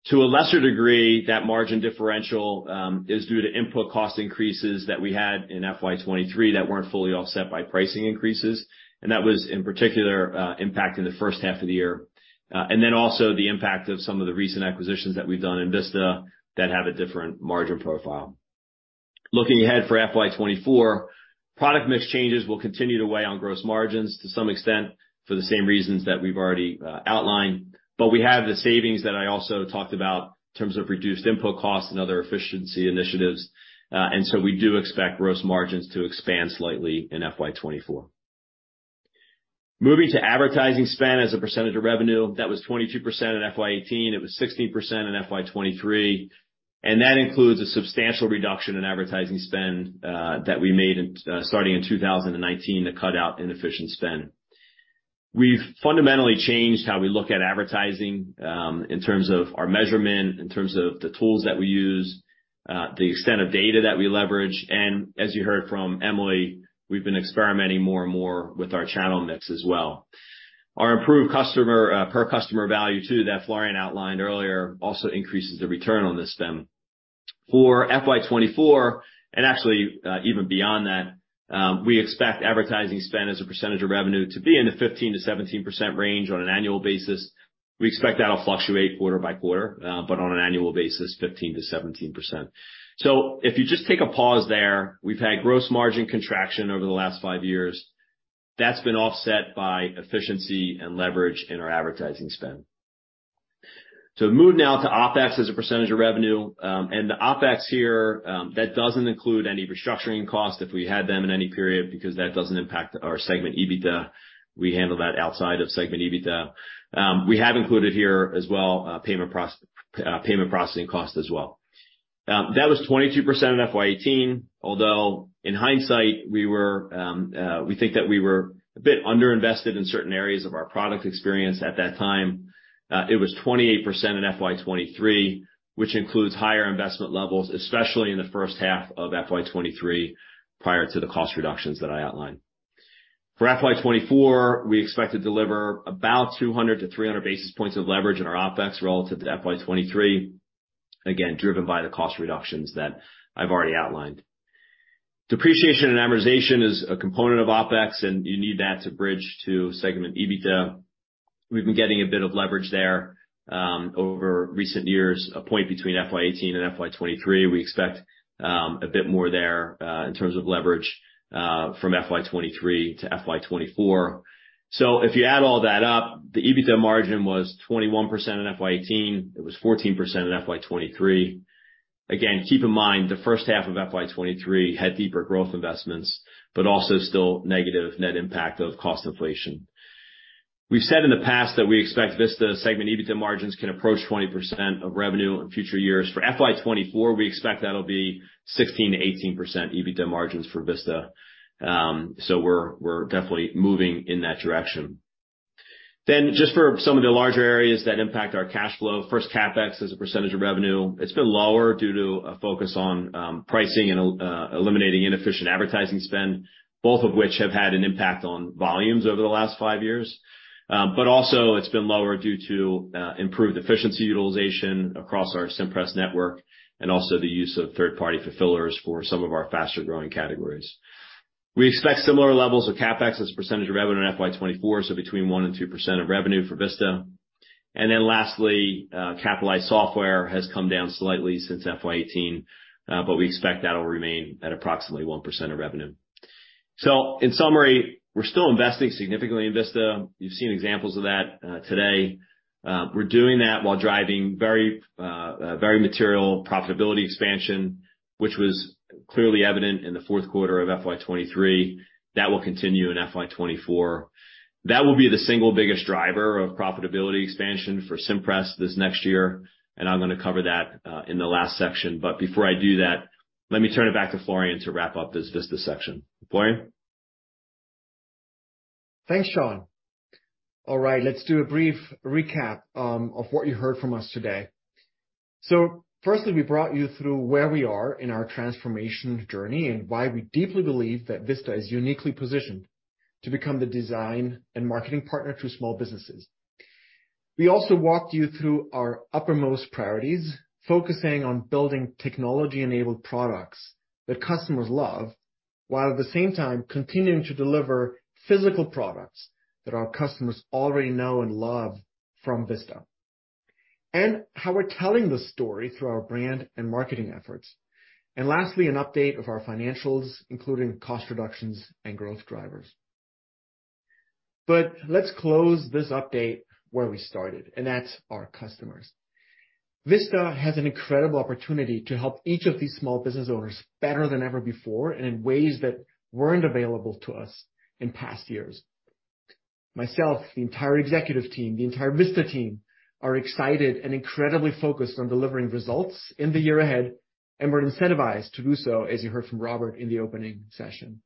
To a lesser degree, that margin differential is due to input cost increases that we had in FY 2023 that weren't fully offset by pricing increases, and that was in particular impacting the first half of the year. and then also the impact of some of the recent acquisitions that we've done in Vista that have a different margin profile. Looking ahead for FY 2024, product mix changes will continue to weigh on gross margins to some extent, for the same reasons that we've already outlined. But we have the savings that I also talked about in terms of reduced input costs and other efficiency initiatives. and so we do expect gross margins to expand slightly in FY 2024. Moving to advertising spend as a percentage of revenue, that was 22% in FY 2018, it was 16% in FY 2023, and that includes a substantial reduction in advertising spend, that we made in starting in 2019, to cut out inefficient spend. We've fundamentally changed how we look at advertising, in terms of our measurement, in terms of the tools that we use, the extent of data that we leverage, and as you heard from Emily, we've been experimenting more and more with our channel mix as well. Our improved customer, per customer value, too, that Florian outlined earlier, also increases the return on this spend. For FY 2024, and actually, even beyond that, we expect advertising spend as a percentage of revenue to be in the 15%-17% range on an annual basis. We expect that'll fluctuate quarter-by-quarter, but on an annual basis, 15%-17%. So if you just take a pause there, we've had gross margin contraction over the last five years. That's been offset by efficiency and leverage in our advertising spend. So moving now to OpEx as a percentage of revenue, and the OpEx here that doesn't include any restructuring costs, if we had them in any period, because that doesn't impact our segment EBITDA. We handle that outside of segment EBITDA. We have included here as well, payment processing cost as well. That was 22% in FY 2018, although in hindsight, we were, we think that we were a bit underinvested in certain areas of our product experience at that time. It was 28% in FY 2023, which includes higher investment levels, especially in the first half of FY 2023, prior to the cost reductions that I outlined. For FY 2024, we expect to deliver about 200-300 basis points of leverage in our OpEx relative to FY 2023, again, driven by the cost reductions that I've already outlined. Depreciation and amortization is a component of OpEx, and you need that to bridge to segment EBITDA. We've been getting a bit of leverage there, over recent years, a point between FY 2018 and FY 2023. We expect, a bit more there, in terms of leverage, from FY 2023 to FY 2024. So if you add all that up, the EBITDA margin was 21% in FY 2018. It was 14% in FY 2023. Again, keep in mind, the first half of FY 2023 had deeper growth investments, but also still negative net impact of cost inflation. We've said in the past that we expect Vista segment EBITDA margins can approach 20% of revenue in future years. For FY 2024, we expect that'll be 16%-18% EBITDA margins for Vista. So we're, we're definitely moving in that direction. Then just for some of the larger areas that impact our cash flow, first, CapEx as a percentage of revenue, it's been lower due to a focus on pricing and eliminating inefficient advertising spend, both of which have had an impact on volumes over the last five years. But also it's been lower due to improved efficiency utilization across our Cimpress network and also the use of third-party fulfillers for some of our faster growing categories. We expect similar levels of CapEx as a percentage of revenue in FY 2024, so between 1% and 2% of revenue for Vista. Then lastly, capitalized software has come down slightly since FY 2018, but we expect that'll remain at approximately 1% of revenue. In summary, we're still investing significantly in Vista. You've seen examples of that today. We're doing that while driving very, very material profitability expansion, which was clearly evident in the fourth quarter of FY 2023. That will continue in FY 2024. That will be the single biggest driver of profitability expansion for Cimpress this next year, and I'm gonna cover that in the last section. Before I do that, let me turn it back to Florian to wrap up this Vista section. Florian? Thanks, Sean. All right, let's do a brief recap of what you heard from us today. So firstly, we brought you through where we are in our transformation journey and why we deeply believe that Vista is uniquely positioned to become the design and marketing partner to small businesses. We also walked you through our uppermost priorities, focusing on building technology-enabled products that customers love, while at the same time continuing to deliver physical products that our customers already know and love from Vista, and how we're telling the story through our brand and marketing efforts. And lastly, an update of our financials, including cost reductions and growth drivers. But let's close this update where we started, and that's our customers. Vista has an incredible opportunity to help each of these small business owners better than ever before and in ways that weren't available to us in past years. Myself, the entire executive team, the entire Vista team, are excited and incredibly focused on delivering results in the year ahead, and we're incentivized to do so, as you heard from Robert in the opening session.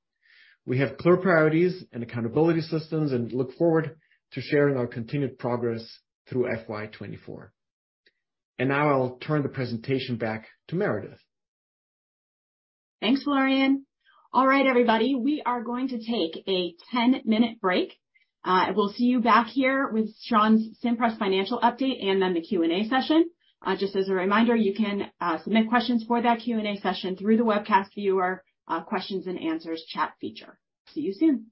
We have clear priorities and accountability systems, and look forward to sharing our continued progress through FY 2024. Now I'll turn the presentation back to Meredith. Thanks, Florian. All right, everybody, we are going to take a 10-minute break. We'll see you back here with Sean's Cimpress financial update, and then the Q&A session. Just as a reminder, you can submit questions for that Q&A session through the webcast viewer, questions and answers chat feature. See you soon.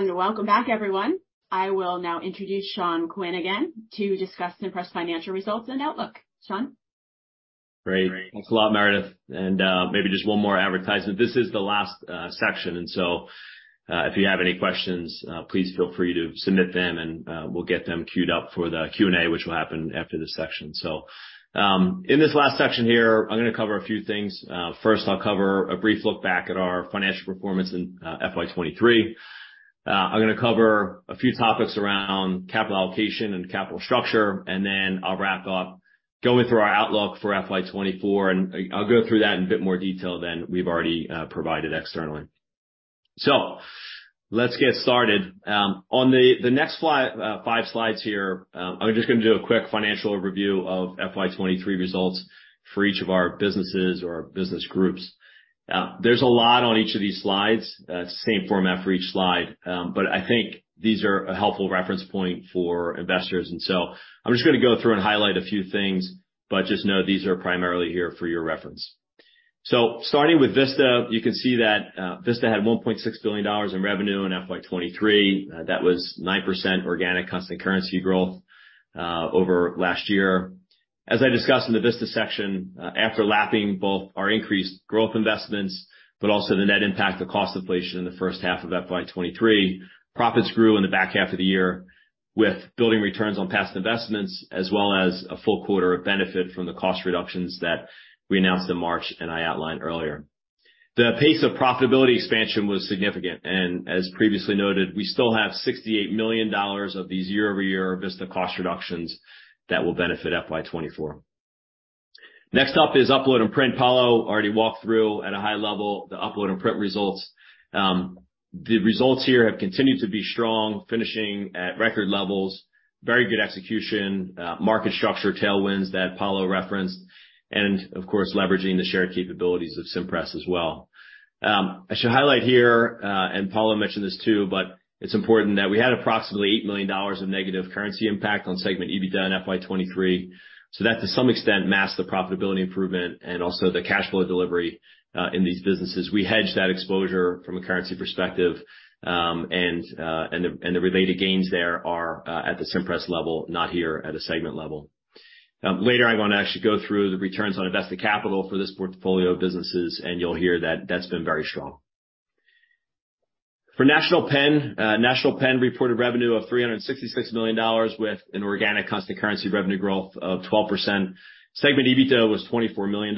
...Welcome back, everyone. I will now introduce Sean Quinn again to discuss Cimpress financial results and outlook. Sean? Great. Thanks a lot, Meredith, and, maybe just one more advertisement. This is the last section, and so, if you have any questions, please feel free to submit them, and, we'll get them queued up for the Q&A, which will happen after this section. So, in this last section here, I'm gonna cover a few things. First, I'll cover a brief look back at our financial performance in FY 2023. I'm gonna cover a few topics around capital allocation and capital structure, and then I'll wrap up going through our outlook for FY 2024, and I'll go through that in a bit more detail than we've already provided externally. So let's get started. On the next slide, 5 slides here, I'm just gonna do a quick financial review of FY 2023 results for each of our businesses or our business groups. There's a lot on each of these slides, same format for each slide. But I think these are a helpful reference point for investors. So I'm just gonna go through and highlight a few things, but just know these are primarily here for your reference. So starting with Vista, you can see that, Vista had $1.6 billion in revenue in FY 2023. That was 9% organic constant currency growth over last year. As I discussed in the Vista section, after lapping both our increased growth investments, but also the net impact of cost inflation in the first half of FY 2023, profits grew in the back half of the year with building returns on past investments, as well as a full quarter of benefit from the cost reductions that we announced in March, and I outlined earlier. The pace of profitability expansion was significant, and as previously noted, we still have $68 million of these year-over-year Vista cost reductions that will benefit FY 2024. Next up is Upload and Print. Paolo already walked through at a high level the Upload and Print results. The results here have continued to be strong, finishing at record levels, very good execution, market structure tailwinds that Paolo referenced, and of course, leveraging the shared capabilities of Cimpress as well. I should highlight here, and Paolo mentioned this too, but it's important that we had approximately $8 million of negative currency impact on segment EBITDA in FY 2023. So that, to some extent, masked the profitability improvement and also the cash flow delivery in these businesses. We hedged that exposure from a currency perspective, and the related gains there are at the Cimpress level, not here at a segment level. Later, I'm gonna actually go through the returns on invested capital for this portfolio of businesses, and you'll hear that that's been very strong. For National Pen, National Pen reported revenue of $366 million with an organic constant currency revenue growth of 12%. Segment EBITDA was $24 million,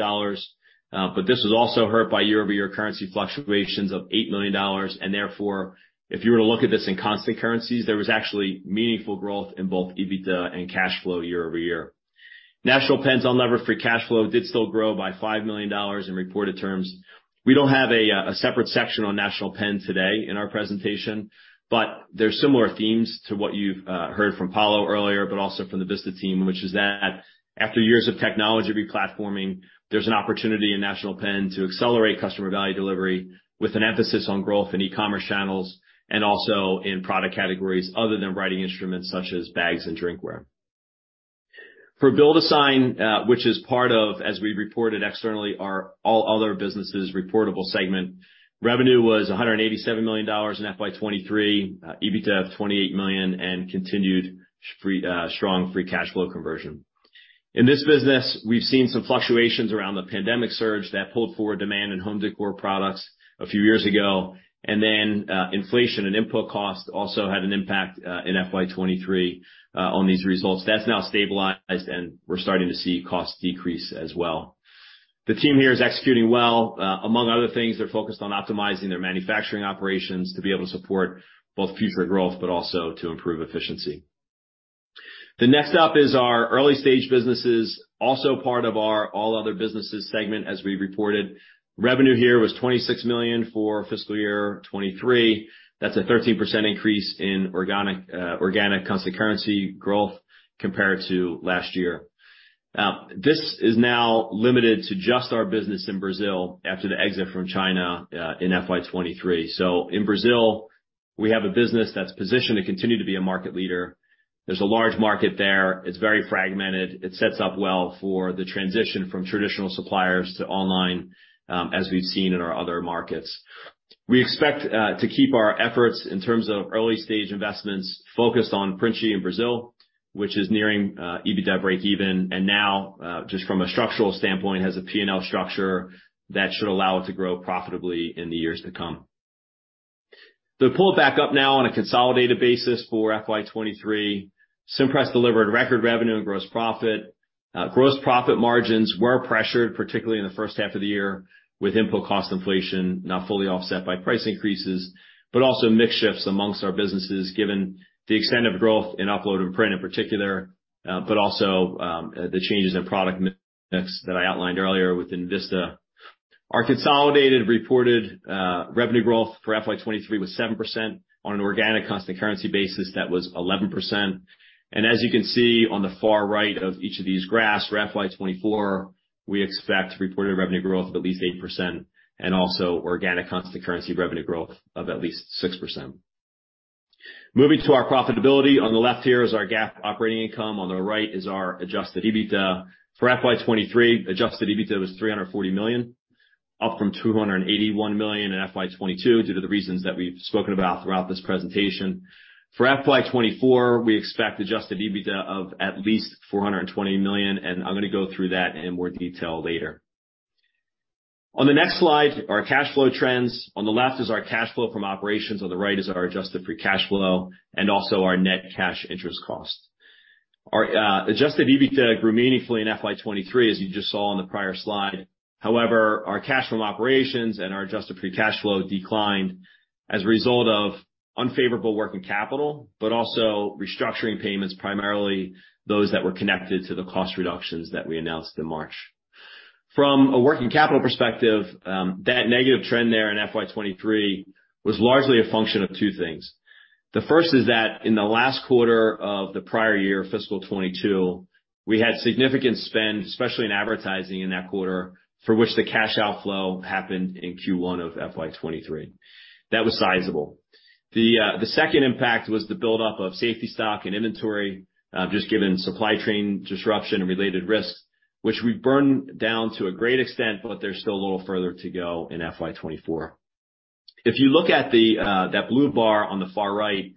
but this was also hurt by year-over-year currency fluctuations of $8 million, and therefore, if you were to look at this in constant currencies, there was actually meaningful growth in both EBITDA and cash flow year-over-year. National Pen's unlevered free cash flow did still grow by $5 million in reported terms. We don't have a separate section on National Pen today in our presentation, but there's similar themes to what you've heard from Paolo earlier, but also from the Vista team, which is that after years of technology replatforming, there's an opportunity in National Pen to accelerate customer value delivery with an emphasis on growth in e-commerce channels and also in product categories other than writing instruments, such as bags and drinkware. For BuildASign, which is part of, as we reported externally, our all other businesses reportable segment, revenue was $187 million in FY 2023, EBITDA, $28 million, and continued strong free cash flow conversion. In this business, we've seen some fluctuations around the pandemic surge that pulled forward demand in home decor products a few years ago, and then, inflation and input costs also had an impact, in FY 2023, on these results. That's now stabilized, and we're starting to see costs decrease as well. The team here is executing well. Among other things, they're focused on optimizing their manufacturing operations to be able to support both future growth, but also to improve efficiency. The next up is our early-stage businesses, also part of our all other businesses segment as we reported. Revenue here was $26 million for fiscal year 2023. That's a 13% increase in organic, organic constant currency growth compared to last year. This is now limited to just our business in Brazil after the exit from China, in FY 2023. So in Brazil, we have a business that's positioned to continue to be a market leader. There's a large market there. It's very fragmented. It sets up well for the transition from traditional suppliers to online, as we've seen in our other markets. We expect to keep our efforts in terms of early-stage investments focused on Printi in Brazil, which is nearing EBITDA breakeven, and now just from a structural standpoint, has a PNL structure that should allow it to grow profitably in the years to come. To pull it back up now on a consolidated basis for FY 2023, Cimpress delivered record revenue and gross profit. Gross profit margins were pressured, particularly in the first half of the year, with input cost inflation, not fully offset by price increases, but also mix shifts amongst our businesses, given the extent of growth in Upload and Print in particular, but also, the changes in product mix that I outlined earlier within Vista. Our consolidated reported, revenue growth for FY 2023 was 7%. On an organic constant currency basis, that was 11%. And as you can see on the far right of each of these graphs, for FY 2024, we expect reported revenue growth of at least 8% and also organic constant currency revenue growth of at least 6%. Moving to our profitability, on the left here is our GAAP operating income. On the right is our Adjusted EBITDA. For FY 2023, Adjusted EBITDA was $340 million, up from $281 million in FY 2022 due to the reasons that we've spoken about throughout this presentation. For FY 2024, we expect Adjusted EBITDA of at least $420 million, and I'm gonna go through that in more detail later. On the next slide, our cash flow trends. On the left is our cash flow from operations, on the right is our adjusted free cash flow and also our net cash interest cost. Our Adjusted EBITDA grew meaningfully in FY 2023, as you just saw on the prior slide. However, our cash from operations and our Adjusted Free Cash Flow declined as a result of unfavorable working capital, but also restructuring payments, primarily those that were connected to the cost reductions that we announced in March. From a working capital perspective, that negative trend there in FY 2023 was largely a function of two things. The first is that in the last quarter of the prior year, fiscal 2022, we had significant spend, especially in advertising in that quarter, for which the cash outflow happened in Q1 of FY 2023. That was sizable. The second impact was the buildup of safety stock and inventory, just given supply chain disruption and related risks, which we've burned down to a great extent, but there's still a little further to go in FY 2024. If you look at the that blue bar on the far right,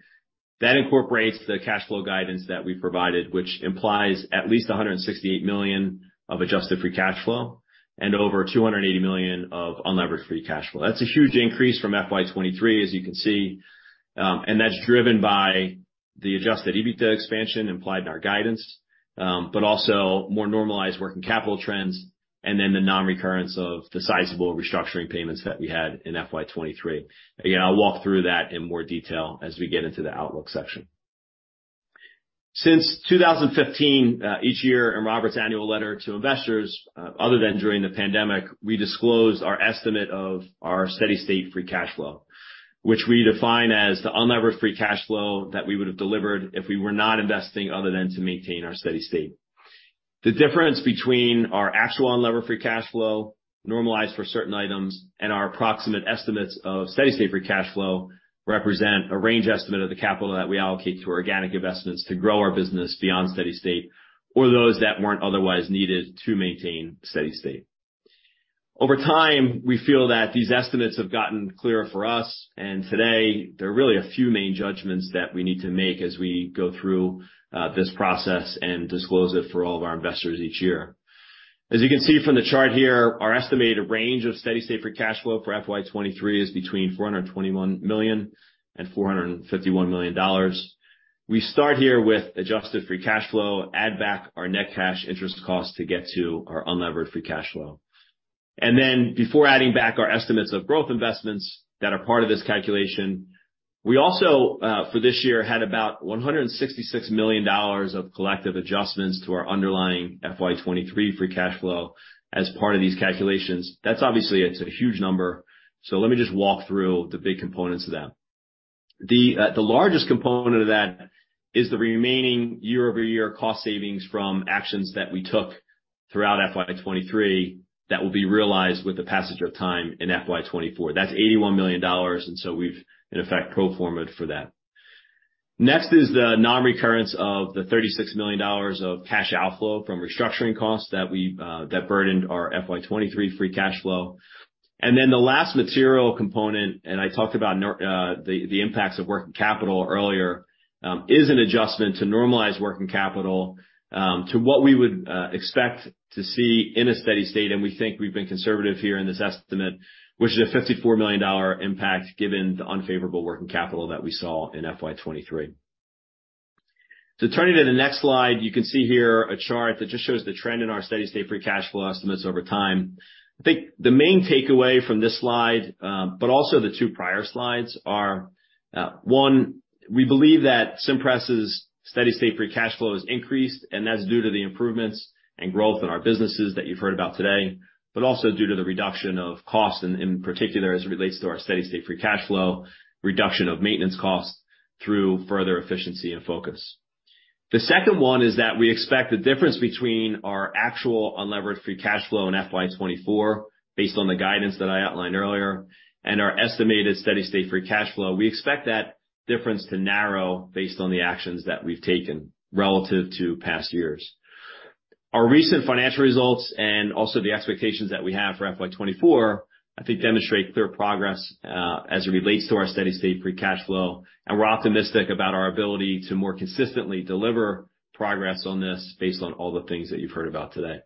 that incorporates the cash flow guidance that we provided, which implies at least $168 million of Adjusted Free Cash Flow and over $280 million of Unlevered Free Cash Flow. That's a huge increase from FY 2023, as you can see, and that's driven by the Adjusted EBITDA expansion implied in our guidance, but also more normalized working capital trends and then the nonrecurrence of the sizable restructuring payments that we had in FY 2023. Again, I'll walk through that in more detail as we get into the outlook section. Since 2015, each year in Robert's annual letter to investors, other than during the pandemic, we disclosed our estimate of our Steady-State Free Cash Flow, which we define as the Unlevered Free Cash Flow that we would have delivered if we were not investing, other than to maintain our steady state. The difference between our actual Unlevered Free Cash Flow, normalized for certain items, and our approximate estimates of Steady-State Free Cash Flow, represent a range estimate of the capital that we allocate to organic investments to grow our business beyond steady state, or those that weren't otherwise needed to maintain steady state. Over time, we feel that these estimates have gotten clearer for us, and today, there are really a few main judgments that we need to make as we go through this process and disclose it for all of our investors each year. As you can see from the chart here, our estimated range of steady-state free cash flow for FY 2023 is between $421 million and $451 million. We start here with adjusted free cash flow, add back our net cash interest cost to get to our unlevered free cash flow. And then, before adding back our estimates of growth investments that are part of this calculation, we also for this year, had about $166 million of collective adjustments to our underlying FY 2023 free cash flow as part of these calculations. That's obviously, it's a huge number, so let me just walk through the big components of that. The, the largest component of that is the remaining year-over-year cost savings from actions that we took throughout FY 2023, that will be realized with the passage of time in FY 2024. That's $81 million, and so we've, in effect, pro forma'd for that. Next is the nonrecurrence of the $36 million of cash outflow from restructuring costs that we, that burdened our FY 2023 free cash flow. And then the last material component, and I talked about the impacts of working capital earlier, is an adjustment to normalize working capital, to what we would expect to see in a steady state, and we think we've been conservative here in this estimate, which is a $54 million impact, given the unfavorable working capital that we saw in FY 2023. To turn it to the next slide, you can see here a chart that just shows the trend in our steady-state free cash flow estimates over time. I think the main takeaway from this slide, but also the two prior slides, are, one, we believe that Cimpress' Steady-State Free Cash Flow has increased, and that's due to the improvements and growth in our businesses that you've heard about today, but also due to the reduction of costs, and in particular, as it relates to our Steady-State Free Cash Flow, reduction of maintenance costs through further efficiency and focus. The second one is that we expect the difference between our actual Unlevered Free Cash Flow in FY 2024, based on the guidance that I outlined earlier, and our estimated Steady-State Free Cash Flow. We expect that difference to narrow based on the actions that we've taken relative to past years. Our recent financial results and also the expectations that we have for FY 2024, I think, demonstrate clear progress as it relates to our steady-state free cash flow, and we're optimistic about our ability to more consistently deliver progress on this based on all the things that you've heard about today.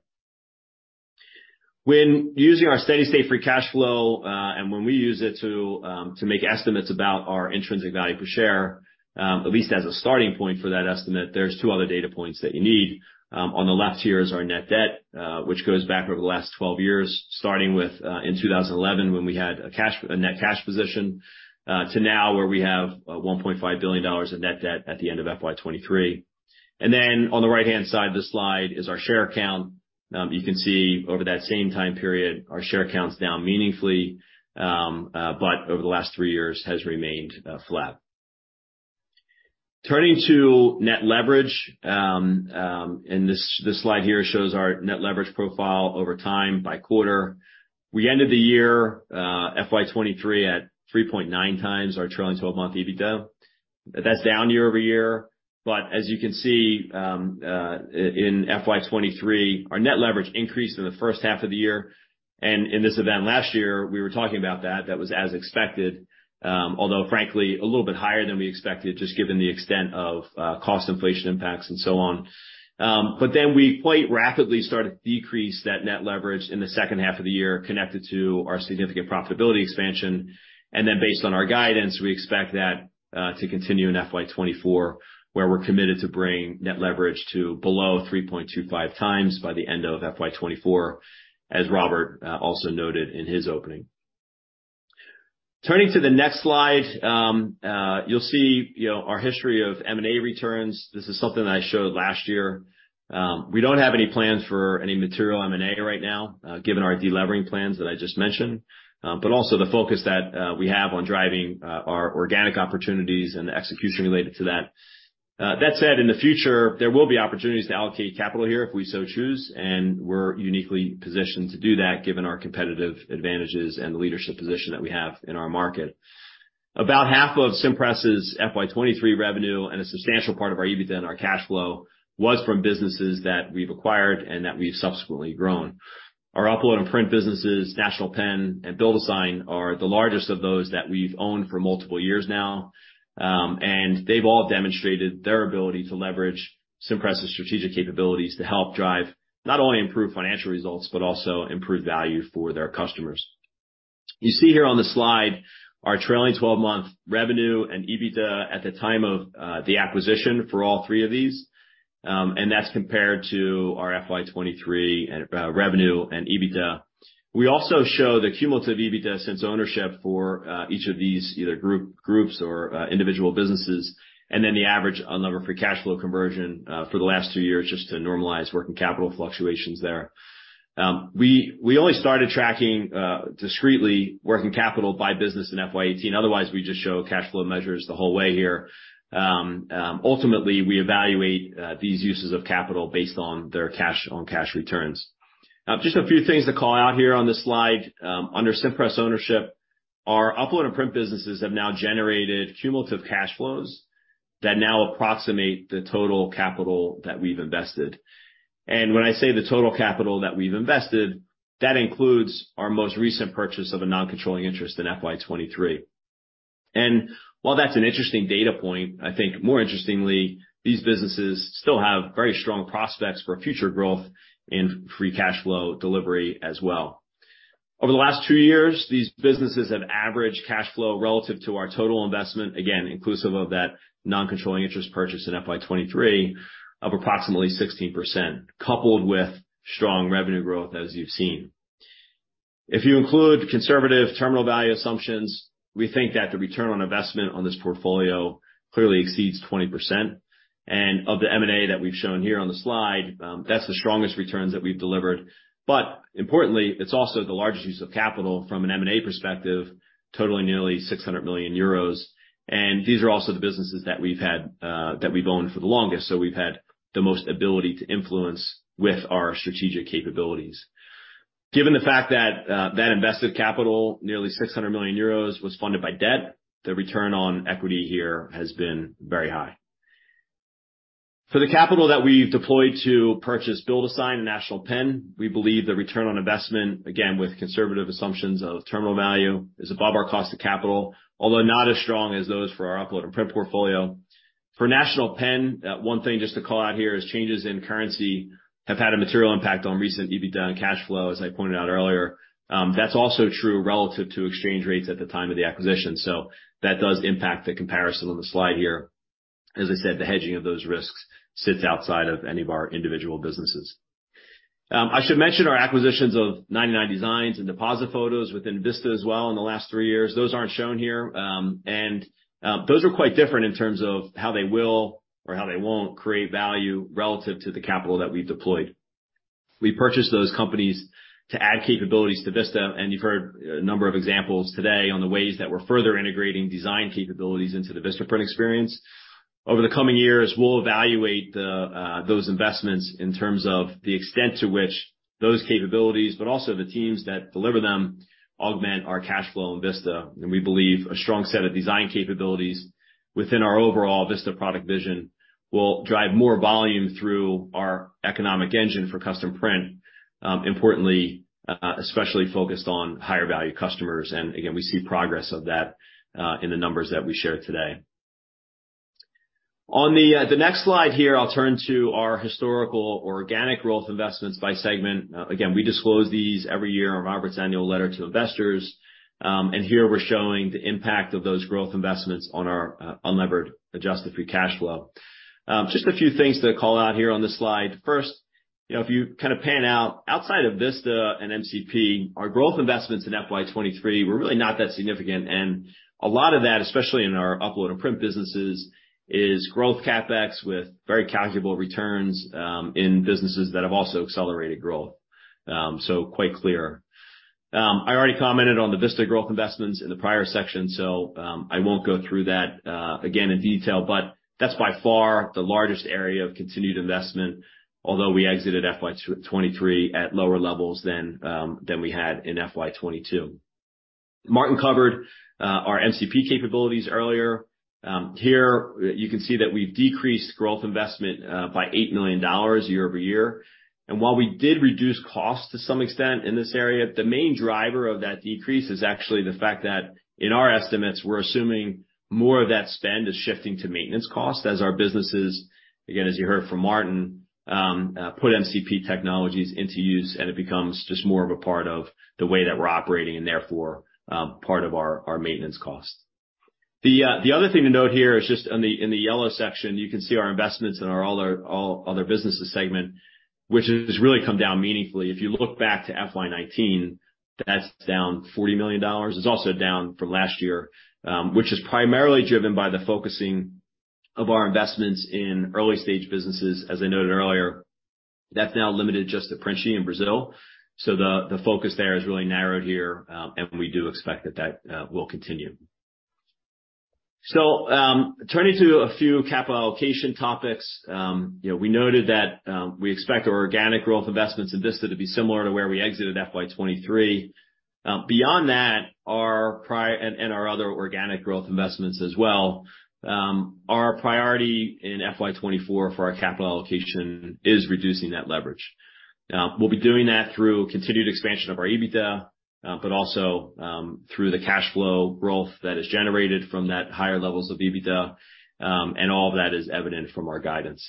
When using our steady-state free cash flow, and when we use it to make estimates about our intrinsic value per share, at least as a starting point for that estimate, there's two other data points that you need. On the left here is our net debt, which goes back over the last 12 years, starting with in 2011, when we had a net cash position, to now, where we have $1.5 billion in net debt at the end of FY 2023. And then on the right-hand side of the slide is our share count. You can see over that same time period, our share count's down meaningfully, but over the last 3 years has remained flat. Turning to net leverage, and this slide here shows our net leverage profile over time by quarter. We ended the year, FY 2023 at 3.9x our trailing 12-month EBITDA. That's down year-over-year, but as you can see, in FY 2023, our net leverage increased in the first half of the year. And in this event last year, we were talking about that. That was as expected, although frankly, a little bit higher than we expected, just given the extent of cost inflation impacts and so on. But then we quite rapidly started to decrease that net leverage in the second half of the year, connected to our significant profitability expansion, and then, based on our guidance, we expect that to continue in FY 2024, where we're committed to bring net leverage to below 3.25x by the end of FY 2024, as Robert also noted in his opening. Turning to the next slide, you'll see, you know, our history of M&A returns. This is something I showed last year. We don't have any plans for any material M&A right now, given our delevering plans that I just mentioned, but also the focus that we have on driving our organic opportunities and the execution related to that. That said, in the future, there will be opportunities to allocate capital here if we so choose, and we're uniquely positioned to do that, given our competitive advantages and the leadership position that we have in our market. About half of Cimpress' FY 2023 revenue and a substantial part of our EBITDA and our cash flow was from businesses that we've acquired and that we've subsequently grown. Our Upload and Print businesses, National Pen and BuildASign, are the largest of those that we've owned for multiple years now. They've all demonstrated their ability to leverage Cimpress' strategic capabilities to help drive, not only improved financial results, but also improved value for their customers. You see here on the slide, our trailing 12-month revenue and EBITDA at the time of the acquisition for all three of these, and that's compared to our FY 2023 and revenue and EBITDA. We also show the cumulative EBITDA since ownership for each of these, either groups or individual businesses, and then the average unlevered free cash flow conversion for the last 2 years, just to normalize working capital fluctuations there. We only started tracking discretely working capital by business in FY 2018. Otherwise, we just show cash flow measures the whole way here. Ultimately, we evaluate these uses of capital based on their cash on cash returns. Now, just a few things to call out here on this slide. Under Cimpress ownership, our Upload and Print businesses have now generated cumulative cash flows that now approximate the total capital that we've invested. When I say the total capital that we've invested, that includes our most recent purchase of a non-controlling interest in FY 2023. While that's an interesting data point, I think more interestingly, these businesses still have very strong prospects for future growth and free cash flow delivery as well. Over the last two years, these businesses have averaged cash flow relative to our total investment, again, inclusive of that non-controlling interest purchase in FY 2023, of approximately 16%, coupled with strong revenue growth, as you've seen. If you include conservative terminal value assumptions, we think that the return on investment on this portfolio clearly exceeds 20%, and of the M&A that we've shown here on the slide, that's the strongest returns that we've delivered. But importantly, it's also the largest use of capital from an M&A perspective, totaling nearly 600 million euros. And these are also the businesses that we've had, that we've owned for the longest, so we've had the most ability to influence with our strategic capabilities. Given the fact that, that invested capital, nearly 600 million euros, was funded by debt, the return on equity here has been very high. For the capital that we've deployed to purchase BuildASign and National Pen, we believe the return on investment, again, with conservative assumptions of terminal value, is above our cost of capital, although not as strong as those for our Upload and Print portfolio. For National Pen, one thing just to call out here is changes in currency have had a material impact on recent EBITDA and cash flow, as I pointed out earlier. That's also true relative to exchange rates at the time of the acquisition, so that does impact the comparison on the slide here. As I said, the hedging of those risks sits outside of any of our individual businesses. I should mention our acquisitions of 99designs and Depositphotos within Vista as well in the last three years. Those aren't shown here, and those are quite different in terms of how they will or how they won't create value relative to the capital that we've deployed. We purchased those companies to add capabilities to Vista, and you've heard a number of examples today on the ways that we're further integrating design capabilities into the VistaPrint experience. Over the coming years, we'll evaluate those investments in terms of the extent to which those capabilities, but also the teams that deliver them, augment our cash flow in Vista. And we believe a strong set of design capabilities within our overall Vista product vision will drive more volume through our economic engine for custom print, importantly, especially focused on higher value customers. And again, we see progress of that in the numbers that we shared today. On the next slide here, I'll turn to our historical organic growth investments by segment. Again, we disclose these every year on Robert's annual letter to investors. And here, we're showing the impact of those growth investments on our unlevered adjusted free cash flow. Just a few things to call out here on this slide. First, you know, if you kind of pan out, outside of Vista and MCP, our growth investments in FY 2023 were really not that significant, and a lot of that, especially in our Upload and Print businesses, is growth CapEx with very calculable returns in businesses that have also accelerated growth. So quite clear. I already commented on the Vista growth investments in the prior section, so, I won't go through that, again in detail, but that's by far the largest area of continued investment, although we exited FY 2023 at lower levels than than we had in FY 2022. Maarten covered our MCP capabilities earlier. Here you can see that we've decreased growth investment by $8 million year-over-year. While we did reduce costs to some extent in this area, the main driver of that decrease is actually the fact that in our estimates, we're assuming more of that spend is shifting to maintenance costs as our businesses, again, as you heard from Maarten, put MCP technologies into use, and it becomes just more of a part of the way that we're operating and therefore part of our maintenance costs. The other thing to note here is just in the yellow section, you can see our investments in all our other businesses segment, which has really come down meaningfully. If you look back to FY 2019, that's down $40 million. It's also down from last year, which is primarily driven by the focusing of our investments in early-stage businesses. As I noted earlier, that's now limited just to Printi in Brazil. So the focus there is really narrowed here, and we do expect that will continue. So, turning to a few capital allocation topics, you know, we noted that we expect our organic growth investments in Vista to be similar to where we exited FY 2023. Beyond that, our other organic growth investments as well, our priority in FY 2024 for our capital allocation is reducing net leverage. Now, we'll be doing that through continued expansion of our EBITDA, but also through the cash flow growth that is generated from that higher levels of EBITDA, and all of that is evident from our guidance.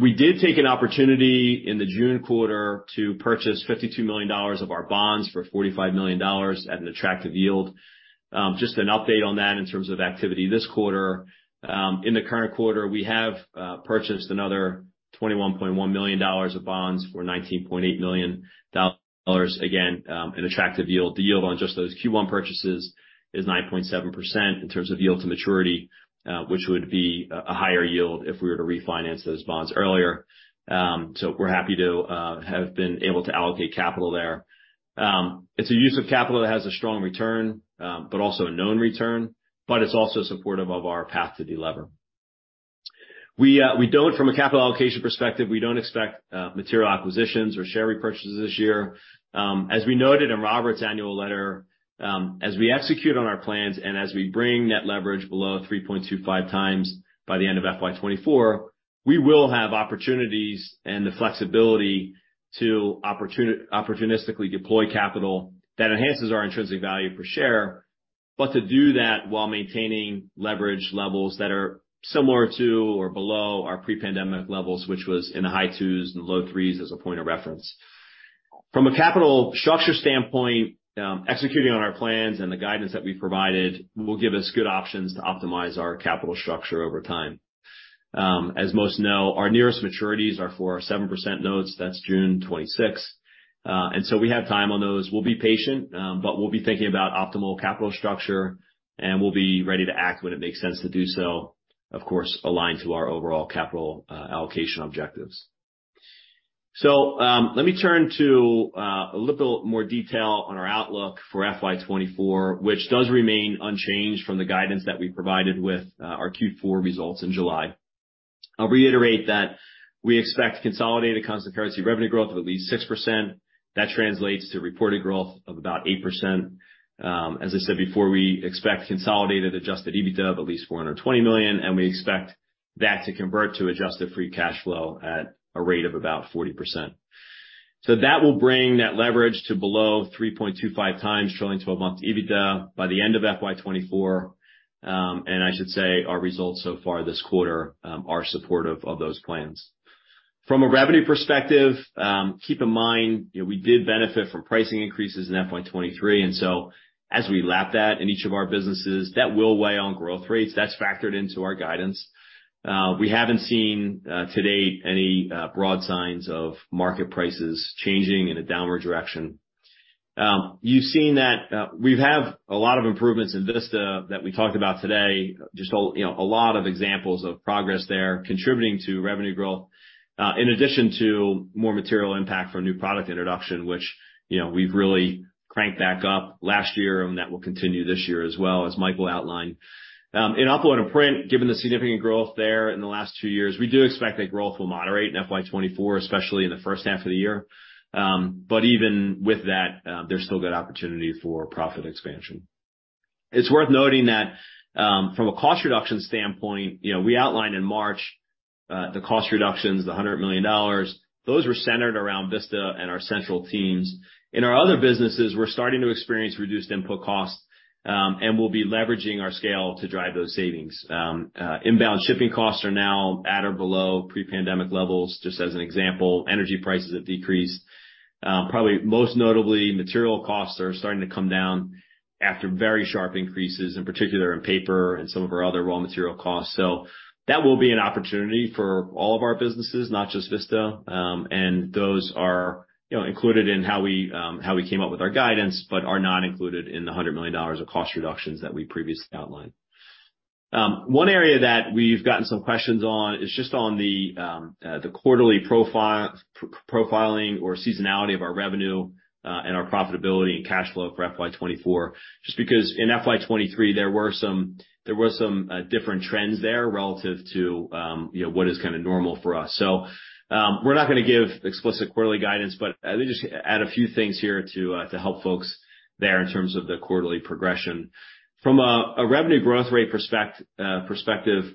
We did take an opportunity in the June quarter to purchase $52 million of our bonds for $45 million at an attractive yield. Just an update on that in terms of activity this quarter. In the current quarter, we have purchased another $21.1 million of bonds for $19.8 million. Again, an attractive yield. The yield on just those Q1 purchases is 9.7% in terms of yield to maturity, which would be a higher yield if we were to refinance those bonds earlier. So we're happy to have been able to allocate capital there. It's a use of capital that has a strong return, but also a known return, but it's also supportive of our path to delever. We, we don't, from a capital allocation perspective, we don't expect material acquisitions or share repurchases this year. As we noted in Robert's annual letter, as we execute on our plans and as we bring net leverage below 3.25x by the end of FY 2024, we will have opportunities and the flexibility to opportunistically deploy capital that enhances our intrinsic value per share, but to do that while maintaining leverage levels that are similar to or below our pre-pandemic levels, which was in the high twos and low threes as a point of reference. From a capital structure standpoint, executing on our plans and the guidance that we've provided will give us good options to optimize our capital structure over time. As most know, our nearest maturities are for our 7% notes. That's June 2026, and so we have time on those. We'll be patient, but we'll be thinking about optimal capital structure, and we'll be ready to act when it makes sense to do so, of course, aligned to our overall capital, allocation objectives. So, let me turn to, a little more detail on our outlook for FY 2024, which does remain unchanged from the guidance that we provided with, our Q4 results in July. I'll reiterate that we expect consolidated constant currency revenue growth of at least 6%. That translates to reported growth of about 8%. As I said before, we expect consolidated Adjusted EBITDA of at least $420 million, and we expect that to convert to adjusted free cash flow at a rate of about 40%. So that will bring net leverage to below 3.25x trailing 12-month EBITDA by the end of FY 2024. And I should say, our results so far this quarter are supportive of those plans. From a revenue perspective, keep in mind, you know, we did benefit from pricing increases in FY 2023, and so as we lap that in each of our businesses, that will weigh on growth rates. That's factored into our guidance. We haven't seen, to date any, broad signs of market prices changing in a downward direction. You've seen that, we have a lot of improvements in Vista that we talked about today. Just, you know, a lot of examples of progress there contributing to revenue growth, in addition to more material impact from new product introduction, which, you know, we've really-... cranked back up last year, and that will continue this year as well, as Michael outlined. In Upload and Print, given the significant growth there in the last two years, we do expect that growth will moderate in FY 2024, especially in the first half of the year. But even with that, there's still good opportunity for profit expansion. It's worth noting that, from a cost reduction standpoint, you know, we outlined in March the cost reductions, the $100 million. Those were centered around Vista and our central teams. In our other businesses, we're starting to experience reduced input costs, and we'll be leveraging our scale to drive those savings. Inbound shipping costs are now at or below pre-pandemic levels, just as an example. Energy prices have decreased. Probably most notably, material costs are starting to come down after very sharp increases, in particular in paper and some of our other raw material costs. So that will be an opportunity for all of our businesses, not just Vista. And those are, you know, included in how we came up with our guidance, but are not included in the $100 million of cost reductions that we previously outlined. One area that we've gotten some questions on is just on the quarterly profiling or seasonality of our revenue and our profitability and cash flow for FY 2024. Just because in FY 2023, there were some different trends there relative to, you know, what is kind of normal for us. So, we're not gonna give explicit quarterly guidance, but let me just add a few things here to help folks there in terms of the quarterly progression. From a revenue growth rate perspective,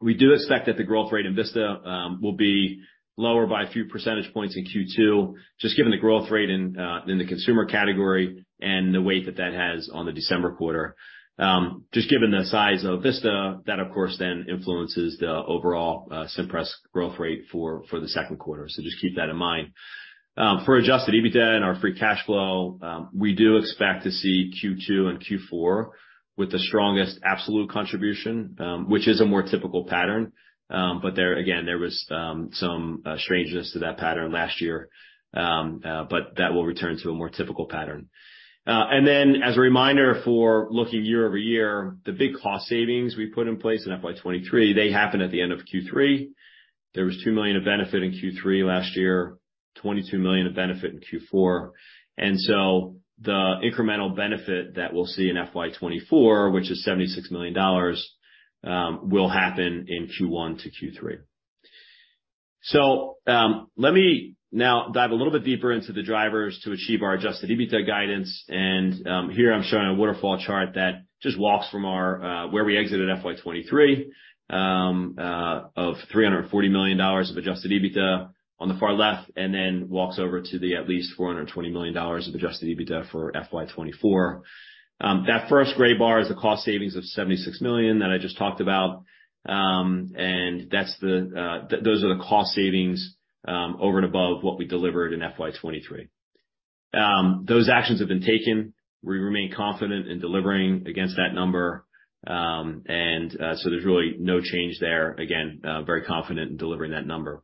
we do expect that the growth rate in Vista will be lower by a few percentage points in Q2, just given the growth rate in the consumer category and the weight that that has on the December quarter. Just given the size of Vista, that, of course, then influences the overall Cimpress growth rate for the second quarter. So just keep that in mind. For Adjusted EBITDA and our free cash flow, we do expect to see Q2 and Q4 with the strongest absolute contribution, which is a more typical pattern. But there again, there was some strangeness to that pattern last year. But that will return to a more typical pattern. And then as a reminder for looking year-over-year, the big cost savings we put in place in FY 2023, they happened at the end of Q3. There was $2 million of benefit in Q3 last year, $22 million of benefit in Q4. And so the incremental benefit that we'll see in FY 2024, which is $76 million, will happen in Q1 to Q3. So, let me now dive a little bit deeper into the drivers to achieve our Adjusted EBITDA guidance, and, here I'm showing a waterfall chart that just walks from our, where we exited FY 2023, of $340 million of Adjusted EBITDA on the far left, and then walks over to the at least $420 million of Adjusted EBITDA for FY 2024. That first gray bar is a cost savings of $76 million that I just talked about. And that's the... Those are the cost savings, over and above what we delivered in FY 2023. Those actions have been taken. We remain confident in delivering against that number. And, so there's really no change there. Again, very confident in delivering that number.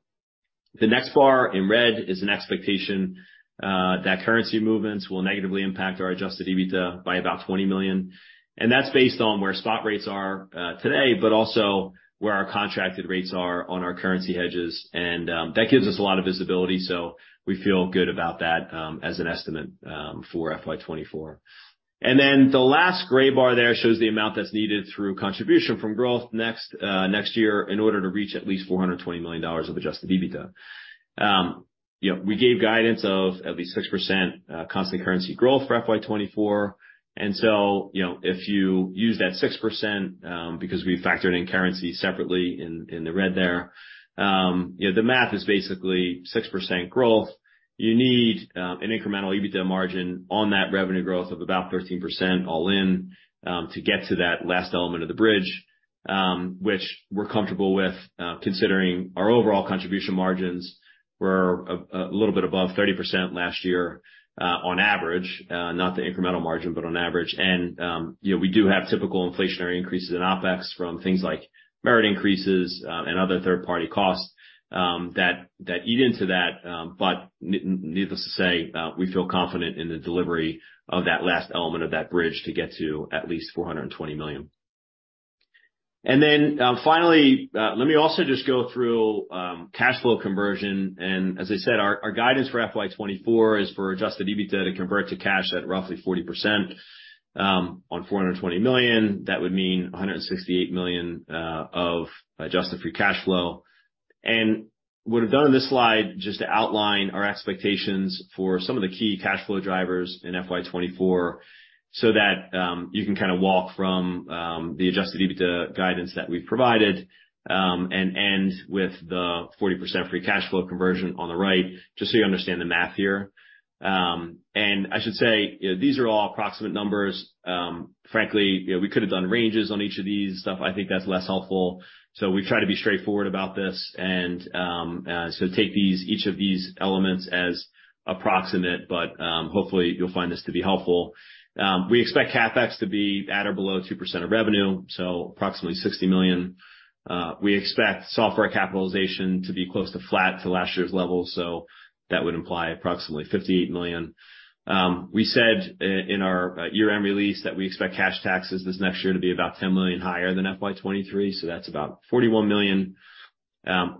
The next bar in red is an expectation that currency movements will negatively impact our Adjusted EBITDA by about $20 million, and that's based on where spot rates are today, but also where our contracted rates are on our currency hedges. And that gives us a lot of visibility, so we feel good about that as an estimate for FY 2024. And then the last gray bar there shows the amount that's needed through contribution from growth next year, in order to reach at least $420 million of Adjusted EBITDA. You know, we gave guidance of at least 6% constant currency growth for FY 2024. You know, if you use that 6%, because we factored in currency separately in the red there, you know, the math is basically 6% growth. You need an incremental EBITDA margin on that revenue growth of about 13% all in, to get to that last element of the bridge, which we're comfortable with, considering our overall contribution margins were a little bit above 30% last year, on average, not the incremental margin, but on average. You know, we do have typical inflationary increases in OpEx from things like merit increases, and other third-party costs, that eat into that. But needless to say, we feel confident in the delivery of that last element of that bridge to get to at least $420 million. And then, finally, let me also just go through cash flow conversion, and as I said, our guidance for FY 2024 is for Adjusted EBITDA to convert to cash at roughly 40%, on $420 million. That would mean $168 million of adjusted free cash flow. And what I've done in this slide, just to outline our expectations for some of the key cash flow drivers in FY 2024, so that you can kind of walk from the Adjusted EBITDA guidance that we've provided and end with the 40% free cash flow conversion on the right, just so you understand the math here. And I should say, you know, these are all approximate numbers. Frankly, you know, we could have done ranges on each of these, so I think that's less helpful. So we've tried to be straightforward about this. So take these, each of these elements as approximate, but hopefully, you'll find this to be helpful. We expect CapEx to be at or below 2% of revenue, so approximately $60 million. We expect software capitalization to be close to flat to last year's level, so that would imply approximately $58 million. We said in our year-end release that we expect cash taxes this next year to be about $10 million higher than FY 2023, so that's about $41 million.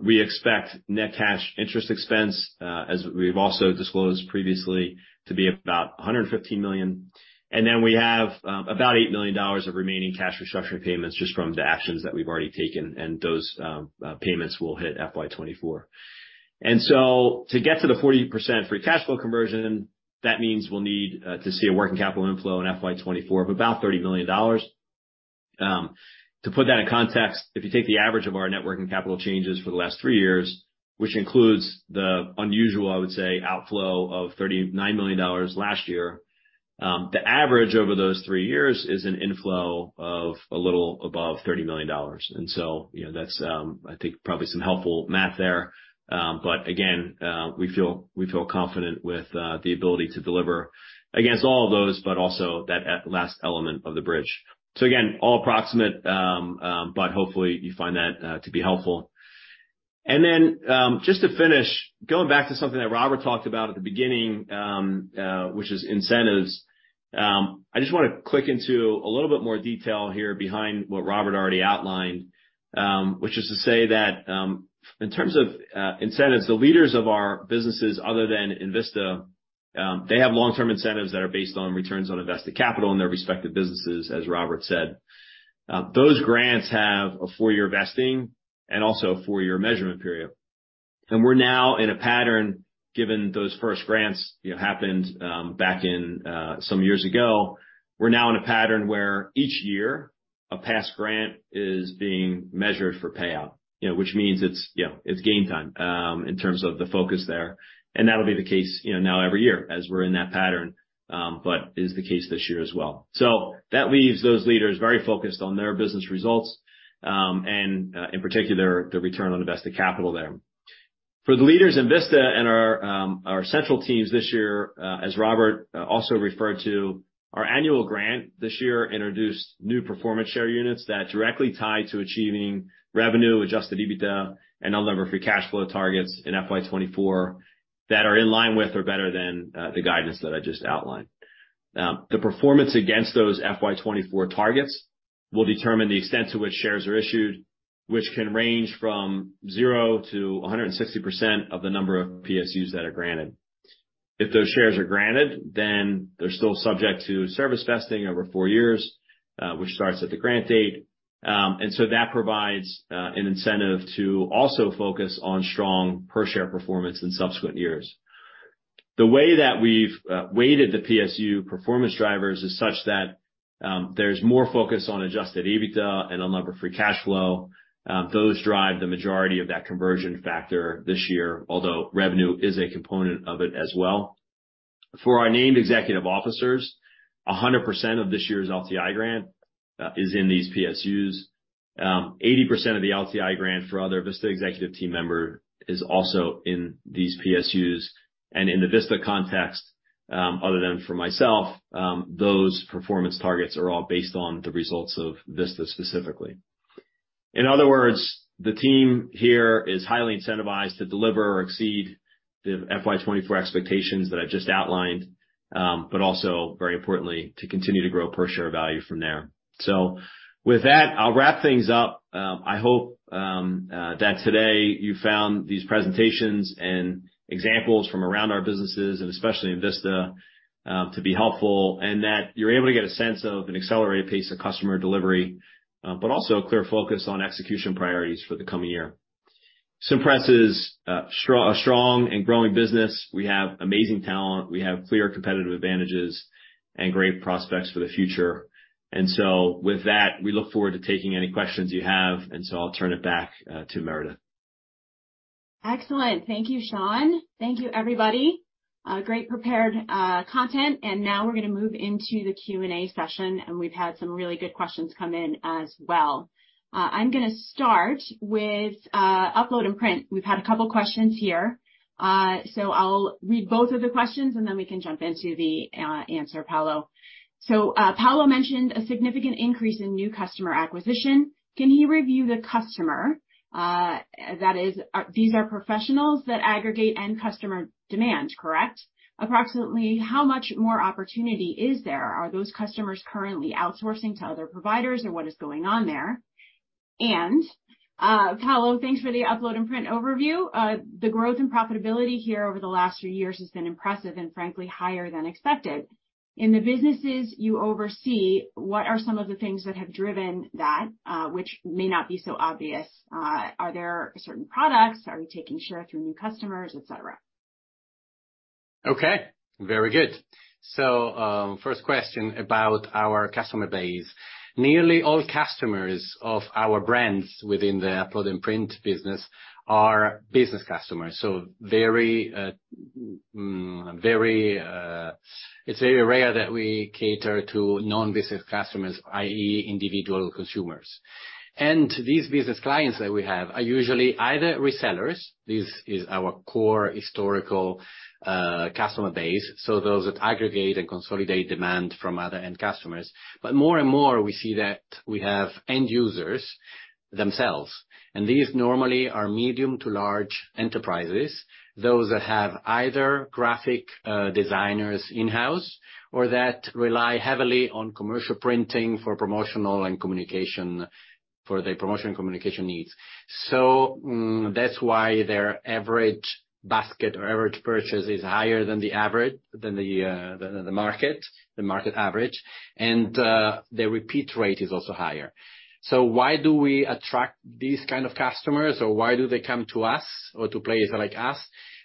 We expect net cash interest expense, as we've also disclosed previously, to be about $115 million, and then we have about $8 million of remaining cash restructure payments just from the actions that we've already taken, and those payments will hit FY 2024. To get to the 40% free cash flow conversion, that means we'll need to see a working capital inflow in FY 2024 of about $30 million. To put that in context, if you take the average of our net working capital changes for the last 3 years, which includes the unusual, I would say, outflow of $39 million last year, the average over those 3 years is an inflow of a little above $30 million. And so, you know, that's, I think, probably some helpful math there. But again, we feel confident with the ability to deliver against all of those, but also that last element of the bridge. So again, all approximate, but hopefully you find that to be helpful. And then, just to finish, going back to something that Robert talked about at the beginning, which is incentives. I just want to click into a little bit more detail here behind what Robert already outlined. Which is to say that, in terms of incentives, the leaders of our businesses, other than Vista, they have long-term incentives that are based on returns on invested capital in their respective businesses, as Robert said. Those grants have a four-year vesting and also a four-year measurement period. And we're now in a pattern, given those first grants, you know, happened, back in, some years ago. We're now in a pattern where each year, a past grant is being measured for payout, you know, which means it's, you know, it's game time, in terms of the focus there. That'll be the case, you know, now every year as we're in that pattern, but is the case this year as well. So that leaves those leaders very focused on their business results, and in particular, the Return on Invested Capital there. For the leaders in Vista and our central teams this year, as Robert also referred to, our annual grant this year introduced new performance share units that directly tie to achieving revenue, Adjusted EBITDA, and Unlevered Free Cash Flow targets in FY 2024 that are in line with or better than the guidance that I just outlined. The performance against those FY 2024 targets will determine the extent to which shares are issued, which can range from 0 to 160% of the number of PSUs that are granted. If those shares are granted, then they're still subject to service vesting over four years, which starts at the grant date. And so that provides an incentive to also focus on strong per share performance in subsequent years. The way that we've weighted the PSU performance drivers is such that there's more focus on Adjusted EBITDA and Unlevered Free Cash Flow. Those drive the majority of that conversion factor this year, although revenue is a component of it as well. For our named executive officers, 100% of this year's LTI grant is in these PSUs. 80% of the LTI grant for other Vista executive team member is also in these PSUs. In the Vista context, other than for myself, those performance targets are all based on the results of Vista specifically. In other words, the team here is highly incentivized to deliver or exceed the FY 2024 expectations that I've just outlined, but also very importantly, to continue to grow per share value from there. So with that, I'll wrap things up. I hope that today you found these presentations and examples from around our businesses and especially Vista to be helpful, and that you're able to get a sense of an accelerated pace of customer delivery, but also a clear focus on execution priorities for the coming year. Cimpress is a strong and growing business. We have amazing talent. We have clear competitive advantages and great prospects for the future. And so with that, we look forward to taking any questions you have, and so I'll turn it back to Meredith. Excellent. Thank you, Sean. Thank you, everybody. Great prepared content. And now we're gonna move into the Q&A session, and we've had some really good questions come in as well. I'm gonna start with Upload and Print. We've had a couple questions here. So I'll read both of the questions, and then we can jump into the answer, Paolo. So Paolo mentioned a significant increase in new customer acquisition. Can he review the customer? That is, these are professionals that aggregate end customer demand, correct? Approximately how much more opportunity is there? Are those customers currently outsourcing to other providers, or what is going on there? And Paolo, thanks for the Upload and Print overview. The growth and profitability here over the last few years has been impressive and frankly, higher than expected. In the businesses you oversee, what are some of the things that have driven that, which may not be so obvious? Are there certain products? Are we taking share through new customers, et cetera? Okay, very good. So, first question about our customer base. Nearly all customers of our brands within the Upload and Print business are business customers, so very... It's very rare that we cater to non-business customers, i.e., individual consumers. And these business clients that we have are usually either resellers, this is our core historical customer base, so those that aggregate and consolidate demand from other end customers. But more and more, we see that we have end users themselves, and these normally are medium to large enterprises, those that have either graphic designers in-house or that rely heavily on commercial printing for promotional and communication purposes.... for their promotion and communication needs. So, that's why their average basket or average purchase is higher than the average, than the, than the market, the market average, and, their repeat rate is also higher. So why do we attract these kind of customers, or why do they come to us or to players like us?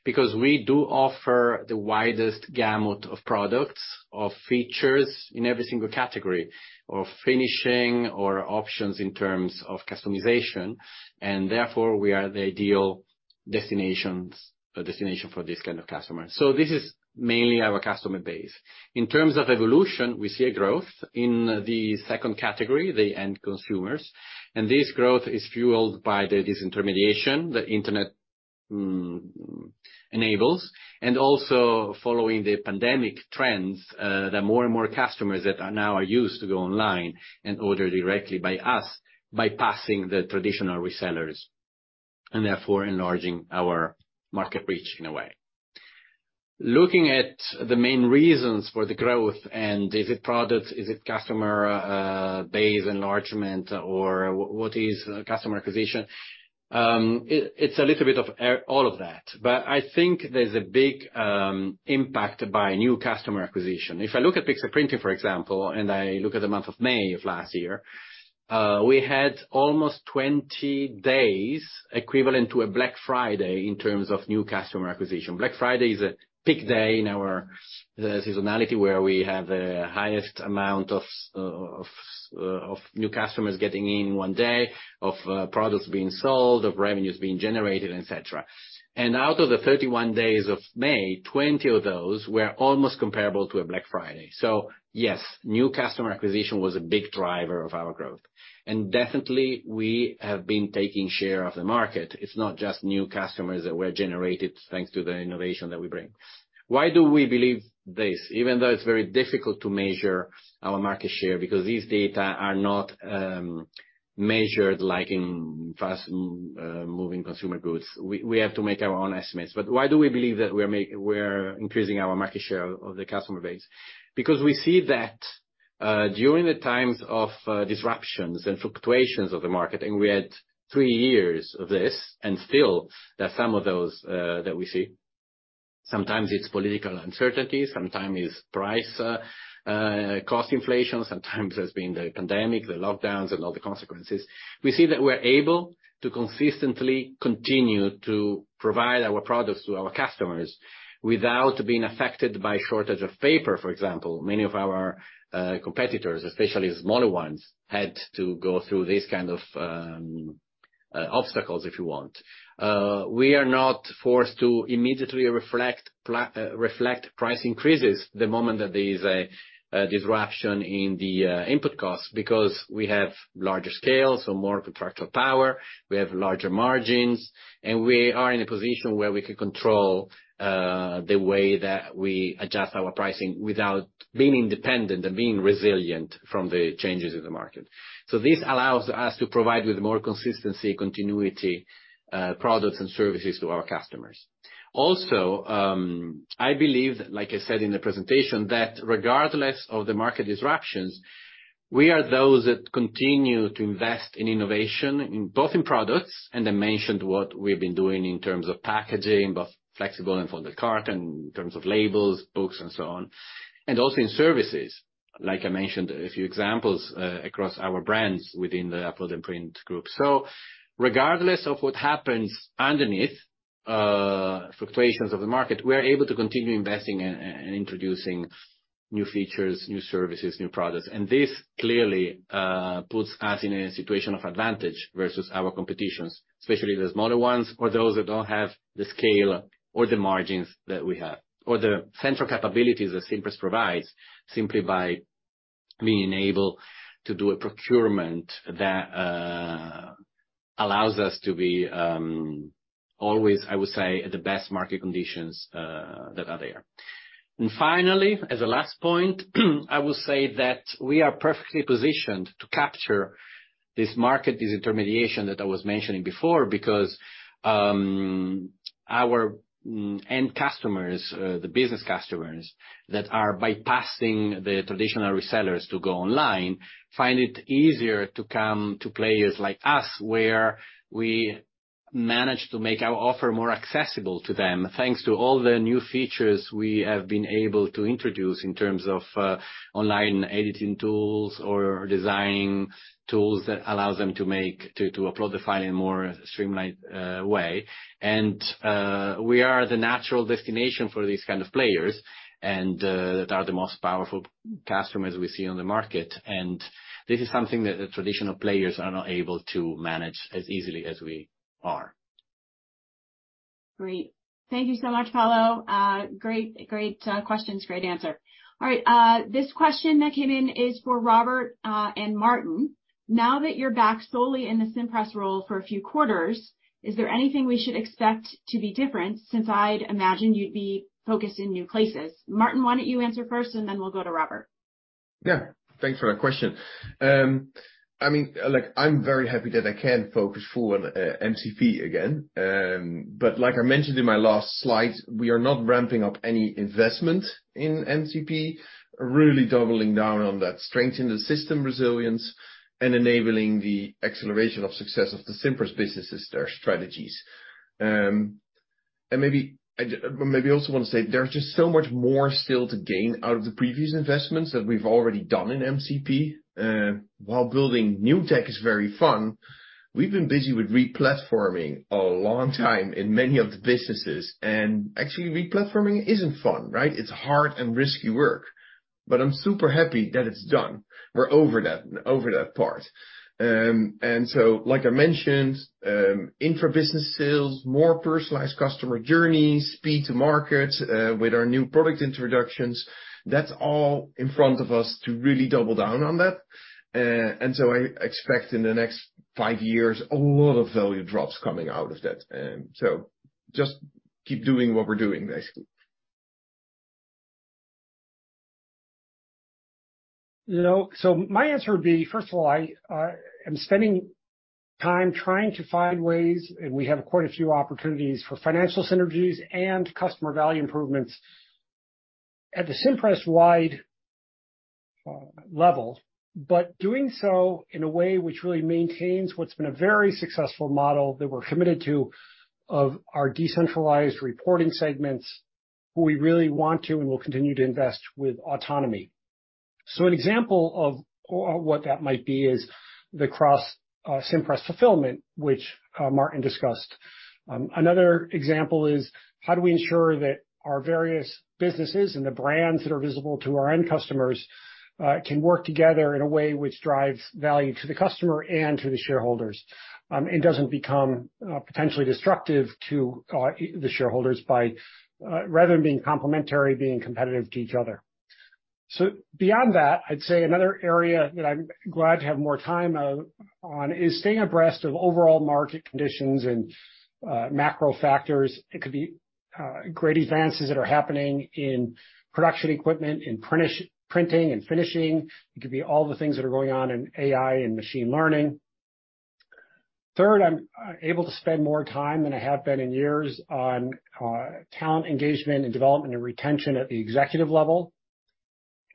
Because we do offer the widest gamut of products, of features in every single category, of finishing or options in terms of customization, and therefore, we are the ideal destinations, or destination for this kind of customer. So this is mainly our customer base. In terms of evolution, we see a growth in the second category, the end consumers, and this growth is fueled by the disintermediation, the internet enables, and also following the pandemic trends, that more and more customers that are now are used to go online and order directly by us, bypassing the traditional resellers, and therefore enlarging our market reach in a way. Looking at the main reasons for the growth, is it products, is it customer base enlargement, or what is customer acquisition? It’s a little bit of all of that, but I think there’s a big impact by new customer acquisition. If I look at Pixartprinting, for example, and I look at the month of May of last year, we had almost 20 days equivalent to a Black Friday in terms of new customer acquisition. Black Friday is a peak day in our, the seasonality, where we have the highest amount of new customers getting in one day, of products being sold, of revenues being generated, et cetera. And out of the 31 days of May, 20 of those were almost comparable to a Black Friday. So yes, new customer acquisition was a big driver of our growth, and definitely, we have been taking share of the market. It's not just new customers that were generated thanks to the innovation that we bring. Why do we believe this, even though it's very difficult to measure our market share? Because these data are not measured like in fast moving consumer goods. We have to make our own estimates. But why do we believe that we're increasing our market share of the customer base? Because we see that, during the times of, disruptions and fluctuations of the market, and we had three years of this, and still there are some of those, that we see. Sometimes it's political uncertainty, sometimes it's price, cost inflation, sometimes it has been the pandemic, the lockdowns, and all the consequences. We see that we're able to consistently continue to provide our products to our customers without being affected by shortage of paper, for example. Many of our competitors, especially smaller ones, had to go through this kind of obstacles, if you want. We are not forced to immediately reflect price increases the moment that there is a disruption in the input costs because we have larger scale, so more contractual power, we have larger margins, and we are in a position where we can control the way that we adjust our pricing without being independent and being resilient from the changes in the market. So this allows us to provide with more consistency, continuity, products and services to our customers. Also, I believe, like I said in the presentation, that regardless of the market disruptions, we are those that continue to invest in innovation, in both products, and I mentioned what we've been doing in terms of packaging, both flexible and folded cart, and in terms of labels, books, and so on, and also in services, like I mentioned a few examples, across our brands within the Upload and Print group. So regardless of what happens underneath, fluctuations of the market, we're able to continue investing and introducing new features, new services, new products, and this clearly puts us in a situation of advantage versus our competitions, especially the smaller ones or those that don't have the scale or the margins that we have, or the central capabilities that Cimpress provides, simply by being able to do a procurement that allows us to be always, I would say, at the best market conditions that are there. And finally, as a last point, I will say that we are perfectly positioned to capture this market, this intermediation that I was mentioning before, because our end customers, the business customers, that are bypassing the traditional resellers to go online, find it easier to come to players like us, where we manage to make our offer more accessible to them, thanks to all the new features we have been able to introduce in terms of online editing tools or designing tools that allows them to upload the file in a more streamlined way. And we are the natural destination for these kind of players, and that are the most powerful customers we see on the market. And this is something that the traditional players are not able to manage as easily as we are. Great. Thank you so much, Paolo. Great, great questions. Great answer. All right, this question that came in is for Robert and Maarten. Now that you're back solely in the Cimpress role for a few quarters, is there anything we should expect to be different, since I'd imagine you'd be focused in new places? Maarten, why don't you answer first, and then we'll go to Robert. Yeah, thanks for that question. I mean, look, I'm very happy that I can focus full on, MCP again. But like I mentioned in my last slide, we are not ramping up any investment in MCP, really doubling down on that strength in the system resilience and enabling the acceleration of success of the Cimpress businesses, their strategies. And maybe, maybe I also want to say there's just so much more still to gain out of the previous investments that we've already done in MCP. While building new tech is very fun, we've been busy with re-platforming a long time in many of the businesses, and actually, re-platforming isn't fun, right? It's hard and risky work, but I'm super happy that it's done. We're over that, over that part. Like I mentioned, intra-business sales, more personalized customer journeys, speed to market, with our new product introductions, that's all in front of us to really double down on that. I expect in the next five years, a lot of value drops coming out of that. Just keep doing what we're doing, basically. You know, so my answer would be, first of all, I, I am spending time trying to find ways, and we have quite a few opportunities for financial synergies and customer value improvements at the Cimpress-wide level, but doing so in a way which really maintains what's been a very successful model that we're committed to, of our decentralized reporting segments, who we really want to and will continue to invest with autonomy. So an example of what that might be is the cross Cimpress fulfillment, which Maarten discussed. Another example is how do we ensure that our various businesses and the brands that are visible to our end customers can work together in a way which drives value to the customer and to the shareholders, and doesn't become potentially destructive to the shareholders by rather than being complementary, being competitive to each other. So beyond that, I'd say another area that I'm glad to have more time on is staying abreast of overall market conditions and macro factors. It could be great advances that are happening in production equipment, in printing and finishing. It could be all the things that are going on in AI and machine learning. Third, I'm able to spend more time than I have been in years on talent engagement and development and retention at the executive level.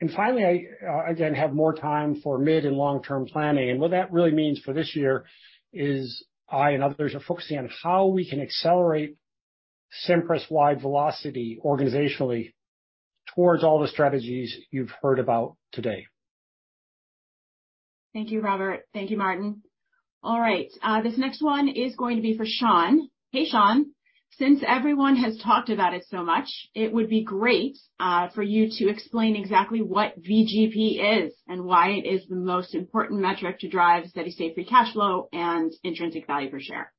And finally, I, again, have more time for mid and long-term planning. And what that really means for this year is I and others are focusing on how we can accelerate Cimpress-wide velocity organizationally towards all the strategies you've heard about today. Thank you, Robert. Thank you, Maarten. All right, this next one is going to be for Sean. Hey, Sean. Since everyone has talked about it so much, it would be great for you to explain exactly what VGP is and why it is the most important metric to drive steady-state free cash flow and intrinsic value per share.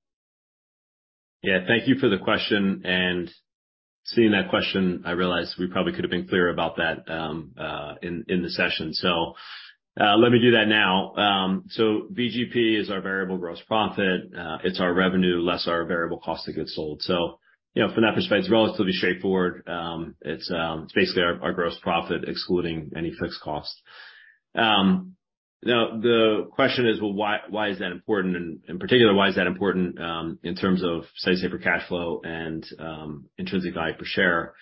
Yeah, thank you for the question, and seeing that question, I realize we probably could have been clearer about that, in the session. So, let me do that now. So, VGP is our variable gross profit. It's our revenue less our variable cost of goods sold. So, you know, from that perspective, it's relatively straightforward. It's basically our gross profit, excluding any fixed cost. Now, the question is, well, why is that important? And, in particular, why is that important, in terms of steady state for cash flow and, intrinsic value per share?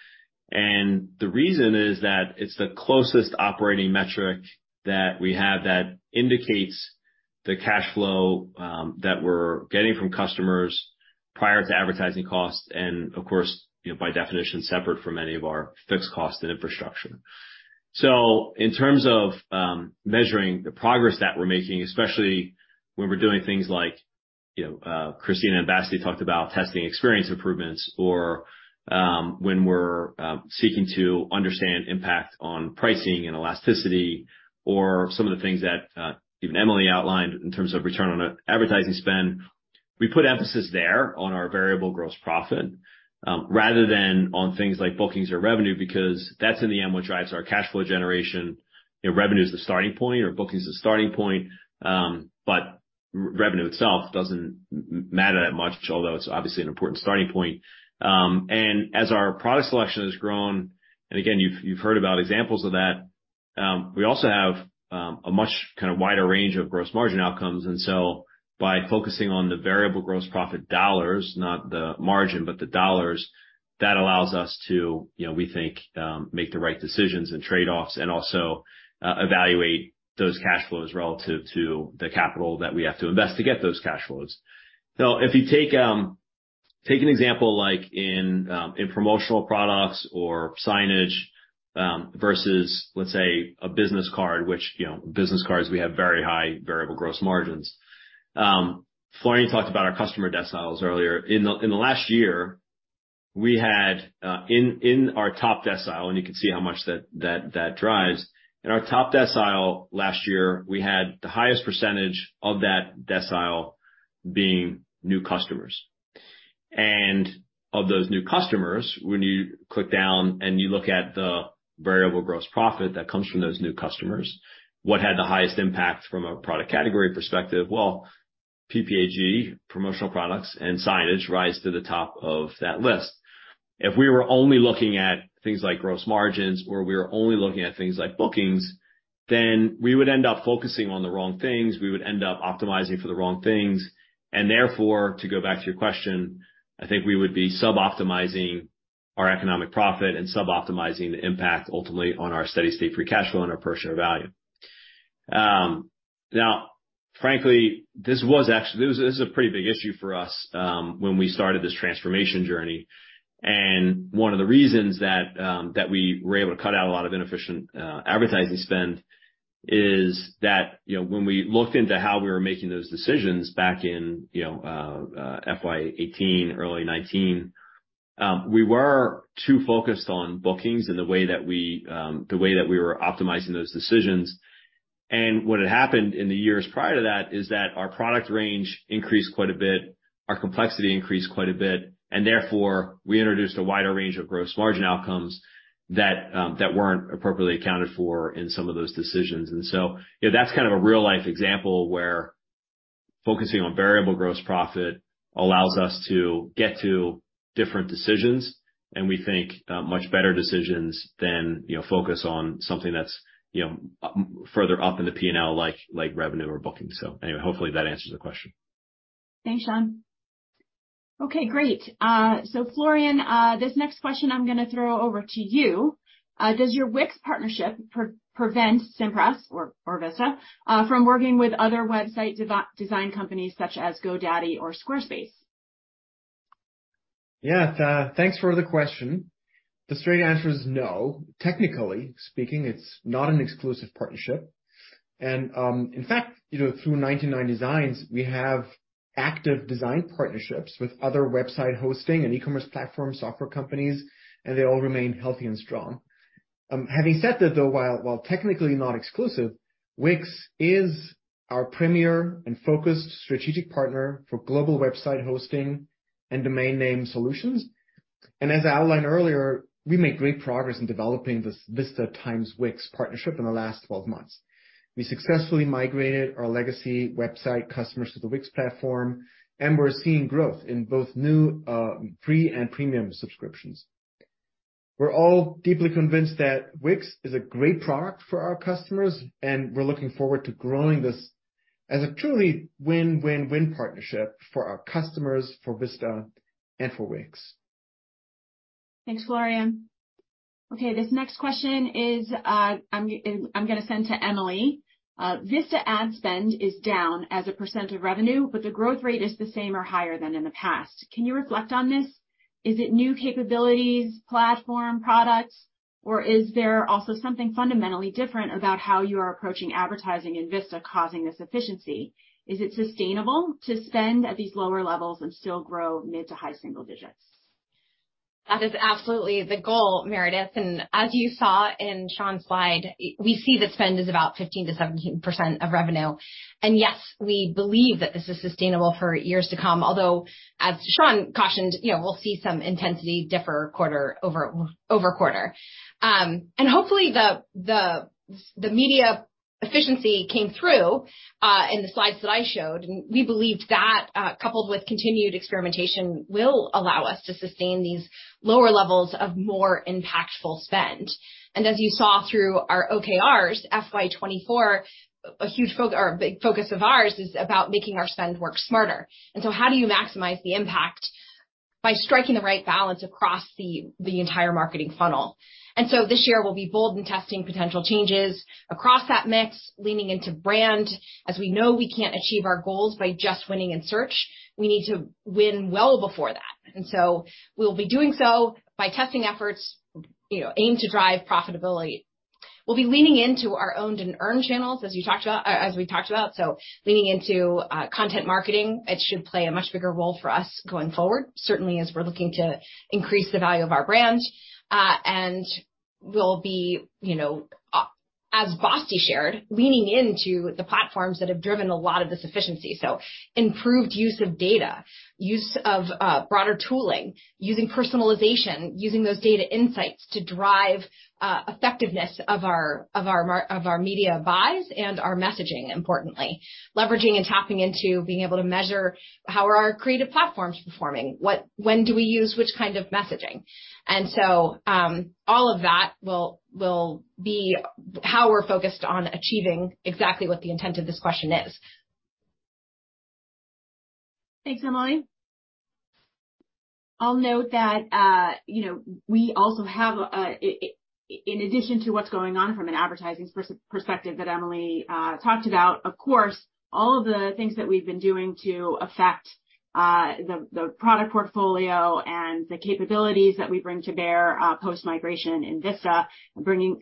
And the reason is that it's the closest operating metric that we have that indicates the cash flow that we're getting from customers prior to advertising costs, and of course, you know, by definition, separate from any of our fixed costs and infrastructure. So in terms of measuring the progress that we're making, especially when we're doing things like, you know, Christina and Basti talked about testing experience improvements or when we're seeking to understand impact on pricing and elasticity, or some of the things that even Emily outlined in terms of return on advertising spend, we put emphasis there on our variable gross profit rather than on things like bookings or revenue, because that's in the end, what drives our cash flow generation. You know, revenue is the starting point, or bookings is the starting point, but revenue itself doesn't matter that much, although it's obviously an important starting point. And as our product selection has grown, and again, you've heard about examples of that, we also have a much kind of wider range of gross margin outcomes. And so by focusing on the variable gross profit dollars, not the margin, but the dollars, that allows us to, you know, we think, make the right decisions and trade-offs, and also evaluate those cash flows relative to the capital that we have to invest to get those cash flows. So if you take an example, like in promotional products or signage, versus, let's say, a business card, which, you know, business cards, we have very high variable gross margins. Florian talked about our customer deciles earlier. In the last year, we had in our top decile, and you can see how much that drives. In our top decile last year, we had the highest percentage of that decile being new customers. And of those new customers, when you click down and you look at the variable gross profit that comes from those new customers, what had the highest impact from a product category perspective? Well, PPAG, promotional products and signage rise to the top of that list. If we were only looking at things like gross margins, or we were only looking at things like bookings, then we would end up focusing on the wrong things. We would end up optimizing for the wrong things. And therefore, to go back to your question, I think we would be suboptimizing our economic profit and suboptimizing the impact ultimately on our steady-state free cash flow and our per share value. Frankly, this was actually, this, this is a pretty big issue for us, when we started this transformation journey. And one of the reasons that, that we were able to cut out a lot of inefficient advertising spend is that, you know, when we looked into how we were making those decisions back in, you know, FY 2018, early 2019, we were too focused on bookings and the way that we, the way that we were optimizing those decisions. What had happened in the years prior to that is that our product range increased quite a bit, our complexity increased quite a bit, and therefore, we introduced a wider range of gross margin outcomes that, that weren't appropriately accounted for in some of those decisions. And so, you know, that's kind of a real-life example where focusing on variable gross profit allows us to get to different decisions, and we think, much better decisions than, you know, focus on something that's, you know, further up in the PNL, like, like revenue or bookings. So anyway, hopefully, that answers the question. Thanks, Sean. Okay, great. So Florian, this next question I'm gonna throw over to you. Does your Wix partnership prevent Cimpress or, or Vista, from working with other website design companies such as GoDaddy or Squarespace? Yeah, thanks for the question. The straight answer is no. Technically speaking, it's not an exclusive partnership. And, in fact, you know, through 99designs, we have active design partnerships with other website hosting and e-commerce platform software companies, and they all remain healthy and strong. Having said that, though, while technically not exclusive, Wix is our premier and focused strategic partner for global website hosting and domain name solutions. And as I outlined earlier, we made great progress in developing this Vista times Wix partnership in the last 12 months. We successfully migrated our legacy website customers to the Wix platform, and we're seeing growth in both new free and premium subscriptions. We're all deeply convinced that Wix is a great product for our customers, and we're looking forward to growing this as a truly win-win-win partnership for our customers, for Vista, and for Wix. Thanks, Florian. Okay, this next question is, I'm gonna send to Emily. Vista ad spend is down as a % of revenue, but the growth rate is the same or higher than in the past. Can you reflect on this? Is it new capabilities, platform, products, or is there also something fundamentally different about how you are approaching advertising in Vista causing this efficiency? Is it sustainable to spend at these lower levels and still grow mid to high single digits? That is absolutely the goal, Meredith, and as you saw in Sean's slide, we see the spend is about 15%-17% of revenue. Yes, we believe that this is sustainable for years to come, although, as Sean cautioned, you know, we'll see some intensity differ quarter-over-quarter. And hopefully, the media efficiency came through in the slides that I showed, and we believe that, coupled with continued experimentation, will allow us to sustain these lower levels of more impactful spend. And as you saw through our OKRs, FY 2024, a huge focus or a big focus of ours is about making our spend work smarter. So how do you maximize the impact? By striking the right balance across the entire marketing funnel. So this year, we'll be bold in testing potential changes across that mix, leaning into brand. As we know, we can't achieve our goals by just winning in search. We need to win well before that, and so we'll be doing so by testing efforts, you know, aimed to drive profitability. We'll be leaning into our owned and earned channels, as you talked about, as we talked about, so leaning into content marketing, it should play a much bigger role for us going forward, certainly as we're looking to increase the value of our brand. And we'll be, you know, as Basti shared, leaning into the platforms that have driven a lot of this efficiency. So improved use of data, use of broader tooling, using personalization, using those data insights to drive effectiveness of our media buys and our messaging, importantly. Leveraging and tapping into being able to measure how our creative platforms are performing? When do we use which kind of messaging? And so, all of that will be how we're focused on achieving exactly what the intent of this question is. Thanks, Emily. I'll note that, you know, we also have. In addition to what's going on from an advertising perspective that Emily talked about, of course, all of the things that we've been doing to affect the product portfolio and the capabilities that we bring to bear post-migration in Vista, building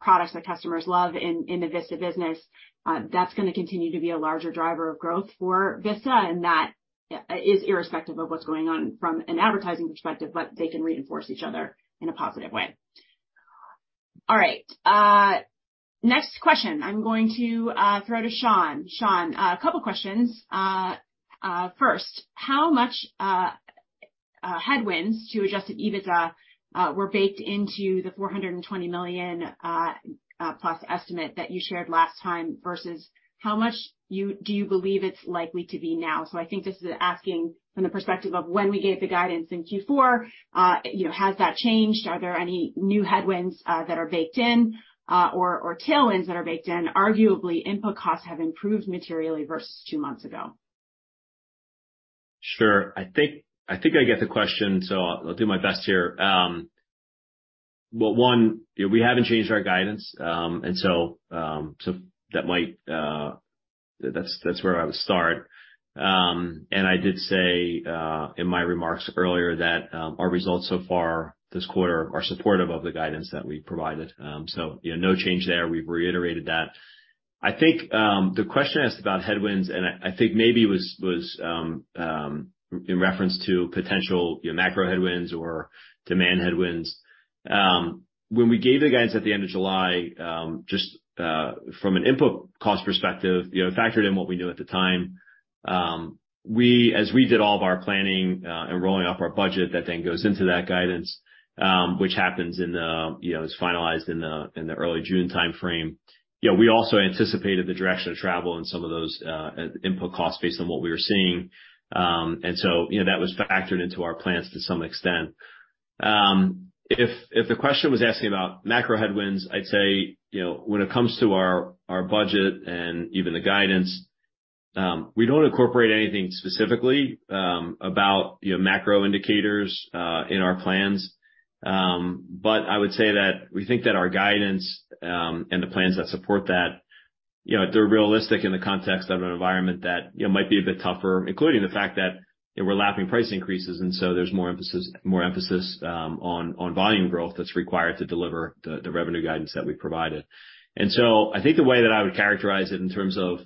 products that customers love in the Vista business, that's gonna continue to be a larger driver of growth for Vista, and that is irrespective of what's going on from an advertising perspective, but they can reinforce each other in a positive way. All right, next question I'm going to throw to Sean. Sean, a couple questions. First, how much headwinds to Adjusted EBITDA were baked into the $420 million plus estimate that you shared last time, versus how much do you believe it's likely to be now? So I think this is asking from the perspective of when we gave the guidance in Q4, you know, has that changed? Are there any new headwinds that are baked in, or tailwinds that are baked in? Arguably, input costs have improved materially versus two months ago.... Sure. I think I get the question, so I'll do my best here. Well, you know, we haven't changed our guidance. And so that might, that's where I would start. And I did say in my remarks earlier, that our results so far this quarter are supportive of the guidance that we provided. So, you know, no change there. We've reiterated that. I think the question asked about headwinds, and I think maybe was in reference to potential, you know, macro headwinds or demand headwinds. When we gave the guidance at the end of July, just, from an input cost perspective, you know, factored in what we knew at the time, as we did all of our planning, and rolling up our budget, that then goes into that guidance, which happens in the, you know, is finalized in the, in the early June timeframe. You know, we also anticipated the direction of travel and some of those input costs based on what we were seeing. And so, you know, that was factored into our plans to some extent. If, if the question was asking about macro headwinds, I'd say, you know, when it comes to our, our budget and even the guidance, we don't incorporate anything specifically, about, you know, macro indicators, in our plans. But I would say that we think that our guidance, and the plans that support that, you know, they're realistic in the context of an environment that, you know, might be a bit tougher, including the fact that we're lapping price increases, and so there's more emphasis, more emphasis, on volume growth that's required to deliver the revenue guidance that we provided. And so I think the way that I would characterize it in terms of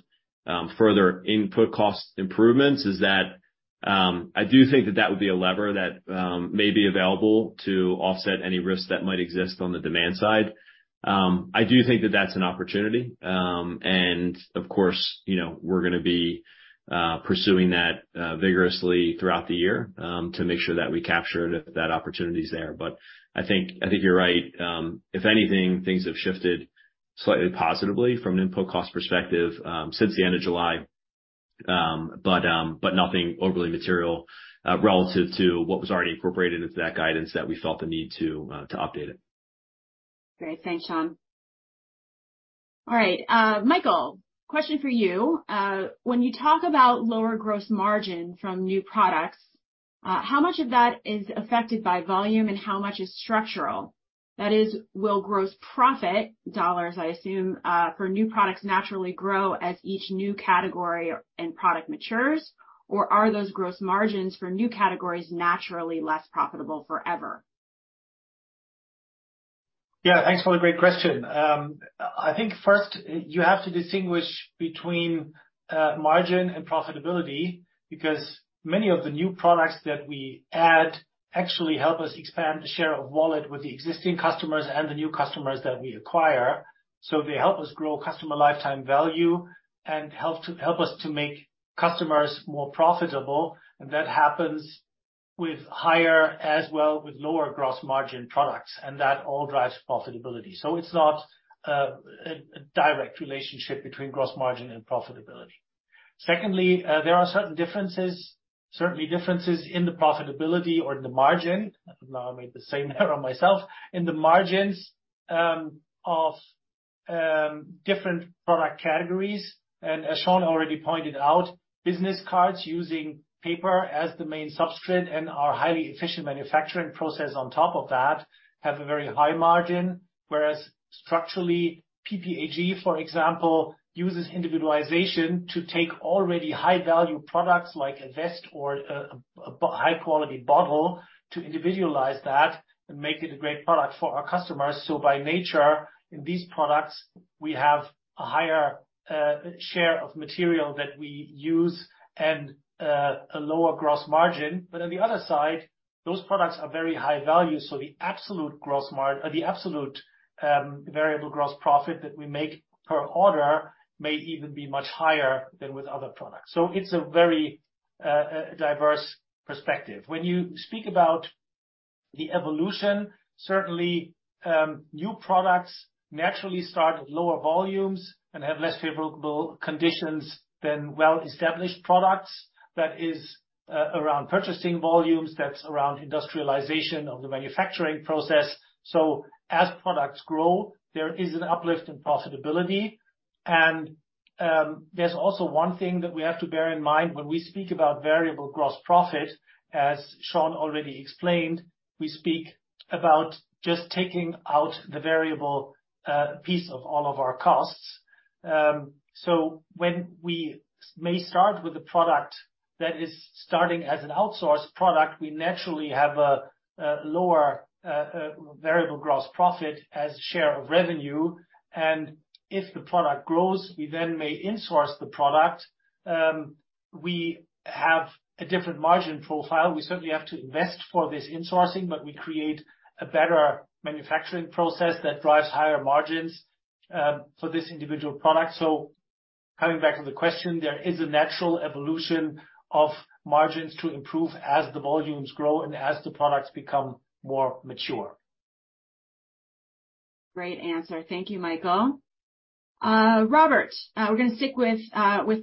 further input cost improvements is that, I do think that that would be a lever that may be available to offset any risks that might exist on the demand side. I do think that that's an opportunity, and of course, you know, we're gonna be pursuing that vigorously throughout the year, to make sure that we capture it if that opportunity is there. But I think, I think you're right. If anything, things have shifted slightly positively from an input cost perspective, since the end of July. But nothing overly material, relative to what was already incorporated into that guidance that we felt the need to update it. Great. Thanks, Sean. All right, Michael, question for you. When you talk about lower gross margin from new products, how much of that is affected by volume, and how much is structural? That is, will gross profit, dollars, I assume, for new products, naturally grow as each new category and product matures, or are those gross margins for new categories naturally less profitable forever? Yeah, thanks for the great question. I think first, you have to distinguish between margin and profitability, because many of the new products that we add actually help us expand the share of wallet with the existing customers and the new customers that we acquire. So they help us grow customer lifetime value and help to, help us to make customers more profitable, and that happens with higher as well with lower gross margin products, and that all drives profitability. So it's not a direct relationship between gross margin and profitability. Secondly, there are certain differences, certainly differences in the profitability or the margin. Now, I made the same error myself, in the margins of different product categories. And as Sean already pointed out, business cards using paper as the main substrate and our highly efficient manufacturing process on top of that have a very high margin, whereas structurally, PPAG, for example, uses individualization to take already high-value products like a vest or a high-quality bottle to individualize that and make it a great product for our customers. So by nature, in these products, we have a higher share of material that we use and a lower gross margin. But on the other side, those products are very high value, so the absolute gross margin or the absolute variable gross profit that we make per order may even be much higher than with other products. So it's a very diverse perspective. When you speak about the evolution, certainly, new products naturally start at lower volumes and have less favorable conditions than well-established products. That is, around purchasing volumes, that's around industrialization of the manufacturing process. So as products grow, there is an uplift in profitability. And, there's also one thing that we have to bear in mind when we speak about variable gross profit, as Sean already explained, we speak about just taking out the variable, piece of all of our costs. So when we may start with a product that is starting as an outsourced product, we naturally have a lower variable gross profit as share of revenue, and if the product grows, we then may insource the product. We have a different margin profile. We certainly have to invest for this insourcing, but we create a better manufacturing process that drives higher margins, for this individual product. So coming back to the question, there is a natural evolution of margins to improve as the volumes grow and as the products become more mature. Great answer. Thank you, Michael. Robert, we're gonna stick with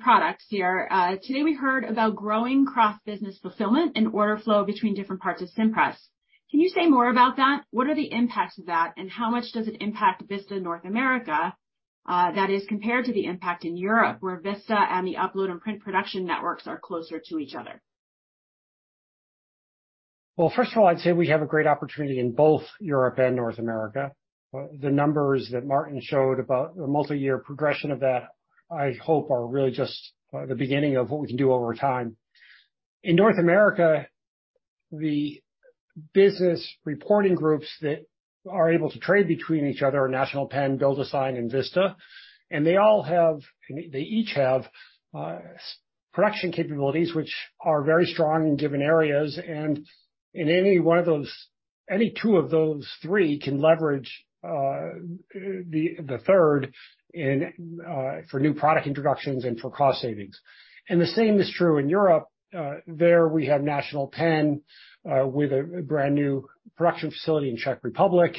products here. Today, we heard about growing cross-business fulfillment and order flow between different parts of Cimpress. Can you say more about that? What are the impacts of that, and how much does it impact Vista North America? That is compared to the impact in Europe, where Vista and the Upload and Print production networks are closer to each other? Well, first of all, I'd say we have a great opportunity in both Europe and North America. But the numbers that Maarten showed about the multi-year progression of that, I hope, are really just the beginning of what we can do over time. In North America, the business reporting groups that are able to trade between each other are National Pen, BuildASign, and Vista, and they all have—they each have production capabilities, which are very strong in given areas. And in any one of those, any two of those three can leverage the third in for new product introductions and for cost savings. And the same is true in Europe. There we have National Pen with a brand new production facility in Czech Republic.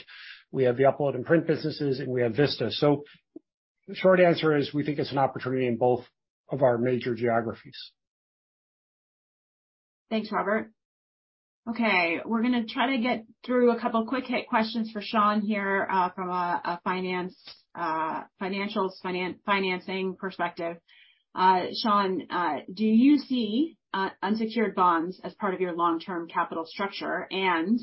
We have the Upload and Print businesses, and we have Vista. The short answer is, we think it's an opportunity in both of our major geographies. Thanks, Robert. Okay, we're gonna try to get through a couple quick hit questions for Sean here, from a finance, financials, finance, financing perspective. Sean, do you see unsecured bonds as part of your long-term capital structure? And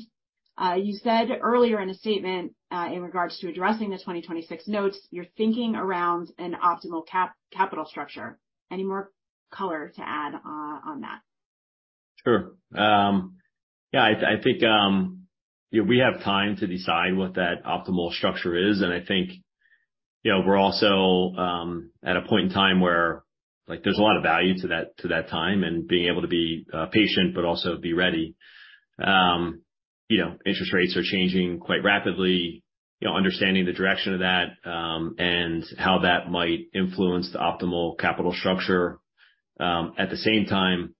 you said earlier in a statement, in regards to addressing the 2026 notes, you're thinking around an optimal capital structure. Any more color to add on that? Sure. Yeah, I think we have time to decide what that optimal structure is, and I think, you know, we're also at a point in time where, like, there's a lot of value to that time and being able to be patient, but also be ready. You know, interest rates are changing quite rapidly, you know, understanding the direction of that, and how that might influence the optimal capital structure. At the same time,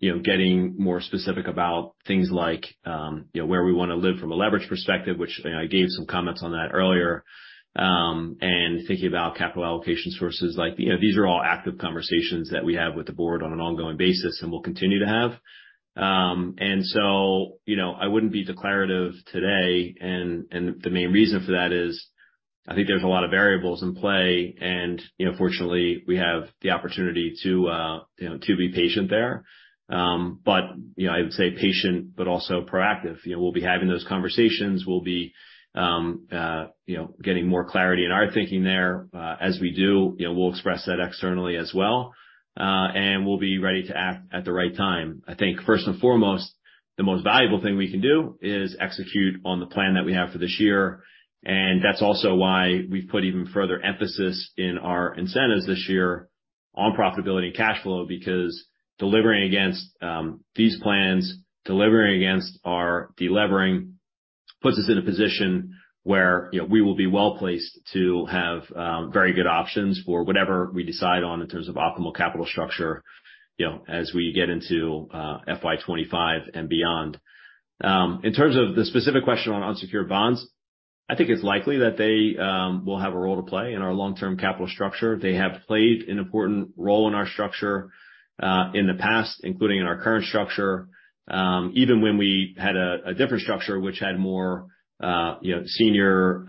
you know, getting more specific about things like, you know, where we want to live from a leverage perspective, which I gave some comments on that earlier. And thinking about capital allocation sources, like, you know, these are all active conversations that we have with the board on an ongoing basis, and we'll continue to have. And so, you know, I wouldn't be declarative today, and, and the main reason for that is, I think there's a lot of variables in play, and, you know, fortunately, we have the opportunity to, you know, to be patient there. But you know, I would say patient, but also proactive. You know, we'll be having those conversations. We'll be, you know, getting more clarity in our thinking there, as we do, you know, we'll express that externally as well, and we'll be ready to act at the right time. I think, first and foremost, the most valuable thing we can do is execute on the plan that we have for this year, and that's also why we've put even further emphasis in our incentives this year on profitability and cash flow. Because delivering against these plans, delivering against our delevering, puts us in a position where, you know, we will be well-placed to have very good options for whatever we decide on in terms of optimal capital structure, you know, as we get into FY 2025 and beyond. In terms of the specific question on unsecured bonds, I think it's likely that they will have a role to play in our long-term capital structure. They have played an important role in our structure in the past, including in our current structure. Even when we had a different structure, which had more, you know, senior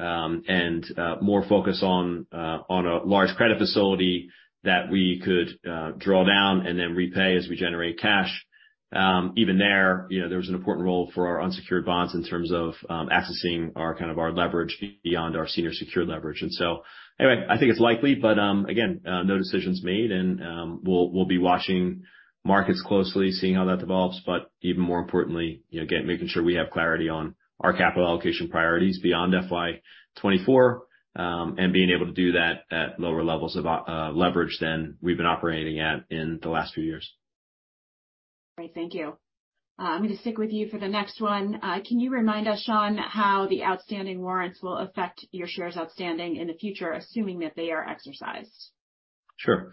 and more focus on a large credit facility that we could draw down and then repay as we generate cash. Even there, you know, there was an important role for our unsecured bonds in terms of, accessing our kind of, our leverage beyond our senior secured leverage. And so anyway, I think it's likely, but, again, no decisions made, and, we'll, we'll be watching markets closely, seeing how that develops. But even more importantly, you know, again, making sure we have clarity on our capital allocation priorities beyond FY 2024, and being able to do that at lower levels of, leverage than we've been operating at in the last few years. Great, thank you. I'm gonna stick with you for the next one. Can you remind us, Sean, how the outstanding warrants will affect your shares outstanding in the future, assuming that they are exercised? Sure.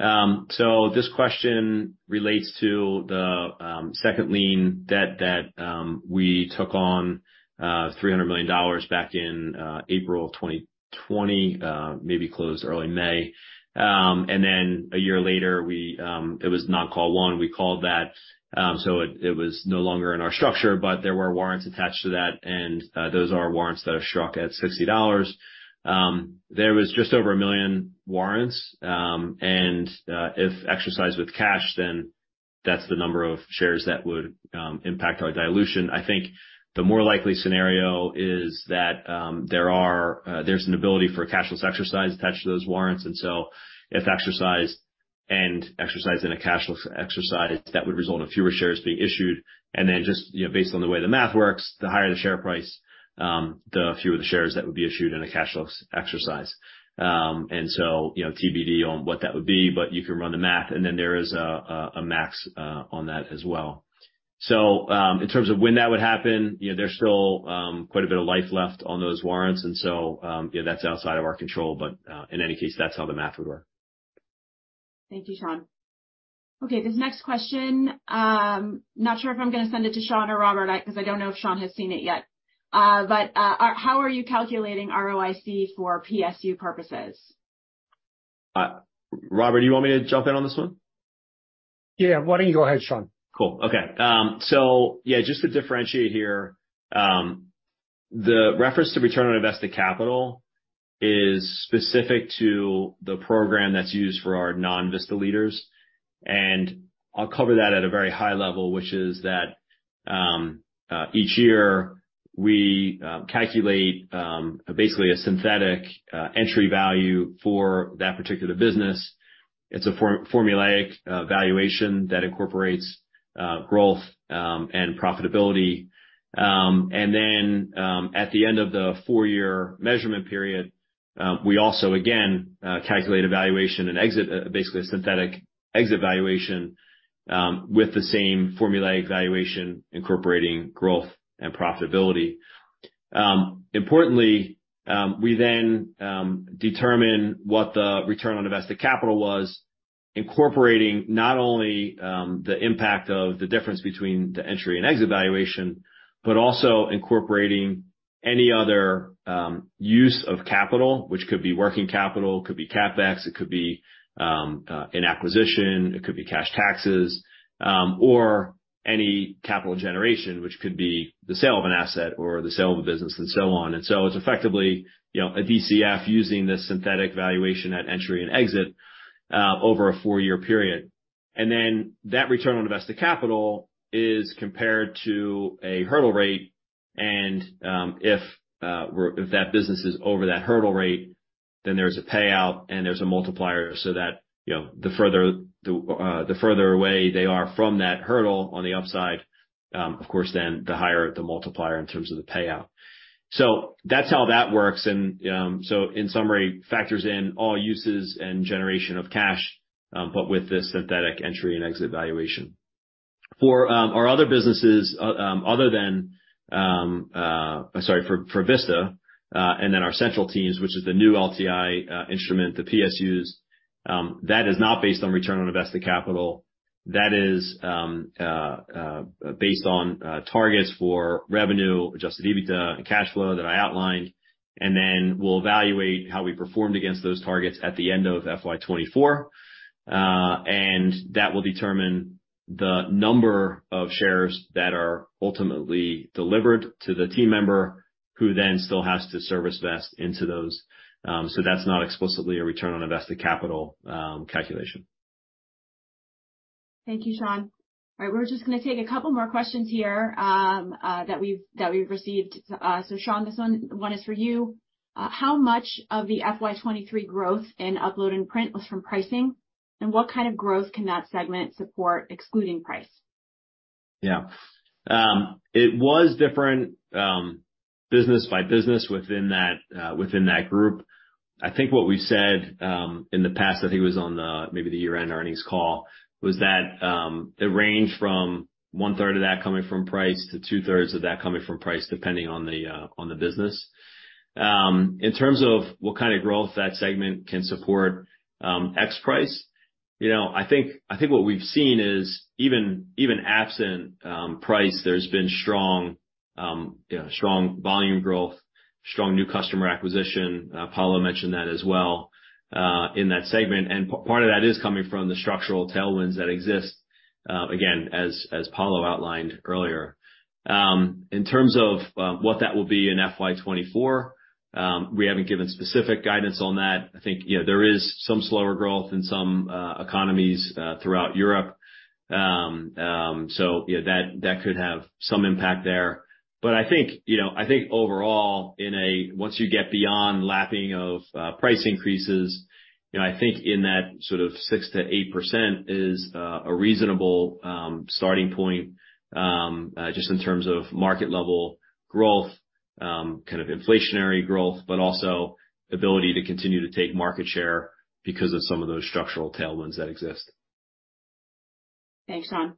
So this question relates to the second lien debt that we took on $300 million back in April of 2020, maybe closed early May. And then a year later, we... It was non-call 1, we called that, so it was no longer in our structure, but there were warrants attached to that, and those are warrants that are struck at $60. There was just over 1 million warrants. And if exercised with cash, then that's the number of shares that would impact our dilution. I think the more likely scenario is that there is an ability for a cashless exercise attached to those warrants, and so if exercised and exercised in a cashless exercise, that would result in fewer shares being issued. And then just, you know, based on the way the math works, the higher the share price, the fewer the shares that would be issued in a cashless exercise. And so, you know, TBD on what that would be, but you can run the math, and then there is a max on that as well. So, in terms of when that would happen, you know, there's still quite a bit of life left on those warrants, and so, yeah, that's outside of our control, but, in any case, that's how the math would work. Thank you, Sean. Okay, this next question. Not sure if I'm gonna send it to Sean or Robert, because I don't know if Sean has seen it yet. How are you calculating ROIC for PSU purposes? Robert, do you want me to jump in on this one?... Yeah, why don't you go ahead, Sean? Cool. Okay. So yeah, just to differentiate here, the reference to Return on Invested Capital is specific to the program that's used for our non-Vista leaders, and I'll cover that at a very high level, which is that, each year we calculate, basically, a synthetic entry value for that particular business. It's a formulaic valuation that incorporates growth and profitability. And then, at the end of the four-year measurement period, we also again calculate a valuation and exit, basically, a synthetic exit valuation, with the same formulaic valuation incorporating growth and profitability. Importantly, we then determine what the return on invested capital was, incorporating not only the impact of the difference between the entry and exit valuation, but also incorporating any other use of capital, which could be working capital, could be CapEx, it could be an acquisition, it could be cash taxes, or any capital generation, which could be the sale of an asset or the sale of a business and so on. And so it's effectively, you know, a DCF using this synthetic valuation at entry and exit over a four-year period. That return on invested capital is compared to a hurdle rate, and if that business is over that hurdle rate, then there's a payout and there's a multiplier so that, you know, the further away they are from that hurdle on the upside, of course, then the higher the multiplier in terms of the payout. So that's how that works. So in summary, factors in all uses and generation of cash, but with this synthetic entry and exit valuation. Sorry, for Vista and then our central teams, which is the new LTI instrument, the PSUs, that is not based on return on invested capital. That is, based on targets for revenue, Adjusted EBITDA and cash flow that I outlined, and then we'll evaluate how we performed against those targets at the end of FY 2024. And that will determine the number of shares that are ultimately delivered to the team member, who then still has to service vest into those. So that's not explicitly a return on invested capital calculation. Thank you, Sean. All right, we're just going to take a couple more questions here that we've received. So Sean, this one is for you. How much of the FY 2023 growth in Upload and Print was from pricing? And what kind of growth can that segment support, excluding price? Yeah. It was different, business by business within that group. I think what we said in the past, I think it was on the, maybe the year-end earnings call, was that it ranged from one-third of that coming from price to two-thirds of that coming from price, depending on the business. In terms of what kind of growth that segment can support, ex price, you know, I think what we've seen is even, even absent price, there's been strong, yeah, strong volume growth, strong new customer acquisition. Paolo mentioned that as well, in that segment. And part of that is coming from the structural tailwinds that exist, again, as Paolo outlined earlier. In terms of what that will be in FY 2024, we haven't given specific guidance on that. I think, you know, there is some slower growth in some economies throughout Europe. So yeah, that, that could have some impact there. But I think, you know, I think overall, in a... Once you get beyond lapping of price increases, you know, I think in that sort of 6%-8% is a reasonable starting point just in terms of market level growth, kind of inflationary growth, but also ability to continue to take market share because of some of those structural tailwinds that exist. Thanks, Sean.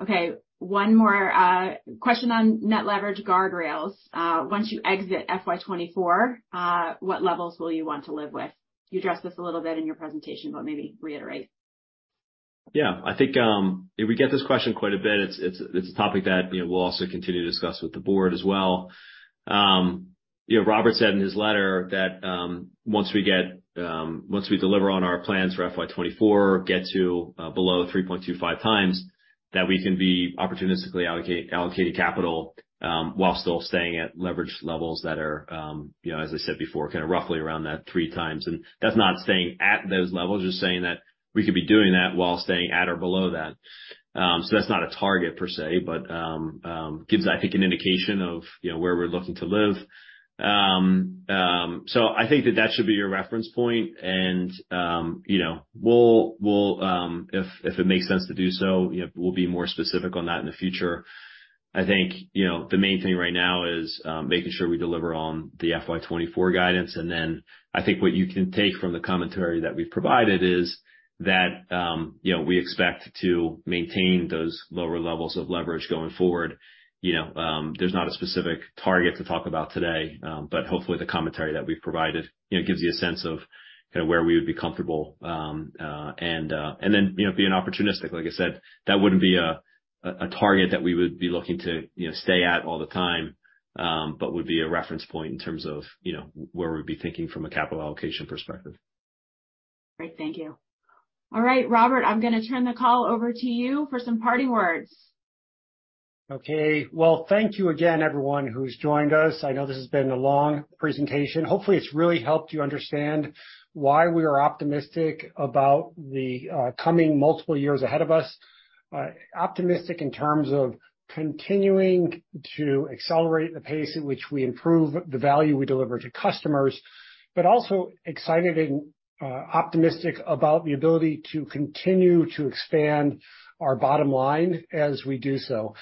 Okay, one more question on net leverage guardrails. Once you exit FY 2024, what levels will you want to live with? You addressed this a little bit in your presentation, but maybe reiterate. Yeah. I think we get this question quite a bit. It's a topic that, you know, we'll also continue to discuss with the board as well. You know, Robert said in his letter that once we deliver on our plans for FY 2024, get to below 3.25x, that we can be opportunistically allocating capital while still staying at leverage levels that are, you know, as I said before, kind of roughly around that 3x. And that's not staying at those levels, just saying that we could be doing that while staying at or below that. So that's not a target per se, but gives, I think, an indication of, you know, where we're looking to live. So I think that that should be your reference point, and, you know, we'll, we'll, if, if it makes sense to do so, you know, we'll be more specific on that in the future. I think, you know, the main thing right now is, making sure we deliver on the FY 2024 guidance, and then I think what you can take from the commentary that we've provided is that, you know, we expect to maintain those lower levels of leverage going forward. You know, there's not a specific target to talk about today, but hopefully, the commentary that we've provided, you know, gives you a sense of kind of where we would be comfortable. And then, you know, being opportunistic, like I said, that wouldn't be a-... a target that we would be looking to, you know, stay at all the time, but would be a reference point in terms of, you know, where we'd be thinking from a capital allocation perspective. Great. Thank you. All right, Robert, I'm gonna turn the call over to you for some parting words. Okay. Well, thank you again, everyone who's joined us. I know this has been a long presentation. Hopefully, it's really helped you understand why we are optimistic about the coming multiple years ahead of us. Optimistic in terms of continuing to accelerate the pace at which we improve the value we deliver to customers, but also excited and optimistic about the ability to continue to expand our bottom line as we do so.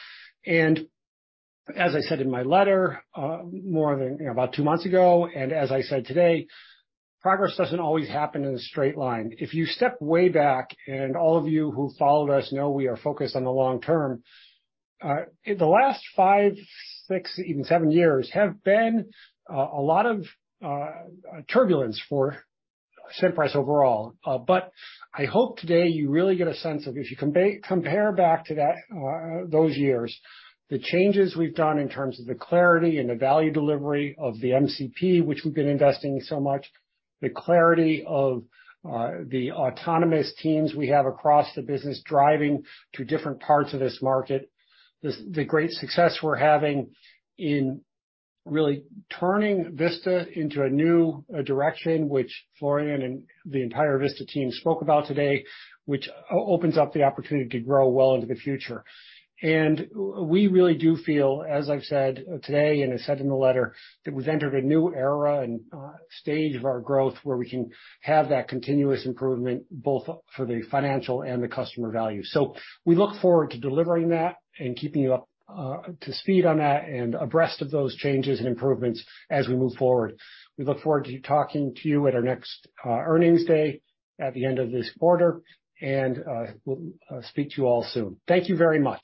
And as I said in my letter, more than about two months ago, and as I said today, progress doesn't always happen in a straight line. If you step way back, and all of you who followed us know we are focused on the long term, the last five, six, even seven years have been a lot of turbulence for Cimpress overall. But I hope today you really get a sense of if you compare back to that, those years, the changes we've done in terms of the clarity and the value delivery of the MCP, which we've been investing so much, the clarity of, the autonomous teams we have across the business, driving to different parts of this market. The great success we're having in really turning Vista into a new, direction, which Florian and the entire Vista team spoke about today, which opens up the opportunity to grow well into the future. And we really do feel, as I've said today, and I said in the letter, that we've entered a new era and, stage of our growth, where we can have that continuous improvement, both for the financial and the customer value. So we look forward to delivering that and keeping you up to speed on that and abreast of those changes and improvements as we move forward. We look forward to talking to you at our next earnings day at the end of this quarter, and we'll speak to you all soon. Thank you very much!